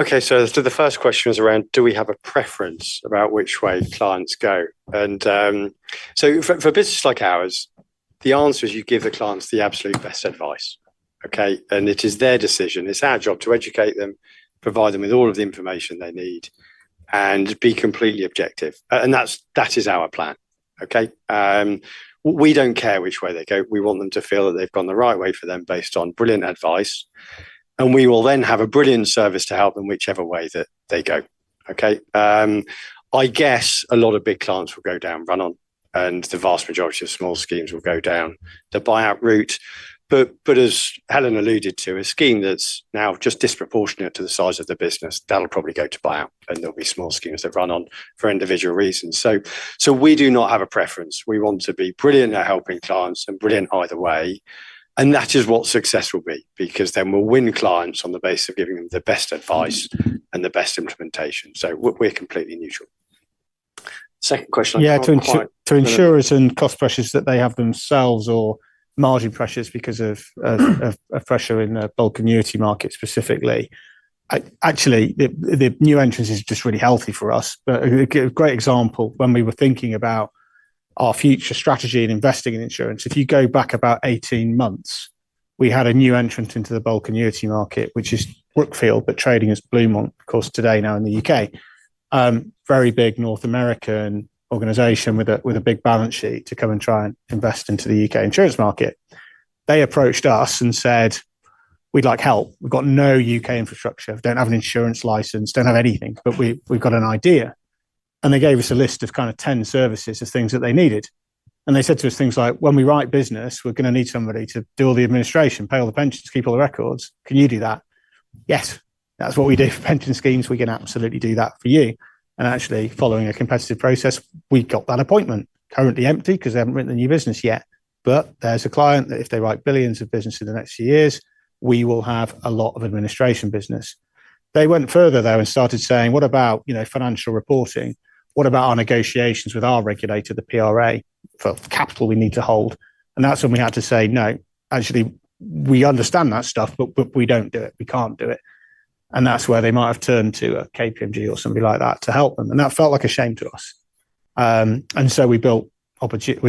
Okay. The first question was around, do we have a preference about which way clients go? For a business like ours, the answer is you give the clients the absolute best advice, okay? It is their decision. It is our job to educate them, provide them with all of the information they need, and be completely objective. That is our plan, okay? We do not care which way they go. We want them to feel that they have gone the right way for them based on brilliant advice. We will then have a brilliant service to help them whichever way that they go, okay? I guess a lot of big clients will go down run-on, and the vast majority of small schemes will go down the buyout route. As Helen alluded to, a scheme that is now just disproportionate to the size of the business, that will probably go to buyout, and there will be small schemes that run-on for individual reasons. We do not have a preference. We want to be brilliant at helping clients and brilliant either way. That is what success will be because then we will win clients on the basis of giving them the best advice and the best implementation. We are completely neutral. Second question. Yeah, to insurers and cost pressures that they have themselves or margin pressures because of pressure in the bulk annuity market specifically. Actually, the new entrants are just really healthy for us. A great example, when we were thinking about our future strategy and investing in insurance, if you go back about 18 months, we had a new entrant into the bulk annuity market, which is Brookfield, but trading as Blue Mont, of course, today now in the U.K. Very big North American organization with a big balance sheet to come and try and invest into the U.K. insurance market. They approached us and said, "We'd like help. We've got no U.K. infrastructure. We don't have an insurance license. Don't have anything, but we've got an idea." They gave us a list of kind of 10 services of things that they needed. They said to us things like, "When we write business, we're going to need somebody to do all the administration, pay all the pensions, keep all the records. Can you do that?" Yes, that's what we do for pension schemes. We can absolutely do that for you. Actually, following a competitive process, we got that appointment. Currently empty because they haven't written a new business yet. There is a client that if they write billions of business in the next few years, we will have a lot of administration business. They went further, though, and started saying, "What about financial reporting? What about our negotiations with our regulator, the PRA, for capital we need to hold?" That is when we had to say, "No, actually, we understand that stuff, but we do not do it. We cannot do it." That is where they might have turned to a KPMG or somebody like that to help them. That felt like a shame to us. We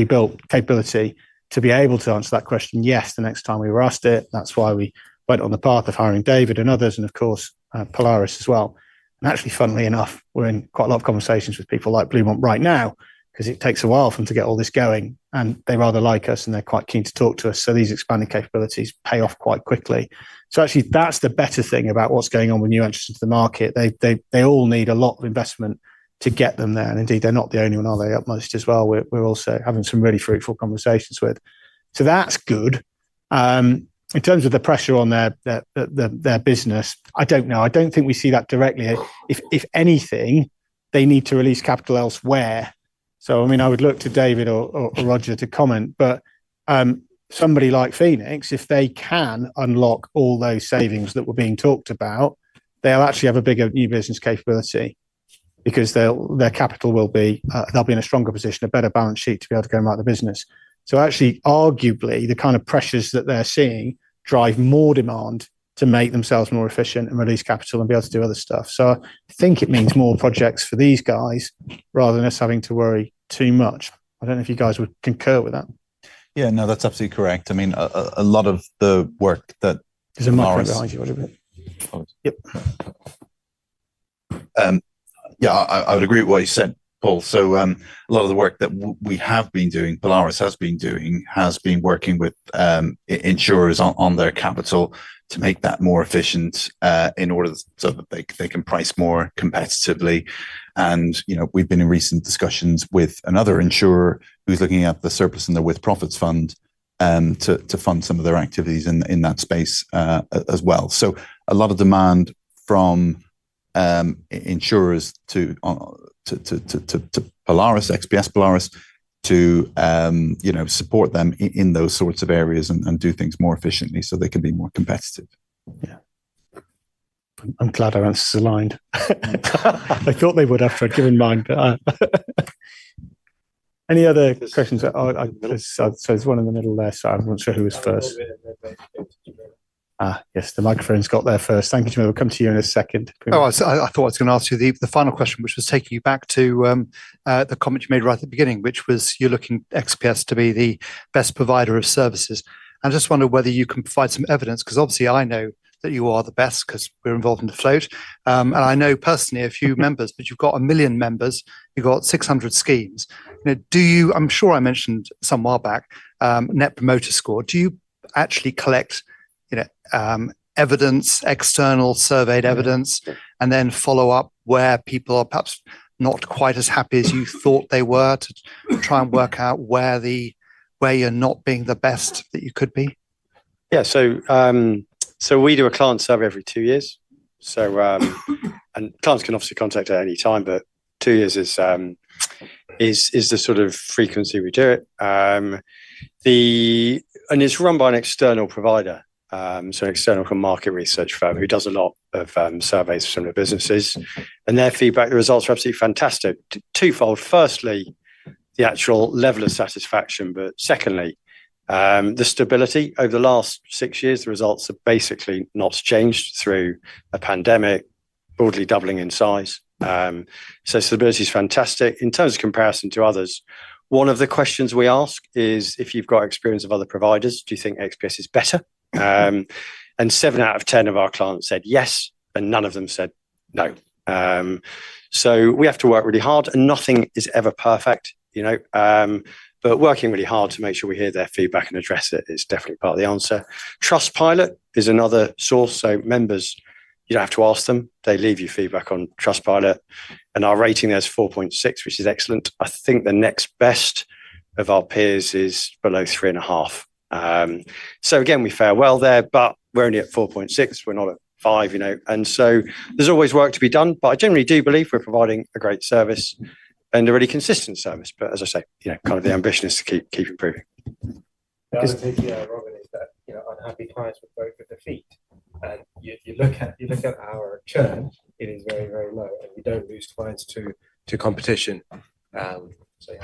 built capability to be able to answer that question, yes, the next time we were asked it. That is why we went on the path of hiring David and others, and of course, Polaris as well. Actually, funnily enough, we're in quite a lot of conversations with people like Blue Mont right now because it takes a while for them to get all this going. They rather like us, and they're quite keen to talk to us. These expanded capabilities pay off quite quickly. Actually, that's the better thing about what's going on with new entrants to the market. They all need a lot of investment to get them there. Indeed, they're not the only one, are they? Atmost as well. We're also having some really fruitful conversations with them. That's good. In terms of the pressure on their business, I don't know. I don't think we see that directly. If anything, they need to release capital elsewhere. I would look to David or Roger to comment. But somebody like Phoenix, if they can unlock all those savings that were being talked about, they'll actually have a bigger new business capability because their capital will be in a stronger position, a better balance sheet to be able to go and run the business. Actually, arguably, the kind of pressures that they're seeing drive more demand to make themselves more efficient and release capital and be able to do other stuff. I think it means more projects for these guys rather than us having to worry too much. I do not know if you guys would concur with that. Yeah, no, that's absolutely correct. I mean, a lot of the work that Polaris is a market behind you, wouldn't it? Yep. Yeah, I would agree with what you said, Paul. A lot of the work that we have been doing, Polaris has been doing, has been working with insurers on their capital to make that more efficient in order so that they can price more competitively. We have been in recent discussions with another insurer who's looking at the surplus and the with profits fund to fund some of their activities in that space as well. A lot of demand from insurers to Polaris, XPS Polaris, to support them in those sorts of areas and do things more efficiently so they can be more competitive. Yeah. I'm glad our answers aligned. I thought they would after I'd given mine. Any other questions? There's one in the middle there, so I'm not sure who was first. Yes, the microphone's got there first. Thank you, Jim. We'll come to you in a second. Oh, I thought I was going to ask you the final question, which was taking you back to the comment you made right at the beginning, which was you're looking at XPS to be the best provider of services. I just wonder whether you can provide some evidence because obviously, I know that you are the best because we're involved in the float. I know personally a few members, but you've got a million members. You've got 600 schemes. I'm sure I mentioned some while back, Net Promoter Score. Do you actually collect evidence, external surveyed evidence, and then follow up where people are perhaps not quite as happy as you thought they were to try and work out where you're not being the best that you could be? Yeah, so we do a client survey every two years. Clients can obviously contact at any time, but two years is the sort of frequency we do it. It is run by an external provider, so an external market research firm who does a lot of surveys for some of the businesses. Their feedback, the results are absolutely fantastic. Twofold. Firstly, the actual level of satisfaction, but secondly, the stability. Over the last six years, the results have basically not changed through a pandemic, broadly doubling in size. Stability is fantastic. In terms of comparison to others, one of the questions we ask is if you have experience of other providers, do you think XPS is better? Seven out of 10 of our clients said yes, and none of them said no. We have to work really hard, and nothing is ever perfect. But working really hard to make sure we hear their feedback and address it is definitely part of the answer. Trustpilot is another source. So members, you do not have to ask them. They leave you feedback on Trustpilot. And our rating there is 4.6, which is excellent. I think the next best of our peers is below 3.5. Again, we fare well there, but we are only at 4.6. We are not at 5. There is always work to be done, but I generally do believe we are providing a great service and a really consistent service. As I say, kind of the ambition is to keep improving. Yeah, Robin is that unhappy clients vote with both of their feet. If you look at our churn, it is very, very low, and we do not lose clients to competition. Yeah. I think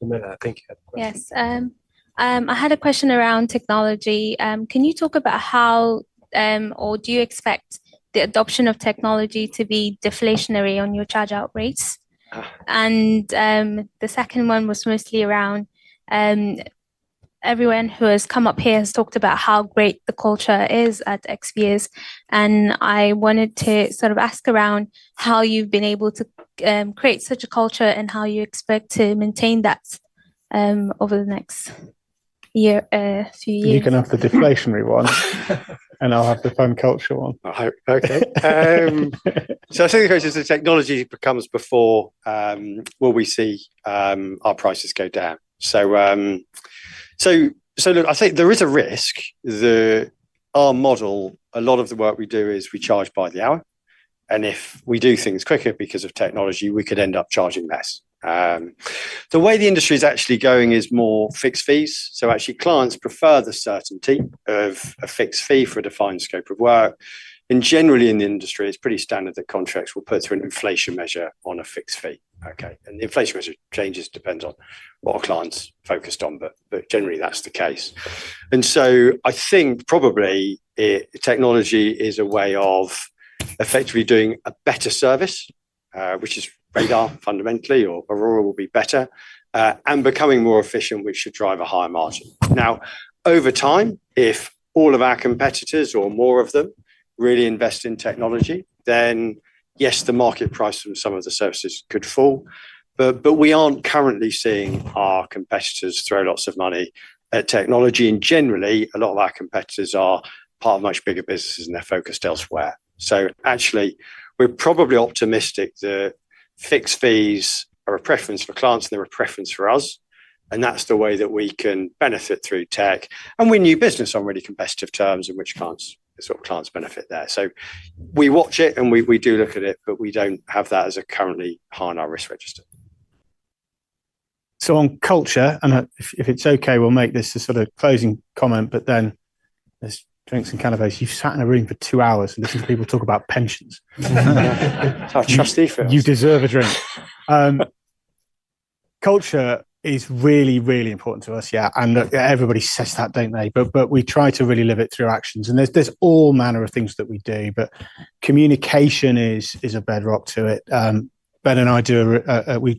you had a question. Yes. I had a question around technology. Can you talk about how or do you expect the adoption of technology to be deflationary on your chargeout rates? The second one was mostly around everyone who has come up here has talked about how great the culture is at XPS. I wanted to sort of ask around how you've been able to create such a culture and how you expect to maintain that over the next year, a few years. You can have the deflationary one, and I'll have the fun culture one. Okay. I think the question is the technology becomes before will we see our prices go down. Look, I think there is a risk. Our model, a lot of the work we do is we charge by the hour. If we do things quicker because of technology, we could end up charging less. The way the industry is actually going is more fixed fees. Clients prefer the certainty of a fixed fee for a defined scope of work. Generally, in the industry, it's pretty standard that contracts will put through an inflation measure on a fixed fee. The inflation measure changes depending on what our clients are focused on, but generally, that's the case. I think probably technology is a way of effectively doing a better service, which is Radar fundamentally, or Aurora will be better, and becoming more efficient, which should drive a higher margin. Over time, if all of our competitors or more of them really invest in technology, then yes, the market price for some of the services could fall. We aren't currently seeing our competitors throw lots of money at technology. Generally, a lot of our competitors are part of much bigger businesses, and they are focused elsewhere. We are probably optimistic that fixed fees are a preference for clients, and they are a preference for us. That is the way that we can benefit through tech. We are new business on really competitive terms, and clients benefit there. We watch it, and we do look at it, but we do not have that as currently high on our risk register. On culture, and if it is okay, we will make this a sort of closing comment, but then let us drink some can of ice. You have sat in a room for two hours listening to people talk about pensions. It is our trustee first. You deserve a drink. Culture is really, really important to us, yeah. Everybody says that, do they not? We try to really live it through actions. There is all manner of things that we do, but communication is a bedrock to it. Ben and I do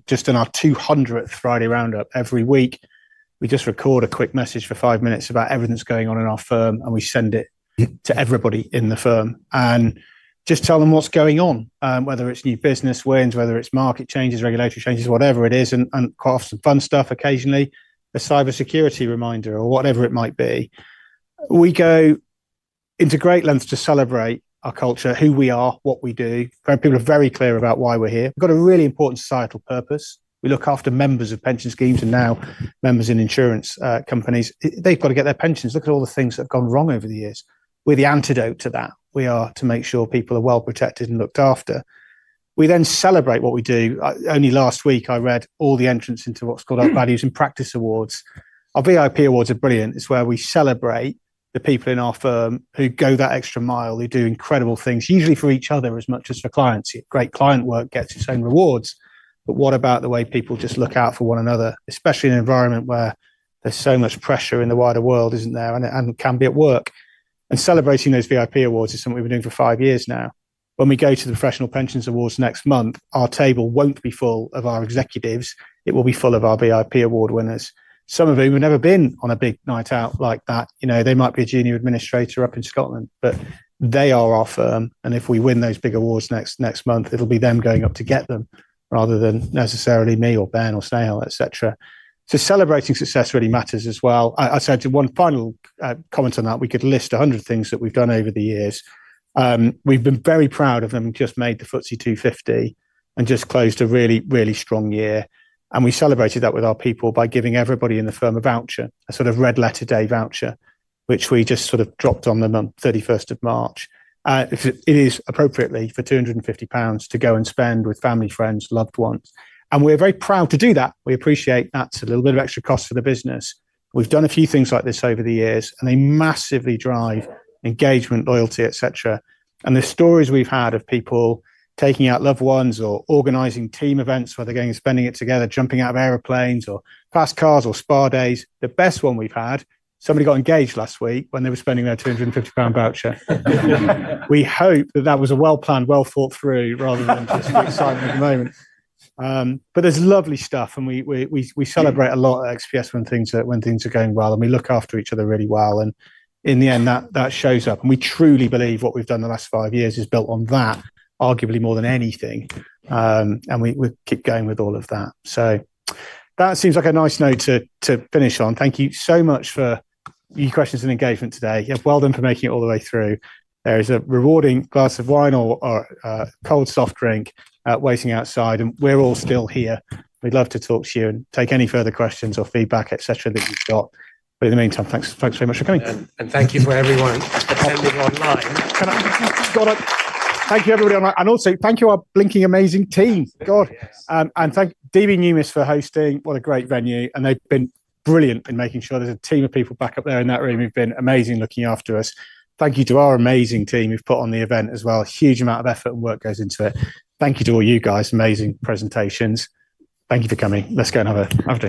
just in our 200th Friday Roundup every week, we just record a quick message for five minutes about everything that's going on in our firm, and we send it to everybody in the firm and just tell them what's going on, whether it's new business wins, whether it's market changes, regulatory changes, whatever it is, and quite often fun stuff occasionally, a cybersecurity reminder or whatever it might be. We go into great lengths to celebrate our culture, who we are, what we do. People are very clear about why we're here. We've got a really important societal purpose. We look after members of pension schemes and now members in insurance companies. They've got to get their pensions. Look at all the things that have gone wrong over the years. We're the antidote to that. We are to make sure people are well protected and looked after. We then celebrate what we do. Only last week, I read all the entrants into what's called our Values in Practice Awards. Our VIP Awards are brilliant. It's where we celebrate the people in our firm who go that extra mile. They do incredible things, usually for each other as much as for clients. Great client work gets its own rewards. What about the way people just look out for one another, especially in an environment where there's so much pressure in the wider world, isn't there? It can be at work. Celebrating those VIP Awards is something we've been doing for five years now. When we go to the Professional Pensions Awards next month, our table won't be full of our executives. It will be full of our VIP Award winners, some of whom have never been on a big night out like that. They might be a junior administrator up in Scotland, but they are our firm. If we win those big awards next month, it will be them going up to get them rather than necessarily me or Ben or Snehal, etc. Celebrating success really matters as well. I would say one final comment on that. We could list 100 things that we have done over the years. We have been very proud of having just made the FTSE 250 and just closed a really, really strong year. We celebrated that with our people by giving everybody in the firm a voucher, a sort of Red Letter Day voucher, which we just sort of dropped on the 31st of March. It is appropriately for 250 pounds to go and spend with family, friends, loved ones. We are very proud to do that. We appreciate that is a little bit of extra cost for the business. We have done a few things like this over the years, and they massively drive engagement, loyalty, etc. The stories we have had of people taking out loved ones or organizing team events where they are going and spending it together, jumping out of aeroplanes or fast cars or spa days, the best one we have had, somebody got engaged last week when they were spending their 250 pound voucher. We hope that that was a well-planned, well-thought-through rather than just excitement at the moment. There is lovely stuff, and we celebrate a lot at XPS when things are going well, and we look after each other really well. In the end, that shows up. We truly believe what we've done the last five years is built on that, arguably more than anything. We keep going with all of that. That seems like a nice note to finish on. Thank you so much for your questions and engagement today. You're well done for making it all the way through. There is a rewarding glass of wine or cold soft drink waiting outside, and we're all still here. We'd love to talk to you and take any further questions or feedback, etc., that you've got. In the meantime, thanks very much for coming. Thank you for everyone attending online. Thank you, everybody. Also, thank you to our blinking amazing team. God. Thank DB Numis for hosting. What a great venue. They've been brilliant in making sure there's a team of people back up there in that room. You've been amazing looking after us. Thank you to our amazing team who've put on the event as well. Huge amount of effort and work goes into it. Thank you to all you guys. Amazing presentations. Thank you for coming. Let's go and have a drink.